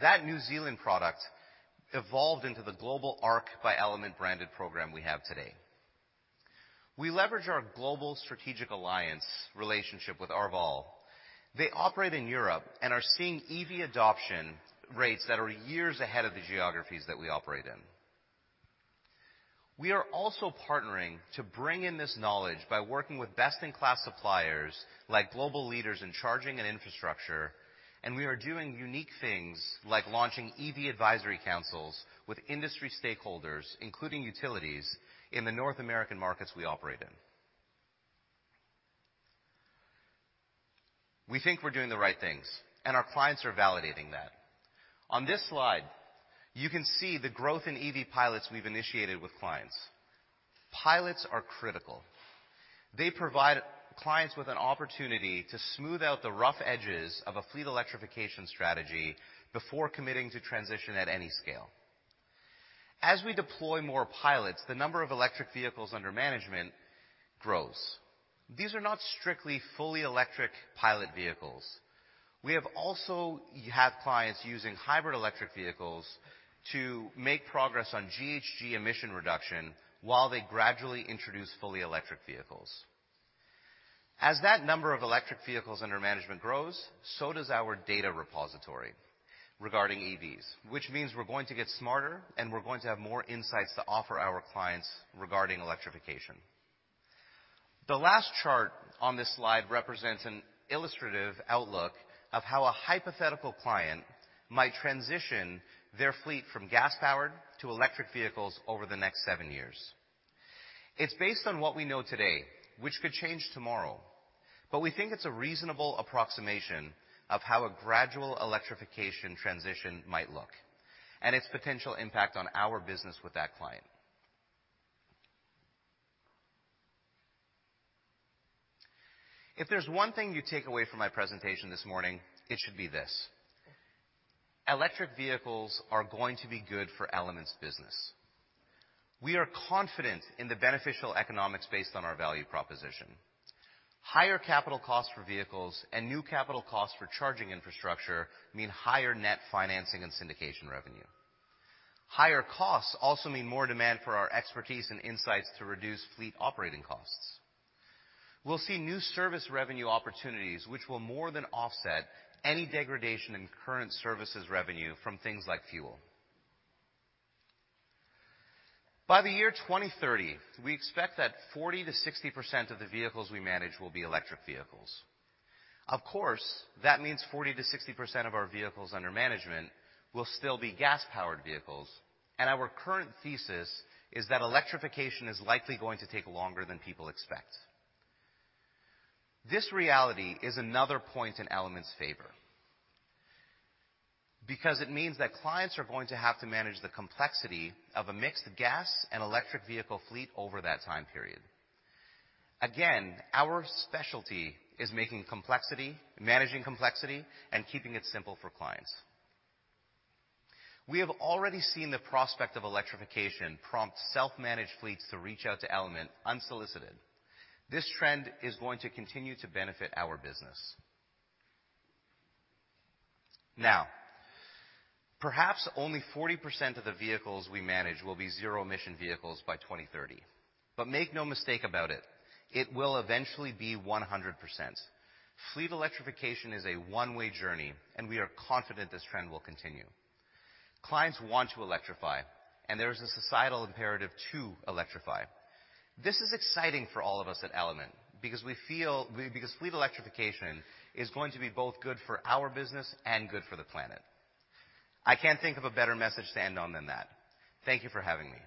That New Zealand product evolved into the global Arc by Element branded program we have today. We leverage our global strategic alliance relationship with Arval. They operate in Europe and are seeing EV adoption rates that are years ahead of the geographies that we operate in. We are also partnering to bring in this knowledge by working with best-in-class suppliers like global leaders in charging and infrastructure, and we are doing unique things like launching EV advisory councils with industry stakeholders, including utilities in the North American markets we operate in. We think we're doing the right things, and our clients are validating that. On this slide, you can see the growth in EV pilots we've initiated with clients. Pilots are critical. They provide clients with an opportunity to smooth out the rough edges of a fleet electrification strategy before committing to transition at any scale. As we deploy more pilots, the number of electric vehicles under management grows. These are not strictly fully electric pilot vehicles. We have clients using hybrid electric vehicles to make progress on GHG emission reduction while they gradually introduce fully electric vehicles. As that number of electric vehicles under management grows, so does our data repository regarding EVs, which means we're going to get smarter, and we're going to have more insights to offer our clients regarding electrification. The last chart on this slide represents an illustrative outlook of how a hypothetical client might transition their fleet from gas-powered to electric vehicles over the next seven years. It's based on what we know today, which could change tomorrow, but we think it's a reasonable approximation of how a gradual electrification transition might look and its potential impact on our business with that client. If there's one thing you take away from my presentation this morning, it should be this: electric vehicles are going to be good for Element's business. We are confident in the beneficial economics based on our value proposition. Higher capital costs for vehicles and new capital costs for charging infrastructure mean higher net financing and syndication revenue. Higher costs also mean more demand for our expertise and insights to reduce fleet operating costs. We'll see new service revenue opportunities which will more than offset any degradation in current services revenue from things like fuel. By the year 2030, we expect that 40%-60% of the vehicles we manage will be electric vehicles. Of course, that means 40%-60% of our vehicles under management will still be gas-powered vehicles. Our current thesis is that electrification is likely going to take longer than people expect. This reality is another point in Element's favor. It means that clients are going to have to manage the complexity of a mixed gas and electric vehicle fleet over that time period. Again, our specialty is making complexity, managing complexity, and keeping it simple for clients. We have already seen the prospect of electrification prompt self-managed fleets to reach out to Element unsolicited. This trend is going to continue to benefit our business. Now, perhaps only 40% of the vehicles we manage will be zero-emission vehicles by 2030. Make no mistake about it will eventually be 100%. Fleet electrification is a one-way journey, and we are confident this trend will continue. Clients want to electrify, and there is a societal imperative to electrify. This is exciting for all of us at Element because fleet electrification is going to be both good for our business and good for the planet. I can't think of a better message to end on than that. Thank you for having me.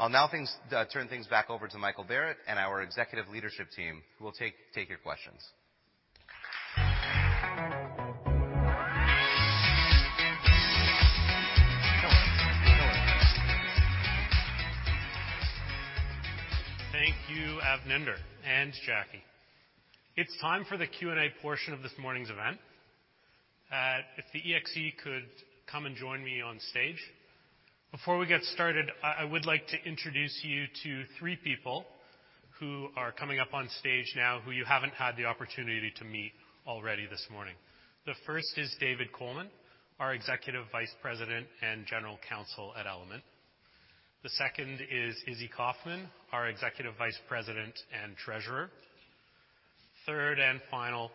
I'll now turn things back over to Michael Barrett and our executive leadership team, who will take your questions. Thank you, Avninder and Jacqui. It's time for the Q&A portion of this morning's event. If the exe could come and join me on stage. Before we get started, I would like to introduce you to three people who are coming up on stage now who you haven't had the opportunity to meet already this morning. The first is David Colman, our Executive Vice President and General Counsel at Element. The second is Izzy Kaufman, our Executive Vice President and Treasurer. Third and final,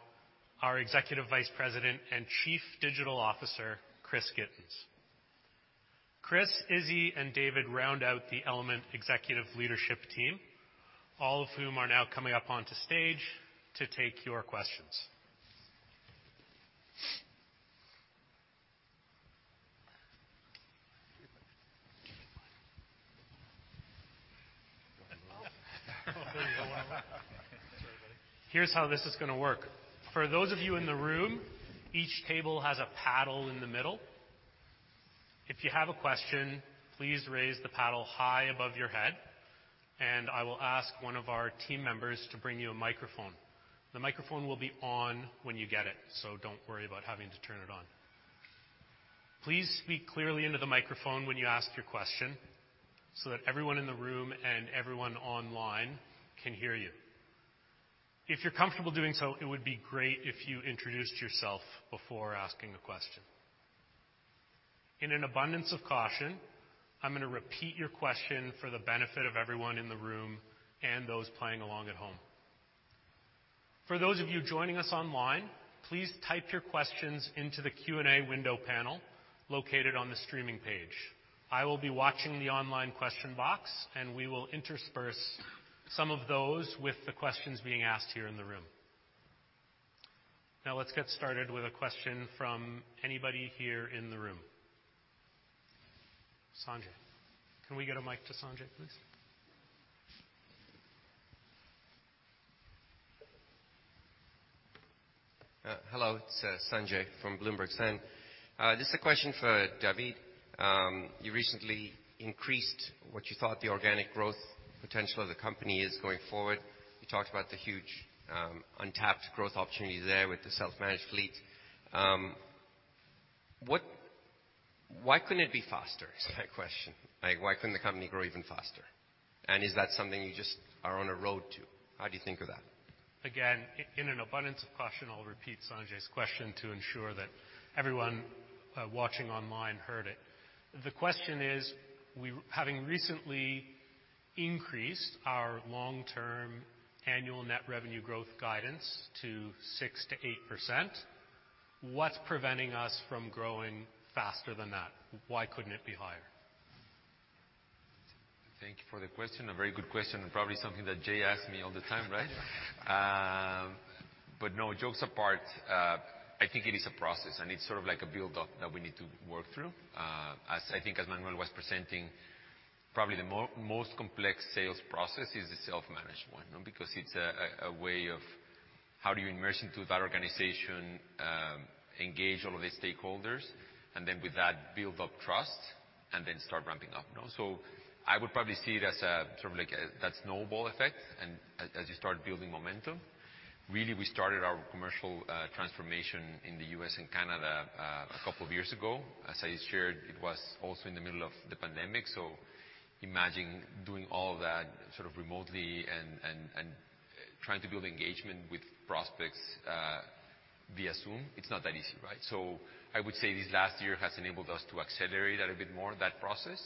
our Executive Vice President and Chief Digital Officer, Chris Gittens. Chris, Izzy, and David round out the Element executive leadership team, all of whom are now coming up onto stage to take your questions. Here's how this is gonna work. For those of you in the room, each table has a paddle in the middle. If you have a question, please raise the paddle high above your head, and I will ask one of our team members to bring you a microphone. The microphone will be on when you get it, so don't worry about having to turn it on. Please speak clearly into the microphone when you ask your question so that everyone in the room and everyone online can hear you. If you're comfortable doing so, it would be great if you introduced yourself before asking a question. In an abundance of caution, I'm gonna repeat your question for the benefit of everyone in the room and those playing along at home. For those of you joining us online, please type your questions into the Q&A window panel located on the streaming page. I will be watching the online question box, and we will intersperse some of those with the questions being asked here in the room. Let's get started with a question from anybody here in the room. Sanjay. Can we get a mic to Sanjay, please? Hello. It's Sanjay from BloombergSen. Just a question for David. You recently increased what you thought the organic growth potential of the company is going forward. You talked about the huge untapped growth opportunity there with the self-managed fleet. Why couldn't it be faster, is my question. Like, why couldn't the company grow even faster? Is that something you just are on a road to? How do you think of that? Again, in an abundance of caution, I'll repeat Sanjay's question to ensure that everyone watching online heard it. The question is, having recently increased our long-term annual net revenue growth guidance to 6%-8%, what's preventing us from growing faster than that? Why couldn't it be higher? Thank you for the question, a very good question, and probably something that Jay asks me all the time, right? No, jokes apart, I think it is a process, and it's sort of like a build-up that we need to work through. As I think as Manuel was presenting, probably the most complex sales process is the self-managed one, you know, because it's a way of how do you immerse into that organization, engage all of the stakeholders, and then with that, build up trust and then start ramping up. You know? I would probably see it as a sort of like a that snowball effect and as you start building momentum. We started our commercial transformation in the U.S. and Canada a couple of years ago. As I shared, it was also in the middle of the pandemic, imagine doing all that sort of remotely and trying to build engagement with prospects via Zoom. It's not that easy, right? I would say this last year has enabled us to accelerate a little bit more of that process.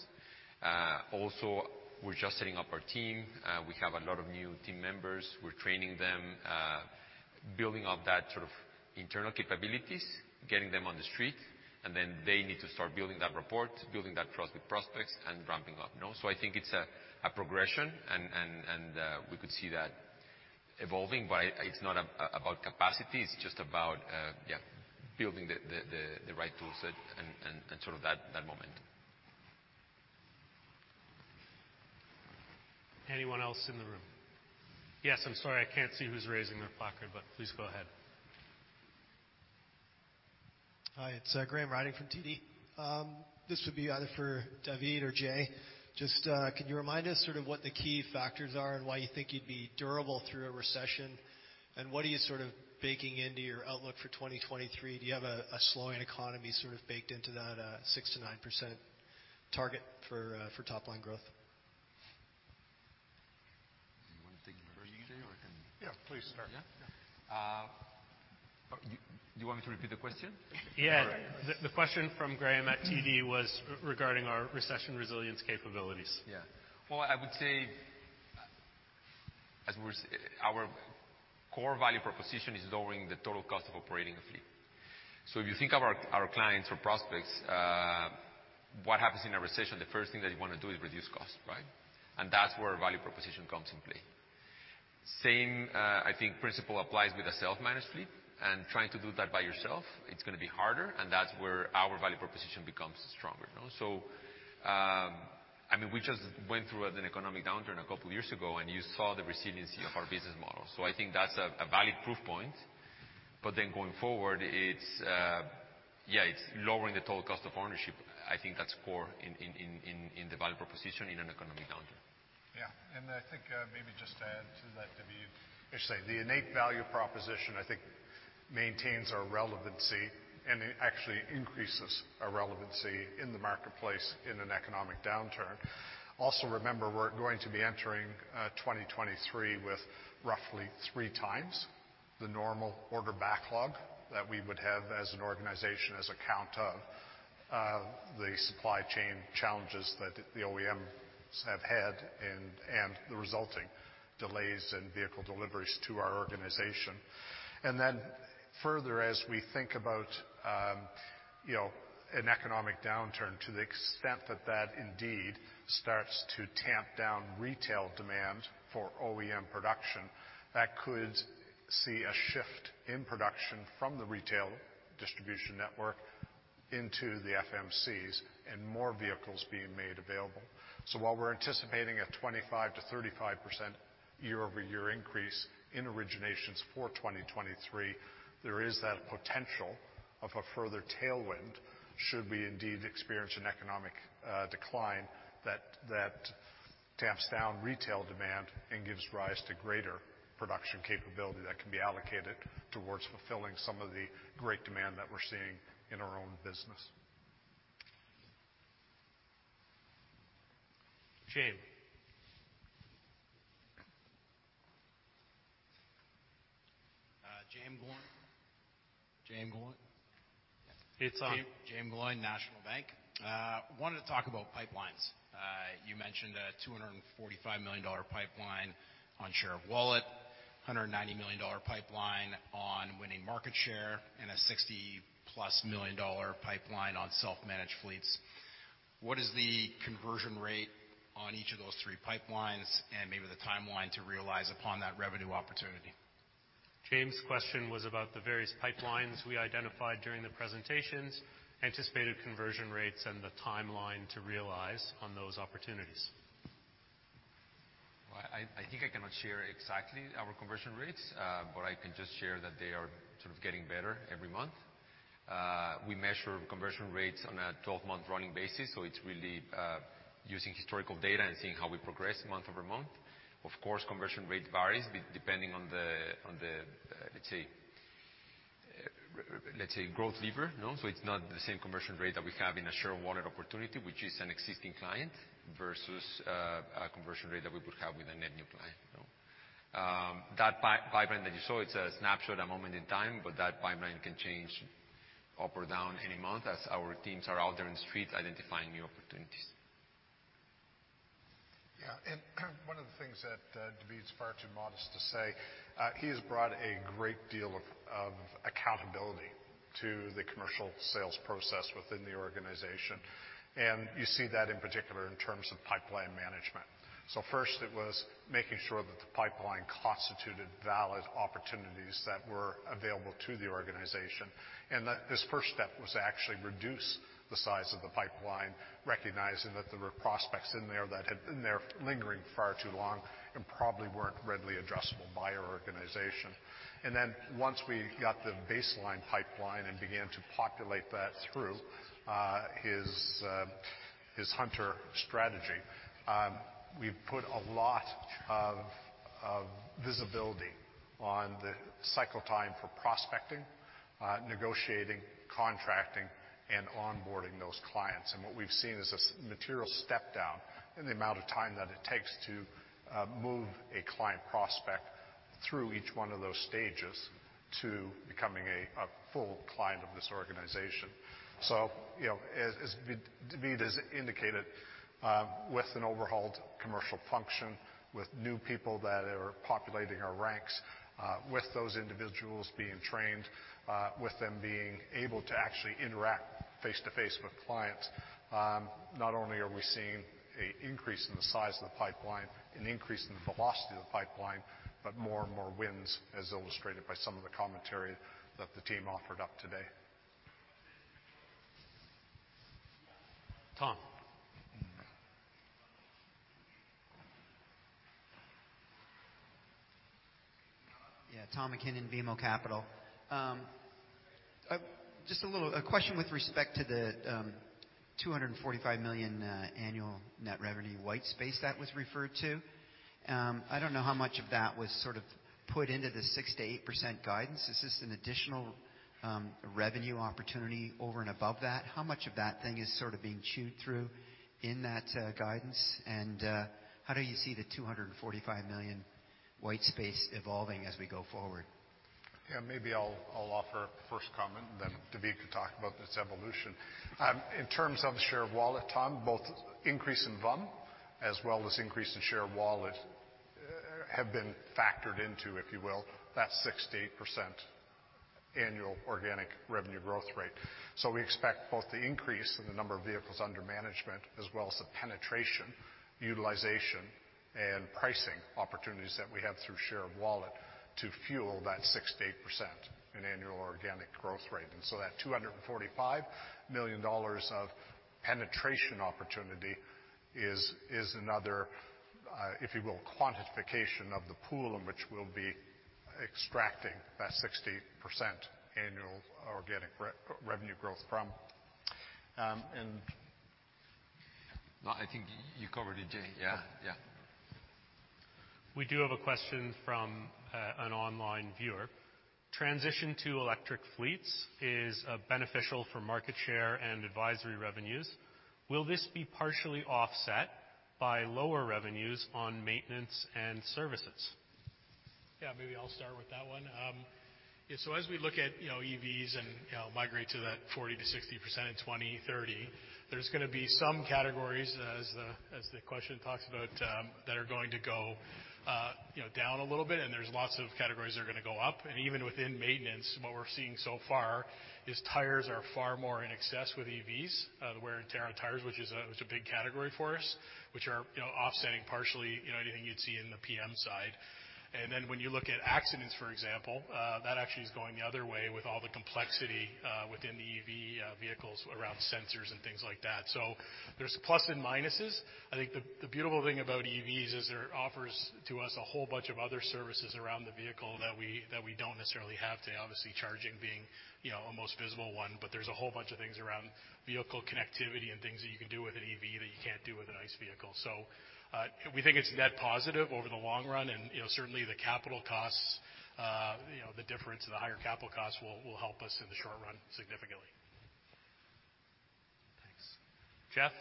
We're just setting up our team. We have a lot of new team members. We're training them, building up that sort of internal capabilities, getting them on the street, they need to start building that rapport, building that trust with prospects, and ramping up. You know? I think it's a progression, we could see that evolving, but it's not about capacity, it's just about building the right toolset and sort of that moment. Anyone else in the room? Yes, I'm sorry, I can't see who's raising their placard, but please go ahead. Hi, it's Graham Ryding from TD. This would be either for David or Jay. Just, can you remind us sort of what the key factors are and why you think you'd be durable through a recession? What are you sort of baking into your outlook for 2023? Do you have a slowing economy sort of baked into that, 6%-9% target for top line growth? Do you wanna take it first, Jay, or I can-? Yeah. Please. Start. Yeah. You want me to repeat the question? Yeah. All right. The question from Graham at TD was regarding our recession resilience capabilities. Well, I would say, as our core value proposition is lowering the total cost of operating a fleet. If you think of our clients or prospects, what happens in a recession, the first thing that you wanna do is reduce cost, right? That's where value proposition comes in play. Same, I think principle applies with a self-managed fleet, trying to do that by yourself, it's gonna be harder, and that's where our value proposition becomes stronger, you know? I mean, we just went through an economic downturn a couple years ago, and you saw the resiliency of our business model. I think that's a valid proof point. Going forward, it's, yeah, it's lowering the total cost of ownership. I think that's core in the value proposition in an economic downturn. I think, maybe just to add to that, David, I should say the innate value proposition, I think maintains our relevancy and it actually increases our relevancy in the marketplace in an economic downturn. Also remember, we're going to be entering 2023 with roughly 3x the normal order backlog that we would have as an organization, as account of the supply chain challenges that the OEMs have had and the resulting delays in vehicle deliveries to our organization. Further as we think about, you know, an economic downturn to the extent that that indeed starts to tamp down retail demand for OEM production, that could see a shift in production from the retail distribution network into the FMCs and more vehicles being made available. While we're anticipating a 25%-35% year-over-year increase in originations for 2023, there is that potential of a further tailwind should we indeed experience an economic decline that tamps down retail demand and gives rise to greater production capability that can be allocated towards fulfilling some of the great demand that we're seeing in our own business. James. Jaeme Gloyn. It's on. Jaeme Gloyn, National Bank. Wanted to talk about pipelines. You mentioned a $245 million pipeline on share of wallet, a $190 million pipeline on winning market share, and a $60+ million pipeline on self-managed fleets. What is the conversion rate on each of those three pipelines and maybe the timeline to realize upon that revenue opportunity? Jaeme's question was about the various pipelines we identified during the presentations, anticipated conversion rates, and the timeline to realize on those opportunities. I think I cannot share exactly our conversion rates, but I can just share that they are sort of getting better every month. We measure conversion rates on a 12-month running basis, so it's really using historical data and seeing how we progress month-over-month. Of course, conversion rate varies depending on the let's say growth lever, you know. It's not the same conversion rate that we have in a share of wallet opportunity, which is an existing client versus a conversion rate that we would have with a net new client. That pipeline that you saw, it's a snapshot a moment in time, but that pipeline can change up or down any month as our teams are out there in the streets identifying new opportunities. One of the things that David's far too modest to say, he has brought a great deal of accountability to the commercial sales process within the organization. You see that in particular in terms of pipeline management. First it was making sure that the pipeline constituted valid opportunities that were available to the organization, and that this first step was to actually reduce the size of the pipeline, recognizing that there were prospects in there that had been there lingering far too long and probably weren't readily addressable by our organization. Once we got the baseline pipeline and began to populate that through his hunter strategy, we put a lot of visibility on the cycle time for prospecting, negotiating, contracting, and onboarding those clients. What we've seen is a material step down in the amount of time that it takes to move a client prospect through each one of those stages to becoming a full client of this organization. You know, as David has indicated, with an overhauled commercial function, with new people that are populating our ranks. With those individuals being trained, with them being able to actually interact face-to-face with clients, not only are we seeing a increase in the size of the pipeline, an increase in the velocity of the pipeline, but more and more wins as illustrated by some of the commentary that the team offered up today. Tom. Tom MacKinnon, BMO Capital. Just a little, a question with respect to the $245 million annual net revenue white space that was referred to. I don't know how much of that was sort of put into the 6%-8% guidance. Is this an additional revenue opportunity over and above that? How much of that thing is sort of being chewed through in that guidance? How do you see the $245 million white space evolving as we go forward? Yeah, maybe I'll offer first comment, and then David can talk about its evolution. In terms of share of wallet, Tom, both increase in VUM as well as increase in share of wallet have been factored into, if you will, that 6%-8% annual organic revenue growth rate. We expect both the increase in the number of vehicles under management as well as the penetration, utilization, and pricing opportunities that we have through share of wallet to fuel that 6%-8% in annual organic growth rate. That $245 million of penetration opportunity is another, if you will, quantification of the pool in which we'll be extracting that 60% annual organic revenue growth from. No, I think you covered it, Jay. Yeah. Yeah. We do have a question from, an online viewer. Transition to electric fleets is beneficial for market share and advisory revenues. Will this be partially offset by lower revenues on maintenance and services? Yeah, maybe I'll start with that one. As we look at, you know, EVs and, you know, migrate to that 40%-60% in 2030, there's gonna be some categories as the question talks about, that are going to go, you know, down a little bit. There's lots of categories that are gonna go up. Even within maintenance, what we're seeing so far is tires are far more in excess with EVs, the wear and tear on tires, which is a big category for us, which are, you know, offsetting partially, you know, anything you'd see in the PM side. Then when you look at accidents, for example, that actually is going the other way with all the complexity within the EV vehicles around sensors and things like that. There's plus and minuses. I think the beautiful thing about EVs is they're offers to us a whole bunch of other services around the vehicle that we don't necessarily have today. Obviously, charging being, you know, a most visible one, but there's a whole bunch of things around vehicle connectivity and things that you can do with an EV that you can't do with an ICE vehicle. We think it's a net positive over the long run and, you know, certainly the capital costs, you know, the difference of the higher capital costs will help us in the short run significantly. Thanks. Jeff?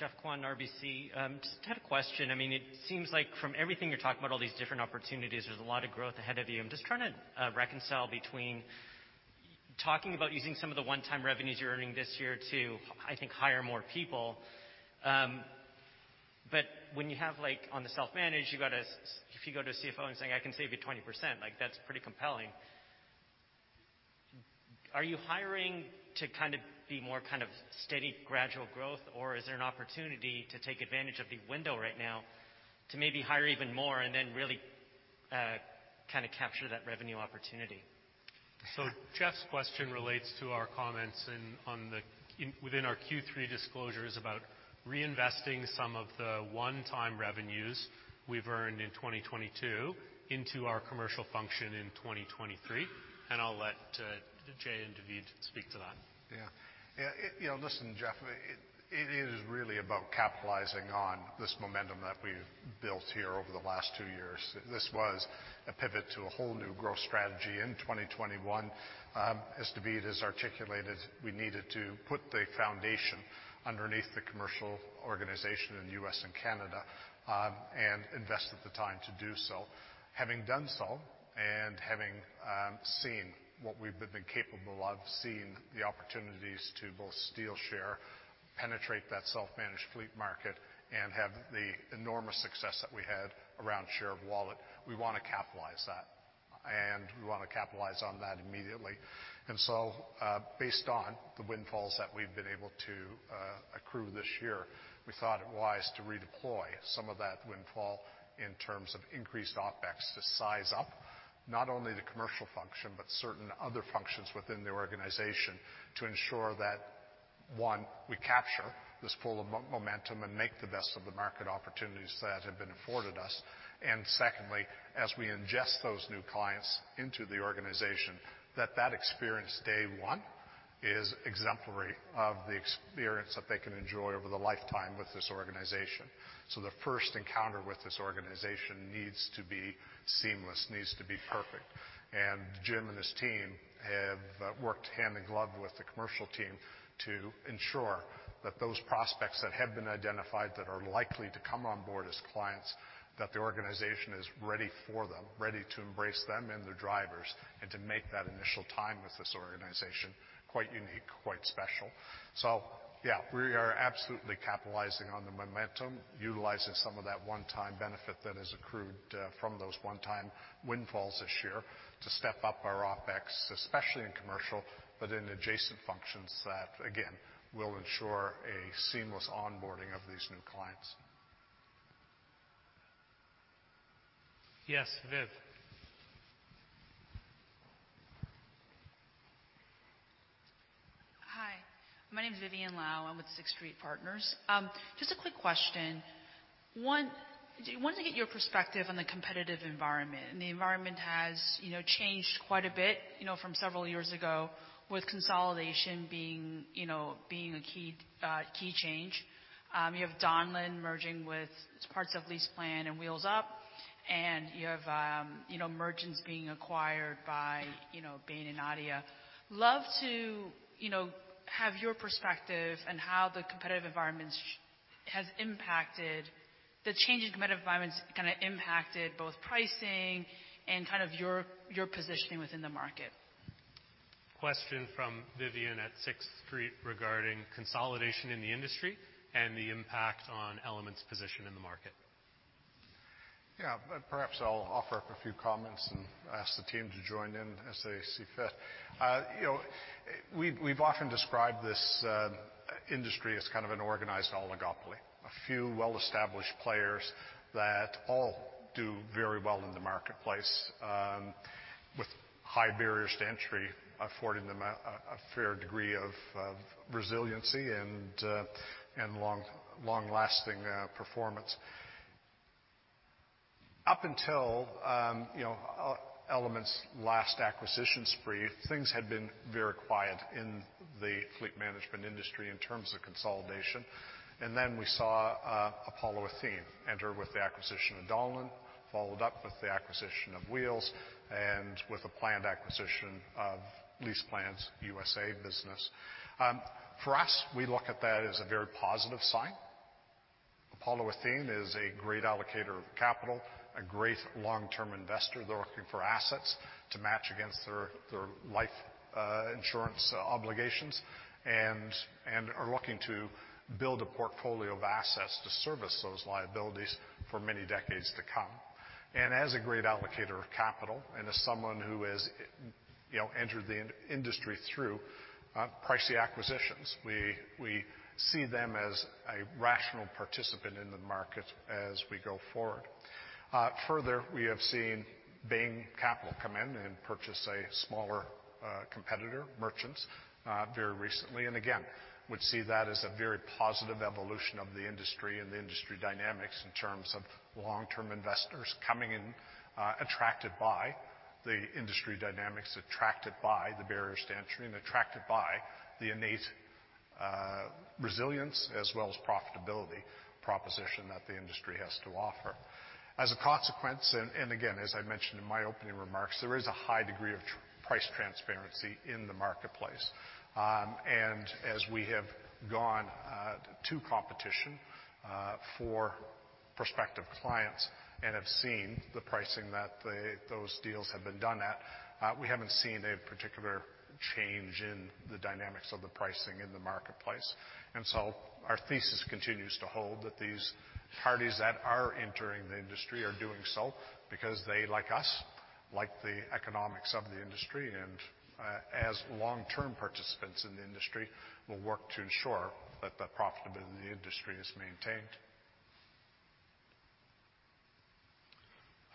Geoffrey Kwan, RBC. Just had a question. I mean, it seems like from everything you're talking about all these different opportunities, there's a lot of growth ahead of you. I'm just trying to reconcile between talking about using some of the one-time revenues you're earning this year to, I think, hire more people. When you have like on the self-managed, you gotta If you go to a CFO and saying, "I can save you 20%," like that's pretty compelling. Are you hiring to kind of be more kind of steady gradual growth, or is there an opportunity to take advantage of the window right now to maybe hire even more and then really, kinda capture that revenue opportunity? Jeff's question relates to our comments within our Q3 disclosures about reinvesting some of the one-time revenues we've earned in 2022 into our commercial function in 2023. I'll let Jay and David Madrigal speak to that. Yeah. Yeah, it, you know, listen, Jeff, it is really about capitalizing on this momentum that we've built here over the last two years. This was a pivot to a whole new growth strategy in 2021. As David has articulated, we needed to put the foundation underneath the commercial organization in the U.S. and Canada, invested the time to do so. Having done so, having seen what we've been capable of, seen the opportunities to both steal share, penetrate that self-managed fleet market, and have the enormous success that we had around share of wallet, we wanna capitalize that. We wanna capitalize on that immediately. Based on the windfalls that we've been able to accrue this year, we thought it wise to redeploy some of that windfall in terms of increased OpEx to size up not only the commercial function, but certain other functions within the organization to ensure that, one, we capture this pool of momentum and make the best of the market opportunities that have been afforded us. Secondly, as we ingest those new clients into the organization, that experience day one is exemplary of the experience that they can enjoy over the lifetime with this organization. The first encounter with this organization needs to be seamless, needs to be perfect. Jim and his team have worked hand in glove with the commercial team to ensure that those prospects that have been identified that are likely to come on board as clients, that the organization is ready for them, ready to embrace them and their drivers, and to make that initial time with this organization quite unique, quite special. Yeah, we are absolutely capitalizing on the momentum, utilizing some of that one-time benefit that has accrued from those one-time windfalls this year to step up our OpEx, especially in commercial, but in adjacent functions that, again, will ensure a seamless onboarding of these new clients. Yes, Viv. Hi, my name is Vivian Lau. I'm with Sixth Street Partners. Just a quick question. One, wanted to get your perspective on the competitive environment, the environment has, you know, changed quite a bit, you know, from several years ago, with consolidation being, you know, being a key change. You have Donlen merging with parts of LeasePlan and Wheels Up, you have, you know, Merchants being acquired by, you know, Bain and ADIA. Love to, you know, have your perspective on the change in competitive environments kind of impacted both pricing and kind of your positioning within the market. Question from Vivian at Sixth Street regarding consolidation in the industry and the impact on Element's position in the market. Yeah. Perhaps I'll offer up a few comments and ask the team to join in as they see fit. you know, we've often described this industry as kind of an organized oligopoly. A few well-established players that all do very well in the marketplace, with high barriers to entry affording them a fair degree of resiliency and long-lasting performance. Up until, you know, Element's last acquisition spree, things had been very quiet in the fleet management industry in terms of consolidation. Then we saw Apollo Athene enter with the acquisition of Donlen, followed up with the acquisition of Wheels and with a planned acquisition of LeasePlan's USA business. For us, we look at that as a very positive sign. Apollo Athene is a great allocator of capital, a great long-term investor. They're looking for assets to match against their life insurance obligations and are looking to build a portfolio of assets to service those liabilities for many decades to come. As a great allocator of capital and as someone who has, you know, entered the industry through pricey acquisitions, we see them as a rational participant in the market as we go forward. Further, we have seen Bain Capital come in and purchase a smaller competitor, Merchants, very recently. Again, would see that as a very positive evolution of the industry and the industry dynamics in terms of long-term investors coming in, attracted by the industry dynamics, attracted by the barriers to entry, and attracted by the innate resilience as well as profitability proposition that the industry has to offer. As a consequence, again, as I mentioned in my opening remarks, there is a high degree of price transparency in the marketplace. As we have gone to competition for prospective clients and have seen the pricing that those deals have been done at, we haven't seen a particular change in the dynamics of the pricing in the marketplace. Our thesis continues to hold that these parties that are entering the industry are doing so because they, like us, like the economics of the industry, and as long-term participants in the industry, will work to ensure that the profitability in the industry is maintained.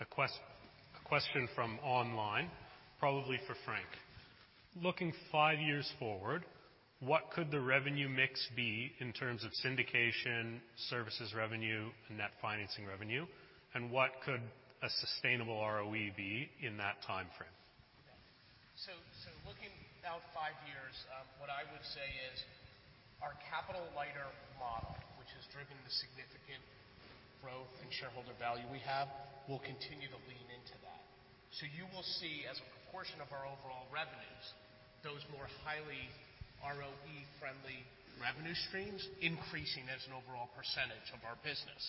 A question from online, probably for Frank. Looking five years forward, what could the revenue mix be in terms of syndication, services revenue, and net financing revenue? What could a sustainable ROE be in that timeframe? Looking out five years, what I would say is our capital-lighter model, which has driven the significant growth and shareholder value we have, we'll continue to lean into that. You will see, as a proportion of our overall revenues, those more highly ROE-friendly revenue streams increasing as an overall % of our business.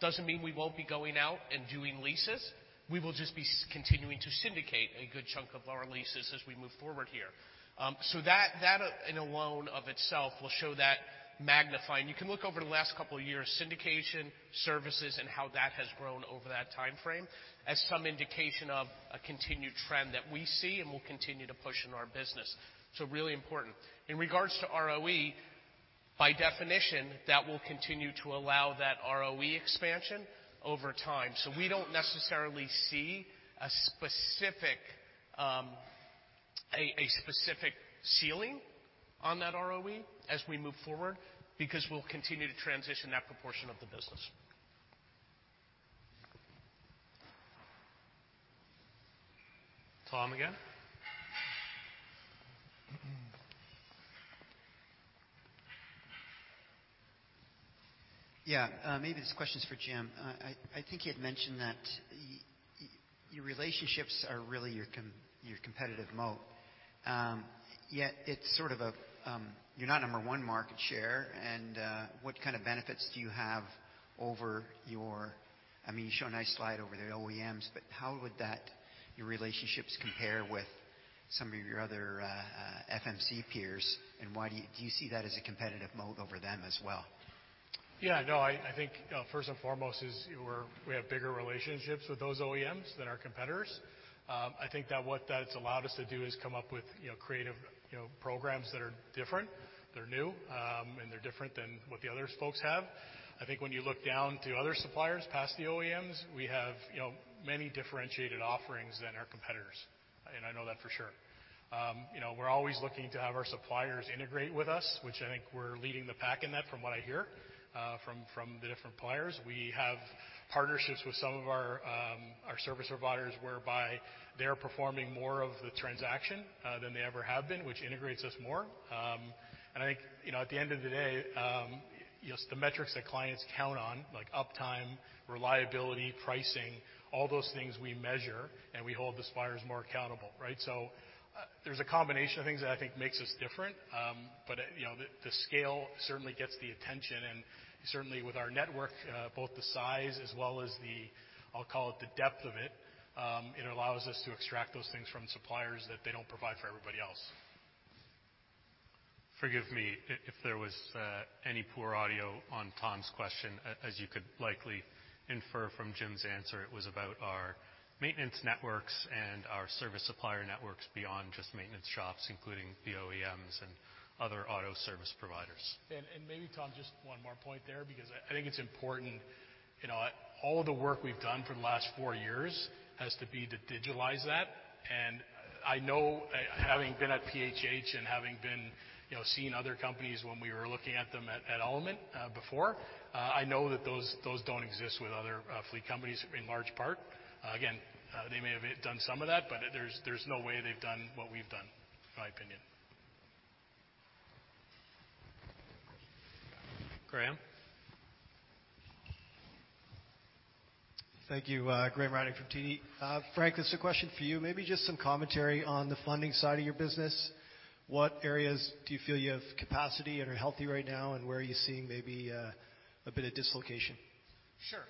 Doesn't mean we won't be going out and doing leases. We will just be continuing to syndicate a good chunk of our leases as we move forward here. That in alone of itself will show that magnifying. You can look over the last couple of years, syndication, services, and how that has grown over that timeframe as some indication of a continued trend that we see and will continue to push in our business. Really important. In regards to ROE, by definition, that will continue to allow that ROE expansion over time. We don't necessarily see a specific ceiling on that ROE as we move forward because we'll continue to transition that proportion of the business. Tom again. Yeah. Maybe this question's for Jim. I think you had mentioned that your relationships are really your competitive moat. You're not number one market share, and what kind of benefits do you have over your... I mean, you show a nice slide over the OEMs, but how would that, your relationships compare with some of your other FMC peers, and why do you see that as a competitive mode over them as well? No, I think, first and foremost is we have bigger relationships with those OEMs than our competitors. I think that what that's allowed us to do is come up with, you know, creative, you know, programs that are different, they're new, and they're different than what the other folks have. I think when you look down to other suppliers past the OEMs, we have, you know, many differentiated offerings than our competitors. I know that for sure. You know, we're always looking to have our suppliers integrate with us, which I think we're leading the pack in that from what I hear, from the different suppliers. We have partnerships with some of our service providers whereby they're performing more of the transaction than they ever have been, which integrates us more. I think, you know, at the end of the day, you know, it's the metrics that clients count on, like uptime, reliability, pricing, all those things we measure, and we hold the suppliers more accountable, right? There's a combination of things that I think makes us different. You know, the scale certainly gets the attention, and certainly with our network, both the size as well as the, I'll call it, the depth of it allows us to extract those things from suppliers that they don't provide for everybody else. Forgive me if there was any poor audio on Tom MacKinnon's question. As you could likely infer from Jim Halliday's answer, it was about our maintenance networks and our service supplier networks beyond just maintenance shops, including the OEMs and other auto service providers. Maybe, Tom, just one more point there because I think it's important. You know, all the work we've done for the last 4 years has to be to digitalize that. I know, having been at PHH and having been, you know, seeing other companies when we were looking at them at Element, before, I know that those don't exist with other fleet companies in large part. They may have done some of that, but there's no way they've done what we've done, in my opinion. Graham. Thank you. Graham Ryding from TD. Frank, this is a question for you. Maybe just some commentary on the funding side of your business. What areas do you feel you have capacity and are healthy right now, and where are you seeing maybe, a bit of dislocation? Sure.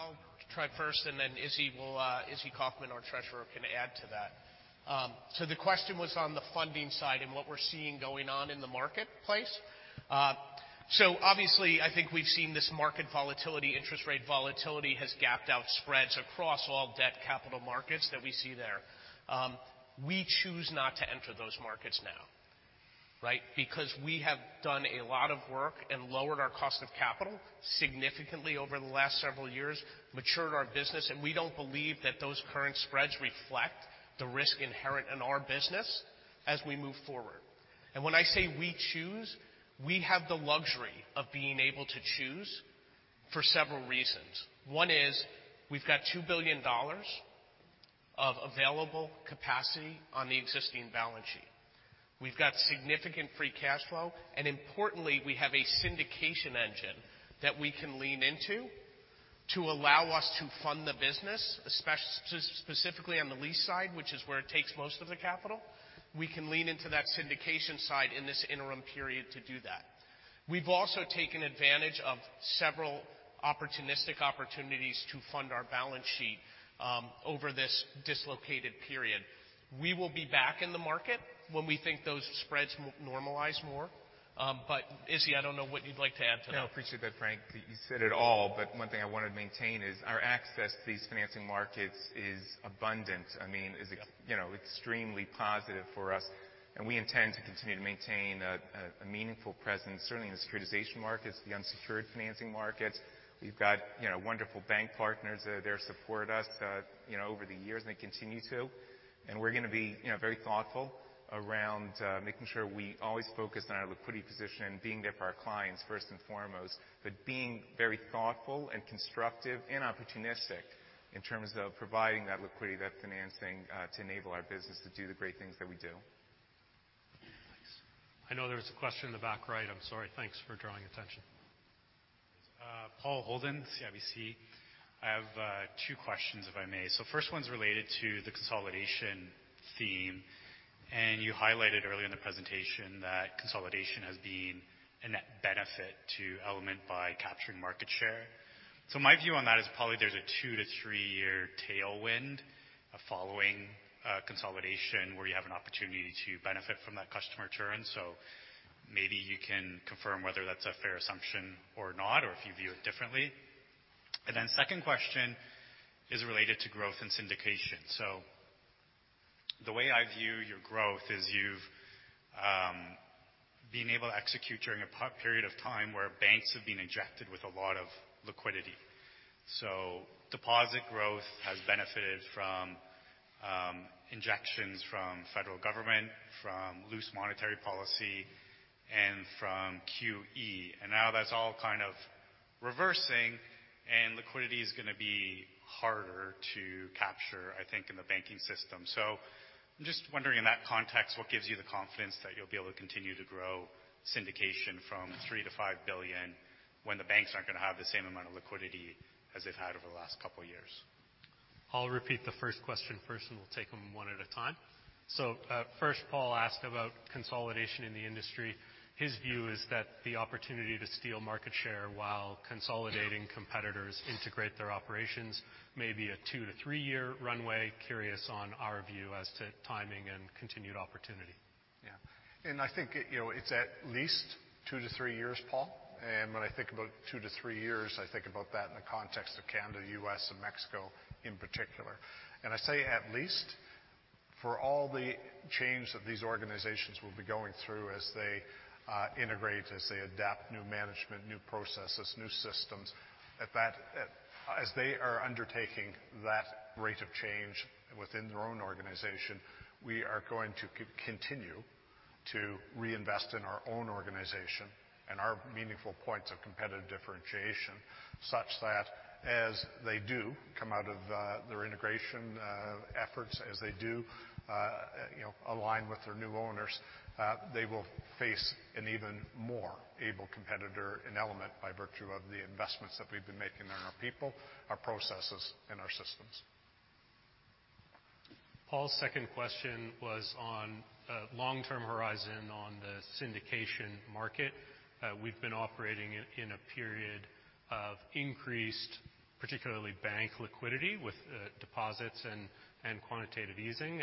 I'll try first, and then Izzy will, Izzy Kaufman, our treasurer, can add to that. The question was on the funding side and what we're seeing going on in the marketplace. Obviously, I think we've seen this market volatility, interest rate volatility has gapped out spreads across all debt capital markets that we see there. We choose not to enter those markets now, right? Because we have done a lot of work and lowered our cost of capital significantly over the last several years, matured our business, and we don't believe that those current spreads reflect the risk inherent in our business as we move forward. When I say we choose, we have the luxury of being able to choose for several reasons. One is we've got $2 billion of available capacity on the existing balance sheet. We've got significant free cash flow. Importantly, we have a syndication engine that we can lean into to allow us to fund the business, specifically on the lease side, which is where it takes most of the capital. We can lean into that syndication side in this interim period to do that. We've also taken advantage of several opportunistic opportunities to fund our balance sheet over this dislocated period. We will be back in the market when we think those spreads normalize more. Izzy, I don't know what you'd like to add to that. No, I appreciate that, Frank. You said it all, but one thing I want to maintain is our access to these financing markets is abundant. I mean, you know, extremely positive for us, and we intend to continue to maintain a meaningful presence, certainly in the securitization markets, the unsecured financing markets. We've got, you know, wonderful bank partners that are there to support us, you know, over the years, and they continue to. We're gonna be, you know, very thoughtful around making sure we always focus on our liquidity position, being there for our clients first and foremost, but being very thoughtful and constructive and opportunistic in terms of providing that liquidity, that financing to enable our business to do the great things that we do. Thanks. I know there was a question in the back right. I'm sorry. Thanks for drawing attention. Paul Holden, CIBC. I have two questions, if I may. First one's related to the consolidation theme, and you highlighted early in the presentation that consolidation has been a net benefit to Element by capturing market share. My view on that is probably there's a 2-3-year tailwind following consolidation where you have an opportunity to benefit from that customer churn. Second question is related to growth and syndication. The way I view your growth is you've been able to execute during a period of time where banks have been injected with a lot of liquidity. Deposit growth has benefited from injections from federal government, from loose monetary policy, and from QE. Now that's all kind of reversing, and liquidity is gonna be harder to capture, I think, in the banking system. I'm just wondering, in that context, what gives you the confidence that you'll be able to continue to grow syndication from $3 billion-$5 billion when the banks aren't gonna have the same amount of liquidity as they've had over the last couple years? I'll repeat the first question first. We'll take them one at a time. First, Paul asked about consolidation in the industry. His view is that the opportunity to steal market share while consolidating competitors integrate their operations may be a two-to-three-year runway. Curious on our view as to timing and continued opportunity. Yeah. I think it, you know, it's at least 2-three years, Paul. When I think about 2-three years, I think about that in the context of Canada, U.S., and Mexico in particular. I say at least for all the change that these organizations will be going through as they integrate, as they adapt new management, new processes, new systems. As they are undertaking that rate of change within their own organization, we are going to continue to reinvest in our own organization and our meaningful points of competitive differentiation, such that as they do come out of their integration efforts, as they do, you know, align with their new owners, they will face an even more able competitor in Element by virtue of the investments that we've been making in our people, our processes, and our systems. Paul's second question was on a long-term horizon on the syndication market. We've been operating in a period of increased, particularly bank liquidity with, deposits and quantitative easing.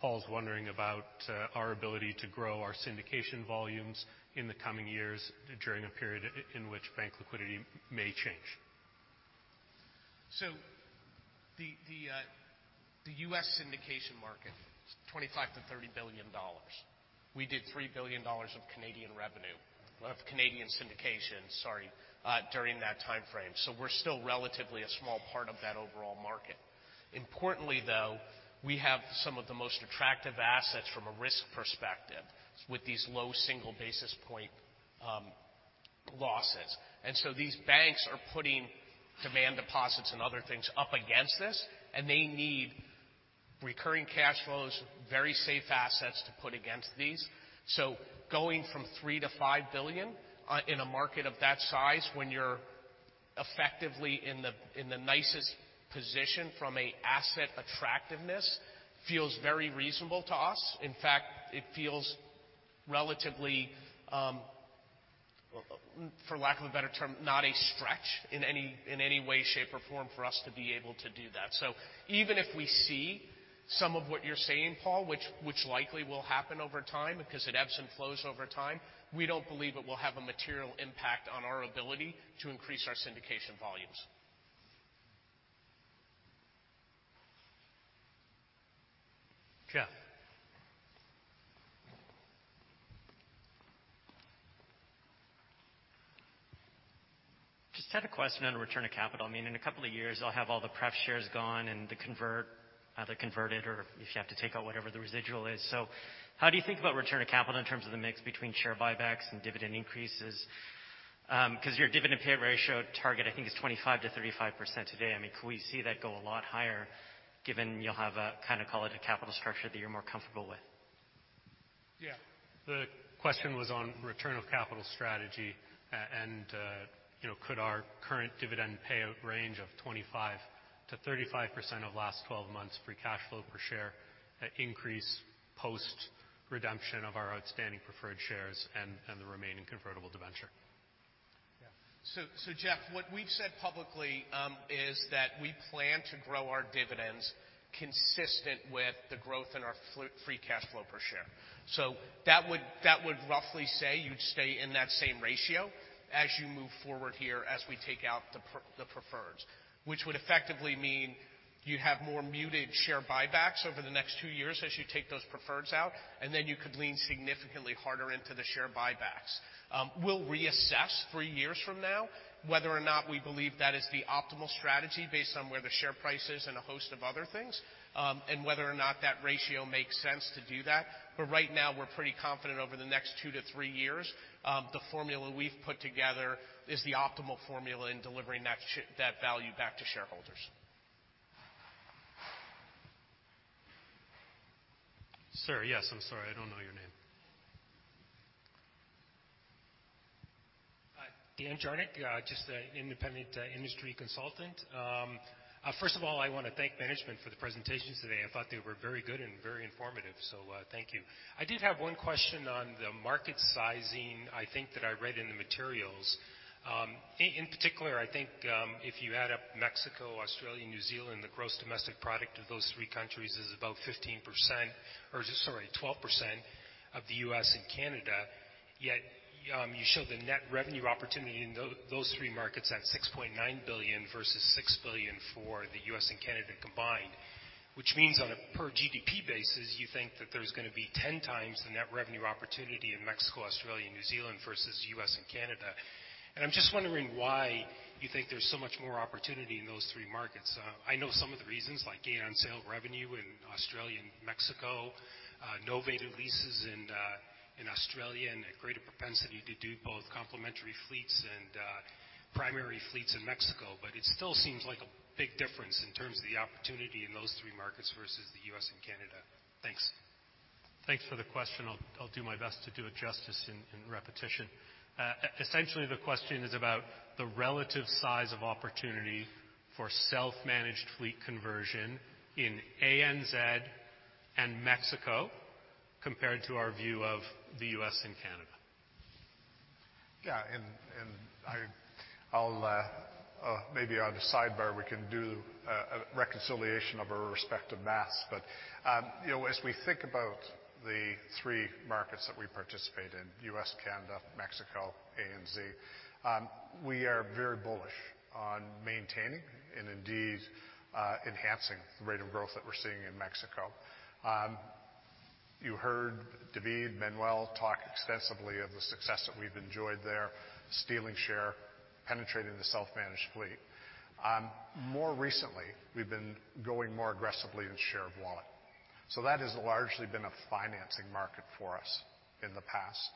Paul's wondering about our ability to grow our syndication volumes in the coming years during a period in which bank liquidity may change. The U.S. syndication market is $25 billion-$30 billion. We did $3 billion of Canadian syndication, sorry, during that timeframe. We're still relatively a small part of that overall market. Importantly, though, we have some of the most attractive assets from a risk perspective with these low single basis point losses. These banks are putting demand deposits and other things up against this, and they need recurring cash flows, very safe assets to put against these. Going from $3 billion-$5 billion in a market of that size when you're effectively in the nicest position from an asset attractiveness feels very reasonable to us. In fact, it feels relatively, for lack of a better term, not a stretch in any way, shape, or form for us to be able to do that. Even if we see some of what you're saying, Paul, which likely will happen over time because it ebbs and flows over time, we don't believe it will have a material impact on our ability to increase our syndication volumes. Jeff. Just had a question on return of capital. I mean, in a couple of years, I'll have all the prep shares gone and the convert, either converted or if you have to take out whatever the residual is. How do you think about return of capital in terms of the mix between share buybacks and dividend increases? because your dividend payout ratio target, I think, is 25%-35% today. I mean, can we see that go a lot higher given you'll have a, kind of, call it a capital structure that you're more comfortable with? Yeah. The question was on return of capital strategy, you know, could our current dividend payout range of 25%-35% of last 12 months free cash flow per share increase post-redemption of our outstanding preferred shares and the remaining convertible debenture. Jeff, what we've said publicly is that we plan to grow our dividends consistent with the growth in our free cash flow per share. That would roughly say you'd stay in that same ratio as you move forward here as we take out the preferreds, which would effectively mean you'd have more muted share buybacks over the next two years as you take those preferreds out, you could lean significantly harder into the share buybacks. We'll reassess three years from now whether or not we believe that is the optimal strategy based on where the share price is and a host of other things, whether or not that ratio makes sense to do that. right now, we're pretty confident over the next 2 to three years, the formula we've put together is the optimal formula in delivering that value back to shareholders. Sir, yes, I'm sorry, I don't know your name. Hi. Dan Jarnick, just a independent industry consultant. First of all, I wanna thank management for the presentations today. I thought they were very good and very informative, thank you. I did have one question on the market sizing I think that I read in the materials. In particular, I think, if you add up Mexico, Australia, New Zealand, the gross domestic product of those three countries is about 15% or, sorry, 12% of the U.S. and Canada. You show the net revenue opportunity in those three markets at $6.9 billion versus $6 billion for the U.S. and Canada combined, which means on a per GDP basis, you think that there's gonna be 10x the net revenue opportunity in Mexico, Australia, New Zealand versus U.S. and Canada. I'm just wondering why you think there's so much more opportunity in those three markets. I know some of the reasons like gain on sale revenue in Australia and Mexico, novated leases in Australia, and a greater propensity to do both complementary fleets and primary fleets in Mexico. It still seems like a big difference in terms of the opportunity in those three markets versus the U.S. and Canada. Thanks. Thanks for the question. I'll do my best to do it justice in repetition. Essentially, the question is about the relative size of opportunity for self-managed fleet conversion in ANZ and Mexico compared to our view of the U.S. and Canada. Yeah. I'll maybe on the sidebar, we can do a reconciliation of our respective math. You know, as we think about the three markets that we participate in, U.S., Canada, Mexico, ANZ, we are very bullish on maintaining and indeed, enhancing the rate of growth that we're seeing in Mexico. You heard David Manuel talk extensively of the success that we've enjoyed there, stealing share, penetrating the self-managed fleet. More recently, we've been going more aggressively in share of wallet. That has largely been a financing market for us in the past.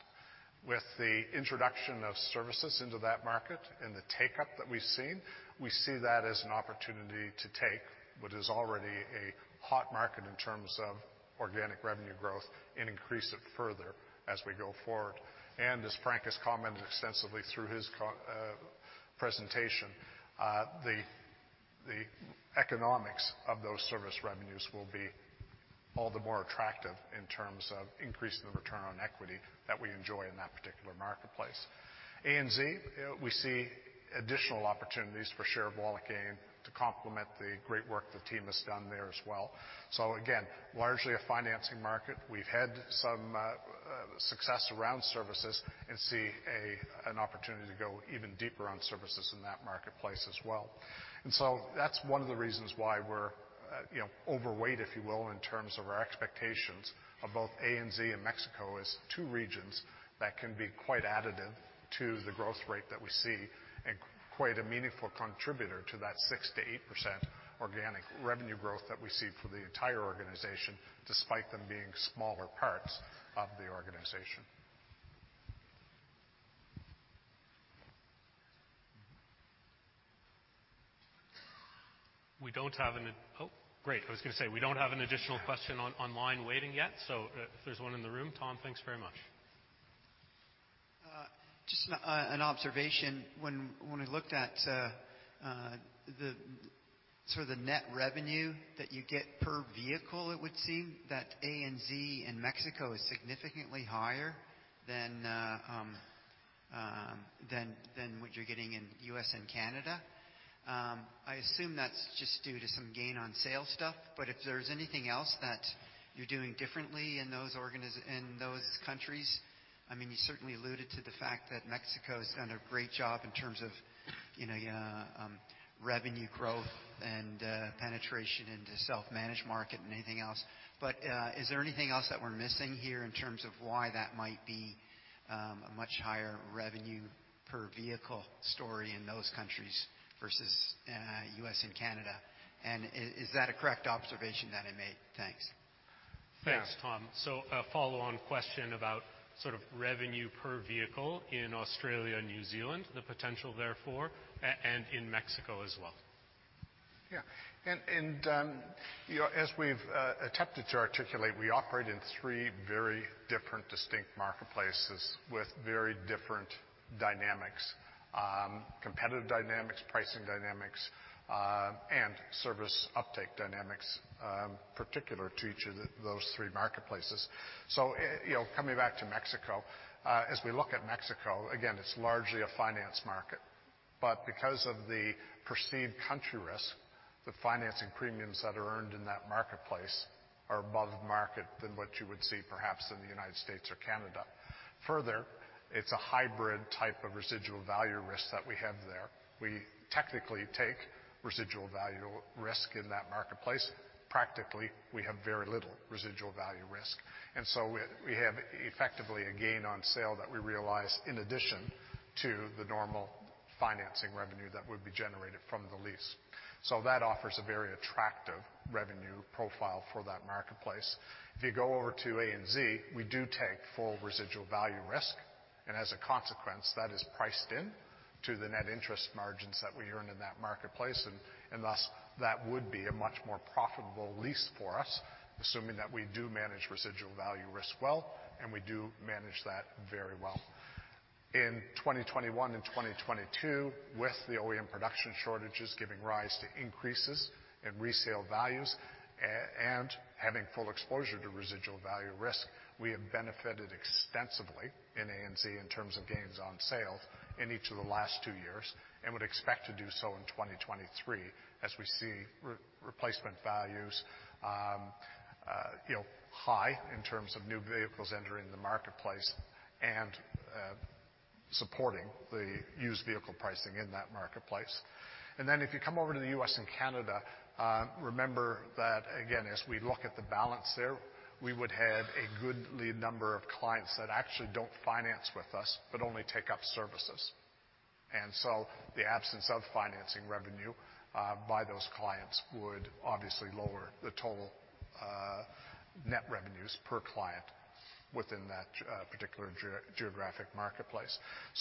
With the introduction of services into that market and the take-up that we've seen, we see that as an opportunity to take what is already a hot market in terms of organic revenue growth and increase it further as we go forward. As Frank has commented extensively through his presentation, the economics of those service revenues will be all the more attractive in terms of increasing the return on equity that we enjoy in that particular marketplace. ANZ, we see additional opportunities for share of wallet gain to complement the great work the team has done there as well. Again, largely a financing market. We've had some success around services and see an opportunity to go even deeper on services in that marketplace as well. That's one of the reasons why we're, you know, overweight, if you will, in terms of our expectations of both ANZ and Mexico as two regions that can be quite additive to the growth rate that we see, and quite a meaningful contributor to that 6%-8% organic revenue growth that we see for the entire organization, despite them being smaller parts of the organization. We don't have. Oh, great. I was gonna say, we don't have an additional question online waiting yet. If there's one in the room. Tom, thanks very much. Just an observation. When we looked at the sort of the net revenue that you get per vehicle, it would seem that ANZ and Mexico is significantly higher than what you're getting in U.S. and Canada. I assume that's just due to some gain on sales stuff, but if there's anything else that you're doing differently in those countries, I mean, you certainly alluded to the fact that Mexico has done a great job in terms of, you know, revenue growth and penetration into self-managed market and anything else. Is there anything else that we're missing here in terms of why that might be a much higher revenue per vehicle story in those countries versus U.S. and Canada? Is that a correct observation that I made? Thanks. Yeah. Thanks, Tom. A follow-on question about sort of revenue per vehicle in Australia and New Zealand, the potential therefore, and in Mexico as well. Yeah. You know, as we've attempted to articulate, we operate in three very different distinct marketplaces with very different dynamics, competitive dynamics, pricing dynamics, and service uptake dynamics, particular to each of those three marketplaces. You know, coming back to Mexico, as we look at Mexico, again, it's largely a finance market. Because of the perceived country risk, the financing premiums that are earned in that marketplace are above market than what you would see perhaps in the United States or Canada. Further, it's a hybrid type of residual value risk that we have there. We technically take residual value risk in that marketplace. Practically, we have very little residual value risk. We have effectively a gain on sale that we realize in addition to the normal financing revenue that would be generated from the lease. That offers a very attractive revenue profile for that marketplace. If you go over to ANZ, we do take full residual value risk. As a consequence, that is priced in to the net interest margins that we earn in that marketplace. Thus that would be a much more profitable lease for us, assuming that we do manage residual value risk well, and we do manage that very well. In 2021 and 2022, with the OEM production shortages giving rise to increases in resale values and having full exposure to residual value risk, we have benefited extensively in ANZ in terms of gains on sales in each of the last two years and would expect to do so in 2023 as we see replacement values, you know, high in terms of new vehicles entering the marketplace and supporting the used vehicle pricing in that marketplace. If you come over to the U.S. and Canada, remember that again, as we look at the balance there, we would have a good lead number of clients that actually don't finance with us, but only take up services. The absence of financing revenue by those clients would obviously lower the total net revenues per client. Within that particular geographic marketplace.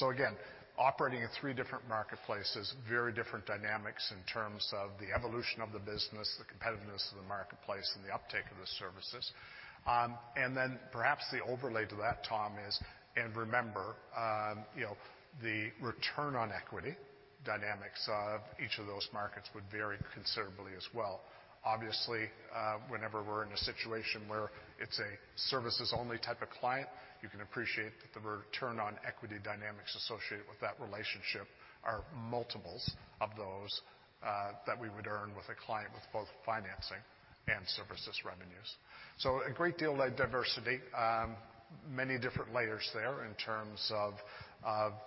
Again, operating in three different marketplaces, very different dynamics in terms of the evolution of the business, the competitiveness of the marketplace, and the uptake of the services. Perhaps the overlay to that, Tom, is remember, you know, the return on equity dynamics of each of those markets would vary considerably as well. Obviously, whenever we're in a situation where it's a services only type of client, you can appreciate that the return on equity dynamics associated with that relationship are multiples of those that we would earn with a client with both financing and services revenues. A great deal of diversity. Many different layers there in terms of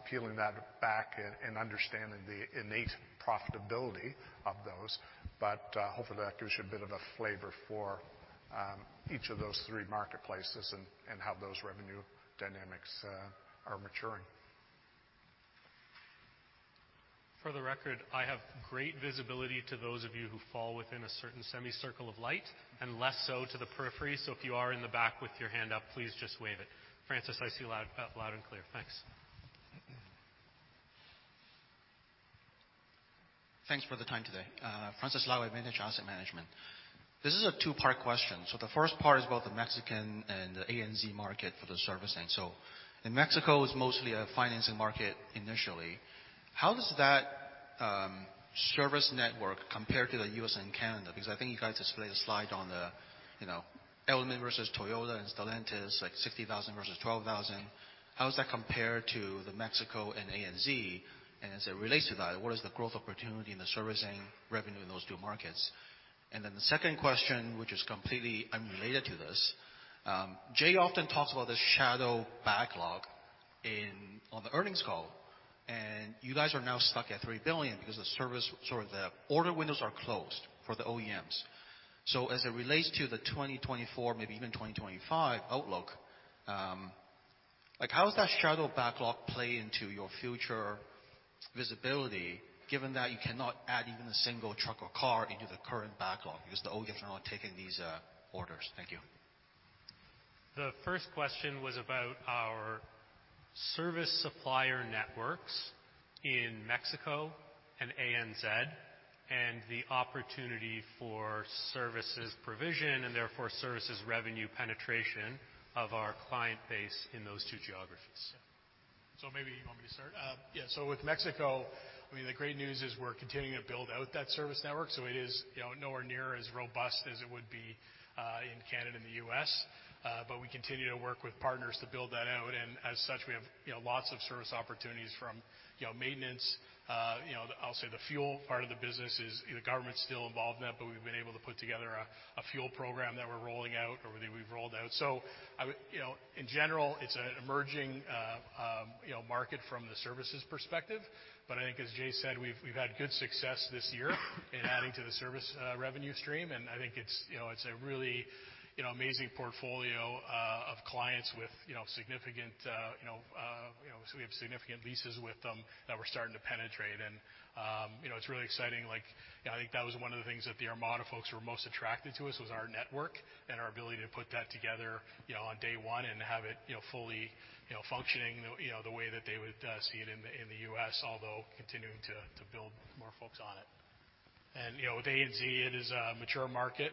peeling that back and understanding the innate profitability of those. Hopefully, that gives you a bit of a flavor for each of those three marketplaces and how those revenue dynamics are maturing. For the record, I have great visibility to those of you who fall within a certain semicircle of light and less so to the periphery. If you are in the back with your hand up, please just wave it. Francis, I see you loud and clear. Thanks. Thanks for the time today. Francis Lau at Vantage Asset Management. This is a two-part question. The first part is about the Mexican and the ANZ market for the servicing. In Mexico, it's mostly a financing market initially. How does that service network compare to the U.S. and Canada? I think you guys displayed a slide on the, you know, Element versus Toyota and Stellantis, like 60,000 versus 12,000. How does that compare to the Mexico and ANZ? As it relates to that, what is the growth opportunity in the servicing revenue in those two markets? The second question, which is completely unrelated to this, Jay often talks about the shadow backlog on the earnings call, you guys are now stuck at $3 billion because the service or the order windows are closed for the OEMs. As it relates to the 2024, maybe even 2025 outlook, like, how does that shadow backlog play into your future visibility given that you cannot add even a single truck or car into the current backlog because the OEMs are not taking these, orders? Thank you. The first question was about our service supplier networks in Mexico and ANZ and the opportunity for services provision and therefore services revenue penetration of our client base in those two geographies. Maybe you want me to start? Yeah. With Mexico, I mean, the great news is we're continuing to build out that service network, so it is, you know, nowhere near as robust as it would be in Canada and the U.S. But we continue to work with partners to build that out, and as such, we have, you know, lots of service opportunities from, you know, maintenance, you know, I'll say the fuel part of the business is, you know, the government's still involved in that, but we've been able to put together a fuel program that we're rolling out or that we've rolled out. I would... You know, in general, it's an emerging, you know, market from the services perspective. I think as Jay said, we've had good success this year in adding to the service revenue stream. I think it's, you know, it's a really, you know, amazing portfolio of clients with, you know, significant, you know, so we have significant leases with them that we're starting to penetrate. You know, it's really exciting. Like, you know, I think that was one of the things that the Aramark folks were most attracted to us was our network and our ability to put that together, you know, on day one and have it, you know, fully, you know, functioning the, you know, the way that they would see it in the U.S., although continuing to build more folks on it. You know, with ANZ, it is a mature market.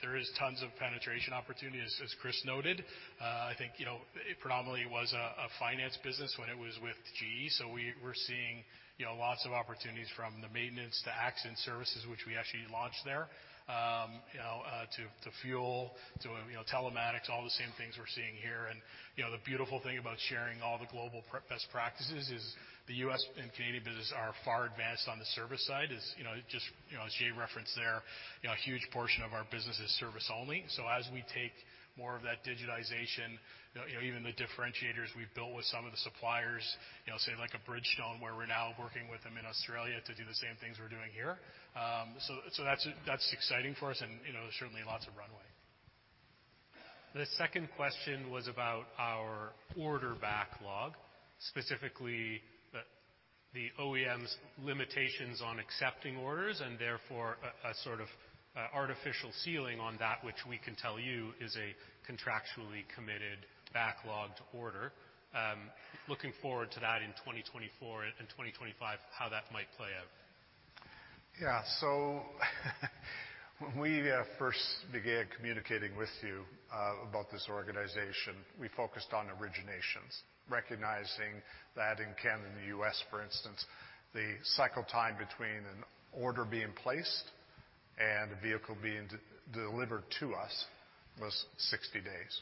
There is tons of penetration opportunity, as Chris noted. I think, you know, it predominantly was a finance business when it was with GE. We're seeing, you know, lots of opportunities from the maintenance to accident services, which we actually launched there, you know, to fuel to, you know, telematics, all the same things we're seeing here. You know, the beautiful thing about sharing all the global best practices is the US and Canadian business are far advanced on the service side. As, you know, just, you know, as Jay referenced there, you know, a huge portion of our business is service only. As we take more of that digitization, you know, even the differentiators we've built with some of the suppliers, you know, say like a Bridgestone, where we're now working with them in Australia to do the same things we're doing here. That's exciting for us and, you know, certainly lots of runway. The second question was about our order backlog, specifically the OEMs limitations on accepting orders and therefore a sort of artificial ceiling on that which we can tell you is a contractually committed backlogged order. Looking forward to that in 2024 and in 2025, how that might play out. Yeah. When we first began communicating with you about this organization, we focused on originations, recognizing that in Canada and the U.S., for instance, the cycle time between an order being placed and a vehicle being delivered to us was 60 days.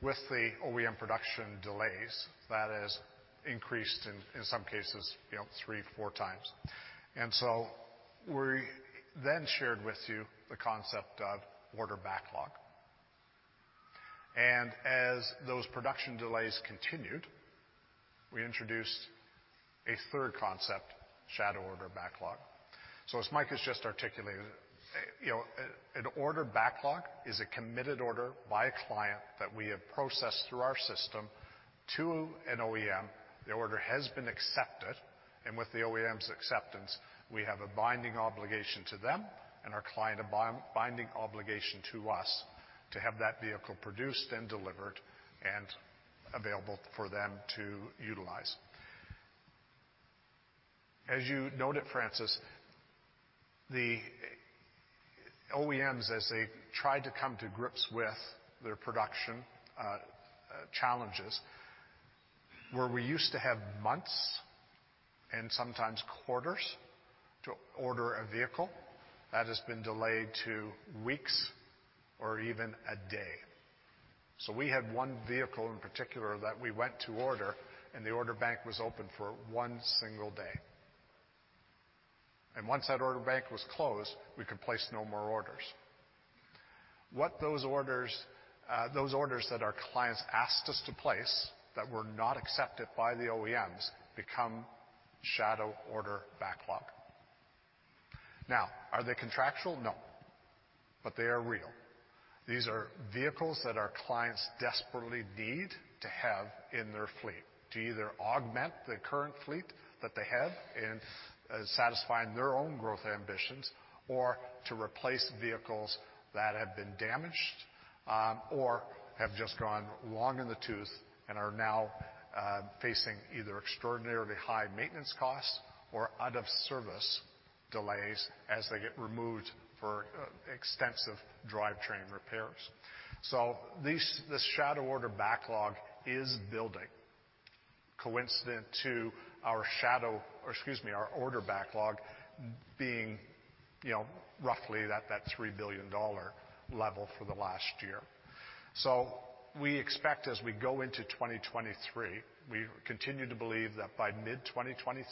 With the OEM production delays, that has increased in some cases, you know, 3, 4 times. We then shared with you the concept of order backlog. As those production delays continued, we introduced a third concept, shadow order backlog. As Mike has just articulated, you know, an order backlog is a committed order by a client that we have processed through our system. To an OEM, the order has been accepted, and with the OEM's acceptance, we have a binding obligation to them and our client a bi-binding obligation to us to have that vehicle produced and delivered and available for them to utilize. As you noted, Francis, the OEMs, as they tried to come to grips with their production challenges, where we used to have months and sometimes quarters to order a vehicle, that has been delayed to weeks or even a day. We had one vehicle in particular that we went to order, and the order bank was open for one single day. Once that order bank was closed, we could place no more orders. What those orders, those orders that our clients asked us to place that were not accepted by the OEMs become shadow order backlog. Are they contractual? No, but they are real. These are vehicles that our clients desperately need to have in their fleet to either augment the current fleet that they have in satisfying their own growth ambitions or to replace vehicles that have been damaged, or have just gone long in the tooth and are now facing either extraordinarily high maintenance costs or out of service delays as they get removed for extensive drivetrain repairs. This shadow order backlog is building coincident to our order backlog being, you know, roughly that $3 billion level for the last year. We expect as we go into 2023, we continue to believe that by mid-2023,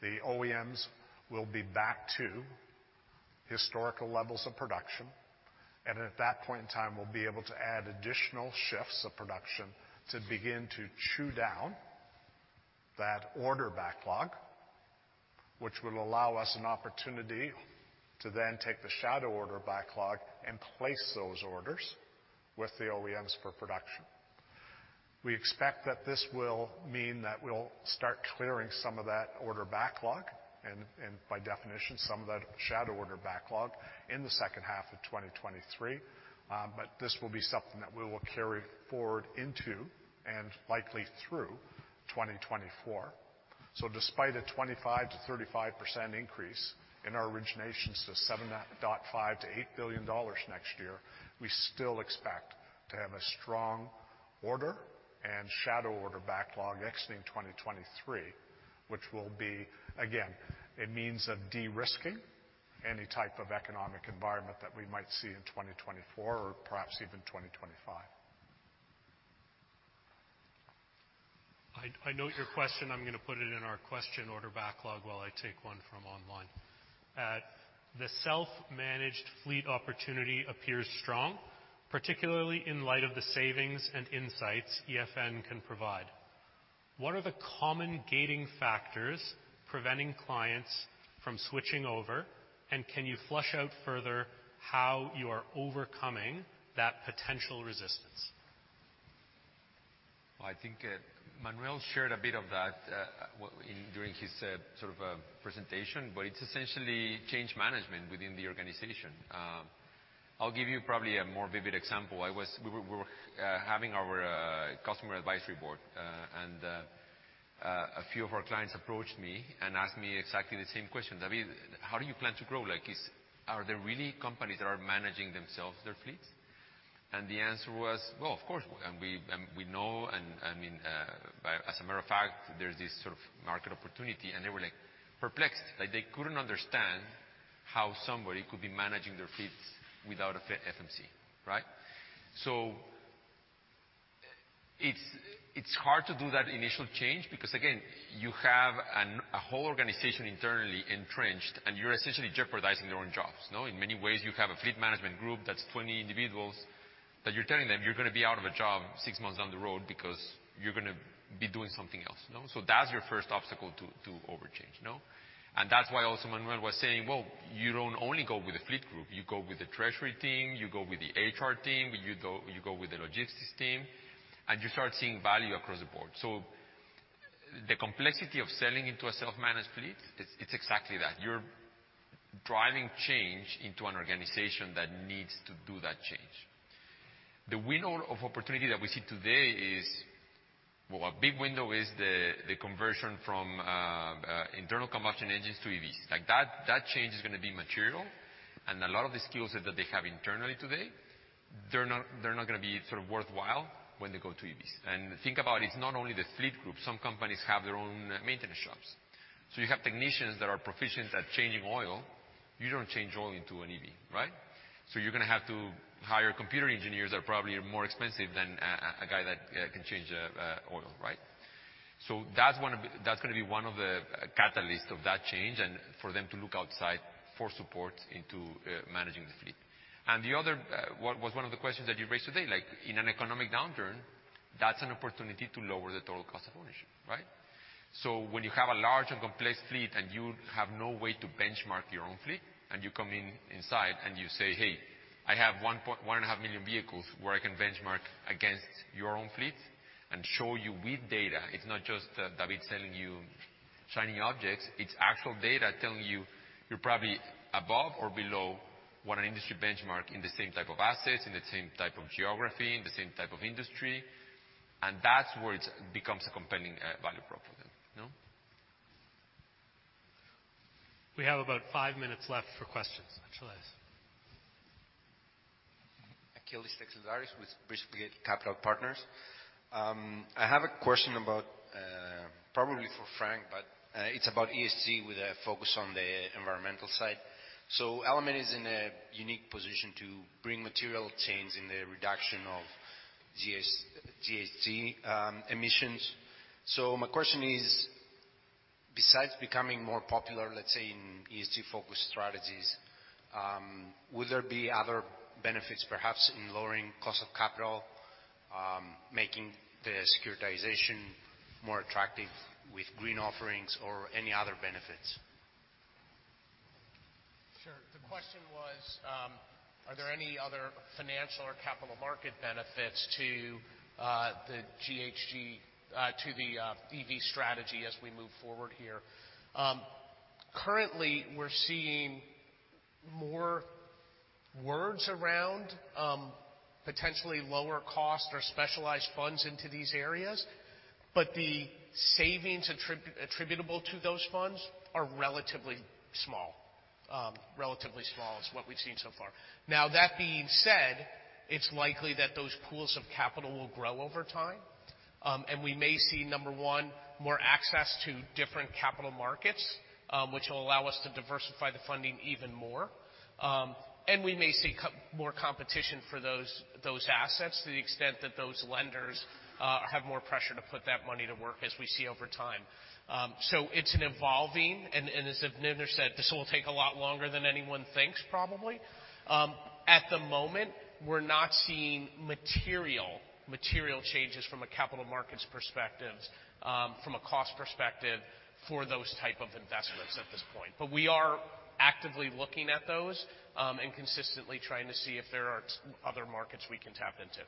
the OEMs will be back to historical levels of production. At that point in time, we'll be able to add additional shifts of production to begin to chew down that order backlog, which will allow us an opportunity to then take the shadow order backlog and place those orders with the OEMs for production. We expect that this will mean that we'll start clearing some of that order backlog and by definition, some of that shadow order backlog in the second half of 2023. But this will be something that we will carry forward into and likely through 2024. Despite a 25%-35% increase in our originations to $7.5 billion-$8 billion next year, we still expect to have a strong order and shadow order backlog exiting 2023, which will be, again, a means of de-risking any type of economic environment that we might see in 2024 or perhaps even 2025. I note your question. I'm gonna put it in our question order backlog while I take one from online. The self-managed fleet opportunity appears strong, particularly in light of the savings and insights EFN can provide. What are the common gating factors preventing clients from switching over, and can you flush out further how you are overcoming that potential resistance? Well, I think Manuel shared a bit of that, well, during his presentation, but it's essentially change management within the organization. I'll give you probably a more vivid example. We were having our customer advisory board, and a few of our clients approached me and asked me exactly the same question. "David, how do you plan to grow? Like, are there really companies that are managing themselves, their fleets?" The answer was, "Well, of course." We know, I mean, by as a matter of fact, there's this market opportunity, and they were like perplexed. They couldn't understand how somebody could be managing their fleets without a FMC, right? It's hard to do that initial change because, again, you have a whole organization internally entrenched, and you're essentially jeopardizing their own jobs, no? In many ways, you have a fleet management group that's 20 individuals that you're telling them, "You're gonna be out of a job six months down the road because you're gonna be doing something else," no? That's your first obstacle to overchange, no? That's why also Manuel was saying, "Well, you don't only go with the fleet group. You go with the treasury team, you go with the HR team, you go with the logistics team, and you start seeing value across the board." The complexity of selling into a self-managed fleet, it's exactly that. You're driving change into an organization that needs to do that change. The window of opportunity that we see today is... A big window is the conversion from internal combustion engines to EVs. Like, that change is gonna be material, and a lot of the skills that they have internally today, they're not gonna be sort of worthwhile when they go to EVs. Think about it's not only the fleet group. Some companies have their own maintenance shops. You have technicians that are proficient at changing oil. You don't change oil into an EV, right? You're gonna have to hire computer engineers that probably are more expensive than a guy that can change oil, right? That's gonna be one of the catalysts of that change and for them to look outside for support into managing the fleet. The other, what was one of the questions that you raised today, like in an economic downturn, that's an opportunity to lower the total cost of ownership, right? When you have a large and complex fleet, and you have no way to benchmark your own fleet, and you come in inside and you say, "Hey, I have 1.5 million vehicles where I can benchmark against your own fleet and show you with data." It's not just David selling you shiny objects, it's actual data telling you you're probably above or below what an industry benchmark in the same type of assets, in the same type of geography, in the same type of industry, and that's where it becomes a compelling value prop for them, you know? We have about five minutes left for questions. Achilleas. Achilleas Taxildaris with Bristol Gate Capital Partners. I have a question about, probably for Frank, but it's about ESG with a focus on the environmental side. Element is in a unique position to bring material change in the reduction of GHG emissions. My question is, besides becoming more popular, let's say, in ESG-focused strategies, will there be other benefits perhaps in lowering cost of capital, making the securitization more attractive with green offerings or any other benefits? Sure. The question was, are there any other financial or capital market benefits to the GHG, to the EV strategy as we move forward here? Currently we're seeing more words around, potentially lower cost or specialized funds into these areas, but the savings attributable to those funds are relatively small. Relatively small is what we've seen so far. That being said, it's likely that those pools of capital will grow over time. We may see, number 1, more access to different capital markets, which will allow us to diversify the funding even more. We may see more competition for those assets to the extent that those lenders have more pressure to put that money to work as we see over time. It's an evolving and, as Ninder said, this will take a lot longer than anyone thinks probably. At the moment, we're not seeing material changes from a capital markets perspectives, from a cost perspective for those type of investments at this point. We are actively looking at those and consistently trying to see if there are other markets we can tap into.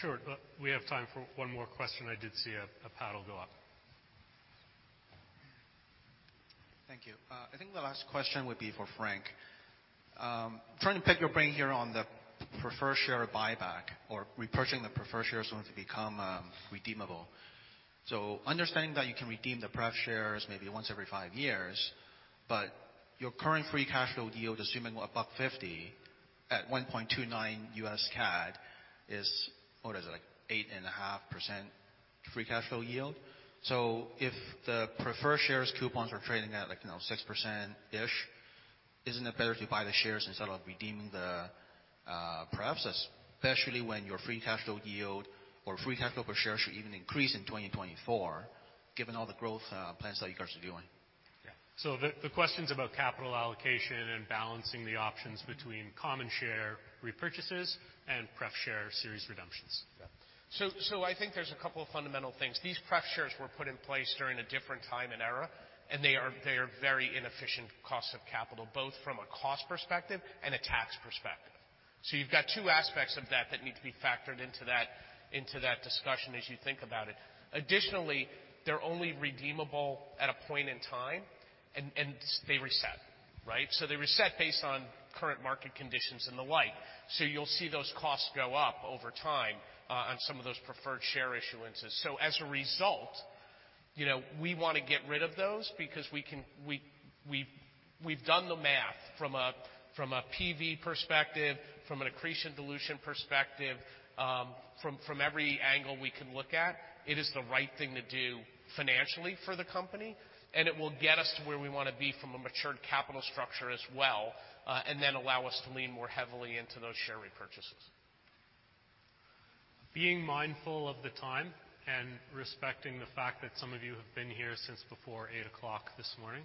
Sure. We have time for one more quesion. I did see a paddle go up. Thank you. I think the last question would be for Frank, trying to pick your brain here on the preferred share buyback or repurchasing the preferred shares once they become redeemable. Understanding that you can redeem the pref shares maybe once every five years, but your current free cash flow yield, assuming 1.50 at 1.29 USD/CAD is, what is it, like 8.5% free cash flow yield? If the preferred shares coupons are trading at like, you know, 6%-ish, isn't it better to buy the shares instead of redeeming the prefs, especially when your free cash flow yield or free cash flow per share should even increase in 2024, given all the growth plans that you guys are doing? Yeah. The question's about capital allocation and balancing the options between common share repurchases and pref share series redemptions. I think there's a couple of fundamental things. These pref shares were put in place during a different time and era, and they are very inefficient cost of capital, both from a cost perspective and a tax perspective. You've got two aspects of that that need to be factored into that discussion as you think about it. Additionally, they're only redeemable at a point in time and they reset, right? They reset based on current market conditions and the like. You'll see those costs go up over time on some of those preferred share issuances. As a result, you know, we wanna get rid of those because we've done the math from a PV perspective, from an accretion dilution perspective, from every angle we can look at, it is the right thing to do financially for the company, and it will get us to where we wanna be from a mature capital structure as well, and then allow us to lean more heavily into those share repurchases. Being mindful of the time and respecting the fact that some of you have been here since before eight o'clock this morning,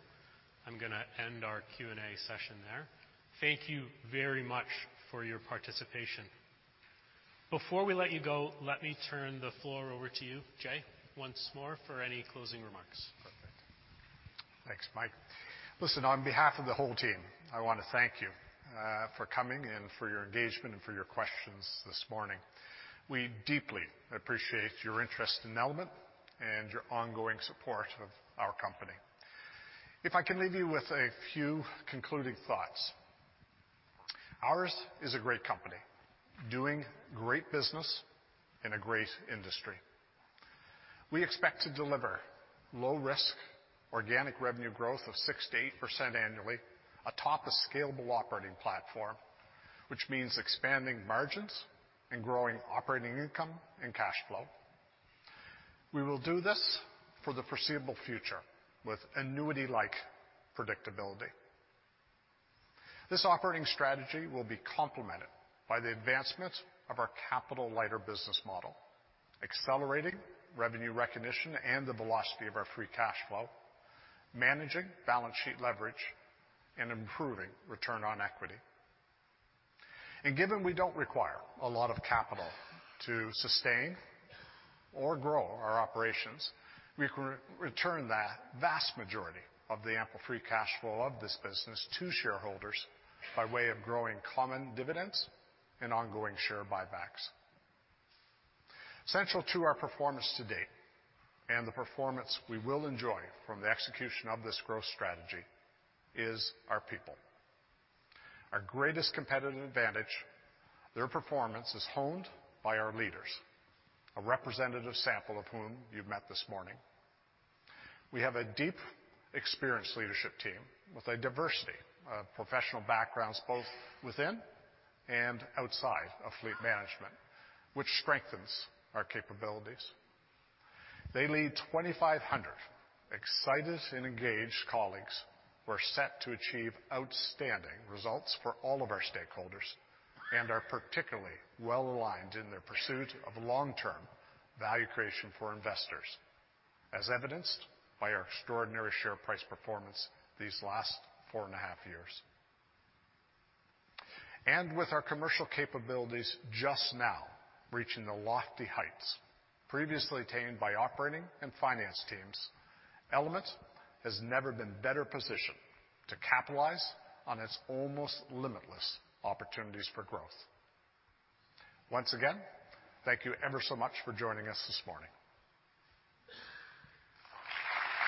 I'm gonna end our Q&A session there. Thank you very much for your participation. Before we let you go, let me turn the floor over to you, Jay, once more for any closing remarks. Perfect. Thanks, Mike. On behalf of the whole team, I wanna thank you for coming and for your engagement and for your questions this morning. We deeply appreciate your interest in Element and your ongoing support of our company. If I can leave you with a few concluding thoughts. Ours is a great company doing great business in a great industry. We expect to deliver low-risk, organic revenue growth of 6% to 8% annually atop a scalable operating platform, which means expanding margins and growing operating income and cash flow. We will do this for the foreseeable future with annuity-like predictability. This operating strategy will be complemented by the advancements of our capital-lighter business model, accelerating revenue recognition and the velocity of our free cash flow, managing balance sheet leverage, and improving return on equity. Given we don't require a lot of capital to sustain or grow our operations, we can return the vast majority of the ample free cash flow of this business to shareholders by way of growing common dividends and ongoing share buybacks. Central to our performance to date and the performance we will enjoy from the execution of this growth strategy is our people. Our greatest competitive advantage, their performance is honed by our leaders, a representative sample of whom you've met this morning. We have a deep, experienced leadership team with a diversity of professional backgrounds, both within and outside of fleet management, which strengthens our capabilities. They lead 2,500 excited and engaged colleagues. We're set to achieve outstanding results for all of our stakeholders and are particularly well-aligned in their pursuit of long-term value creation for investors, as evidenced by our extraordinary share price performance these last four and a half years. With our commercial capabilities just now reaching the lofty heights previously attained by operating and finance teams, Element has never been better positioned to capitalize on its almost limitless opportunities for growth. Once again, thank you ever so much for joining us this morning.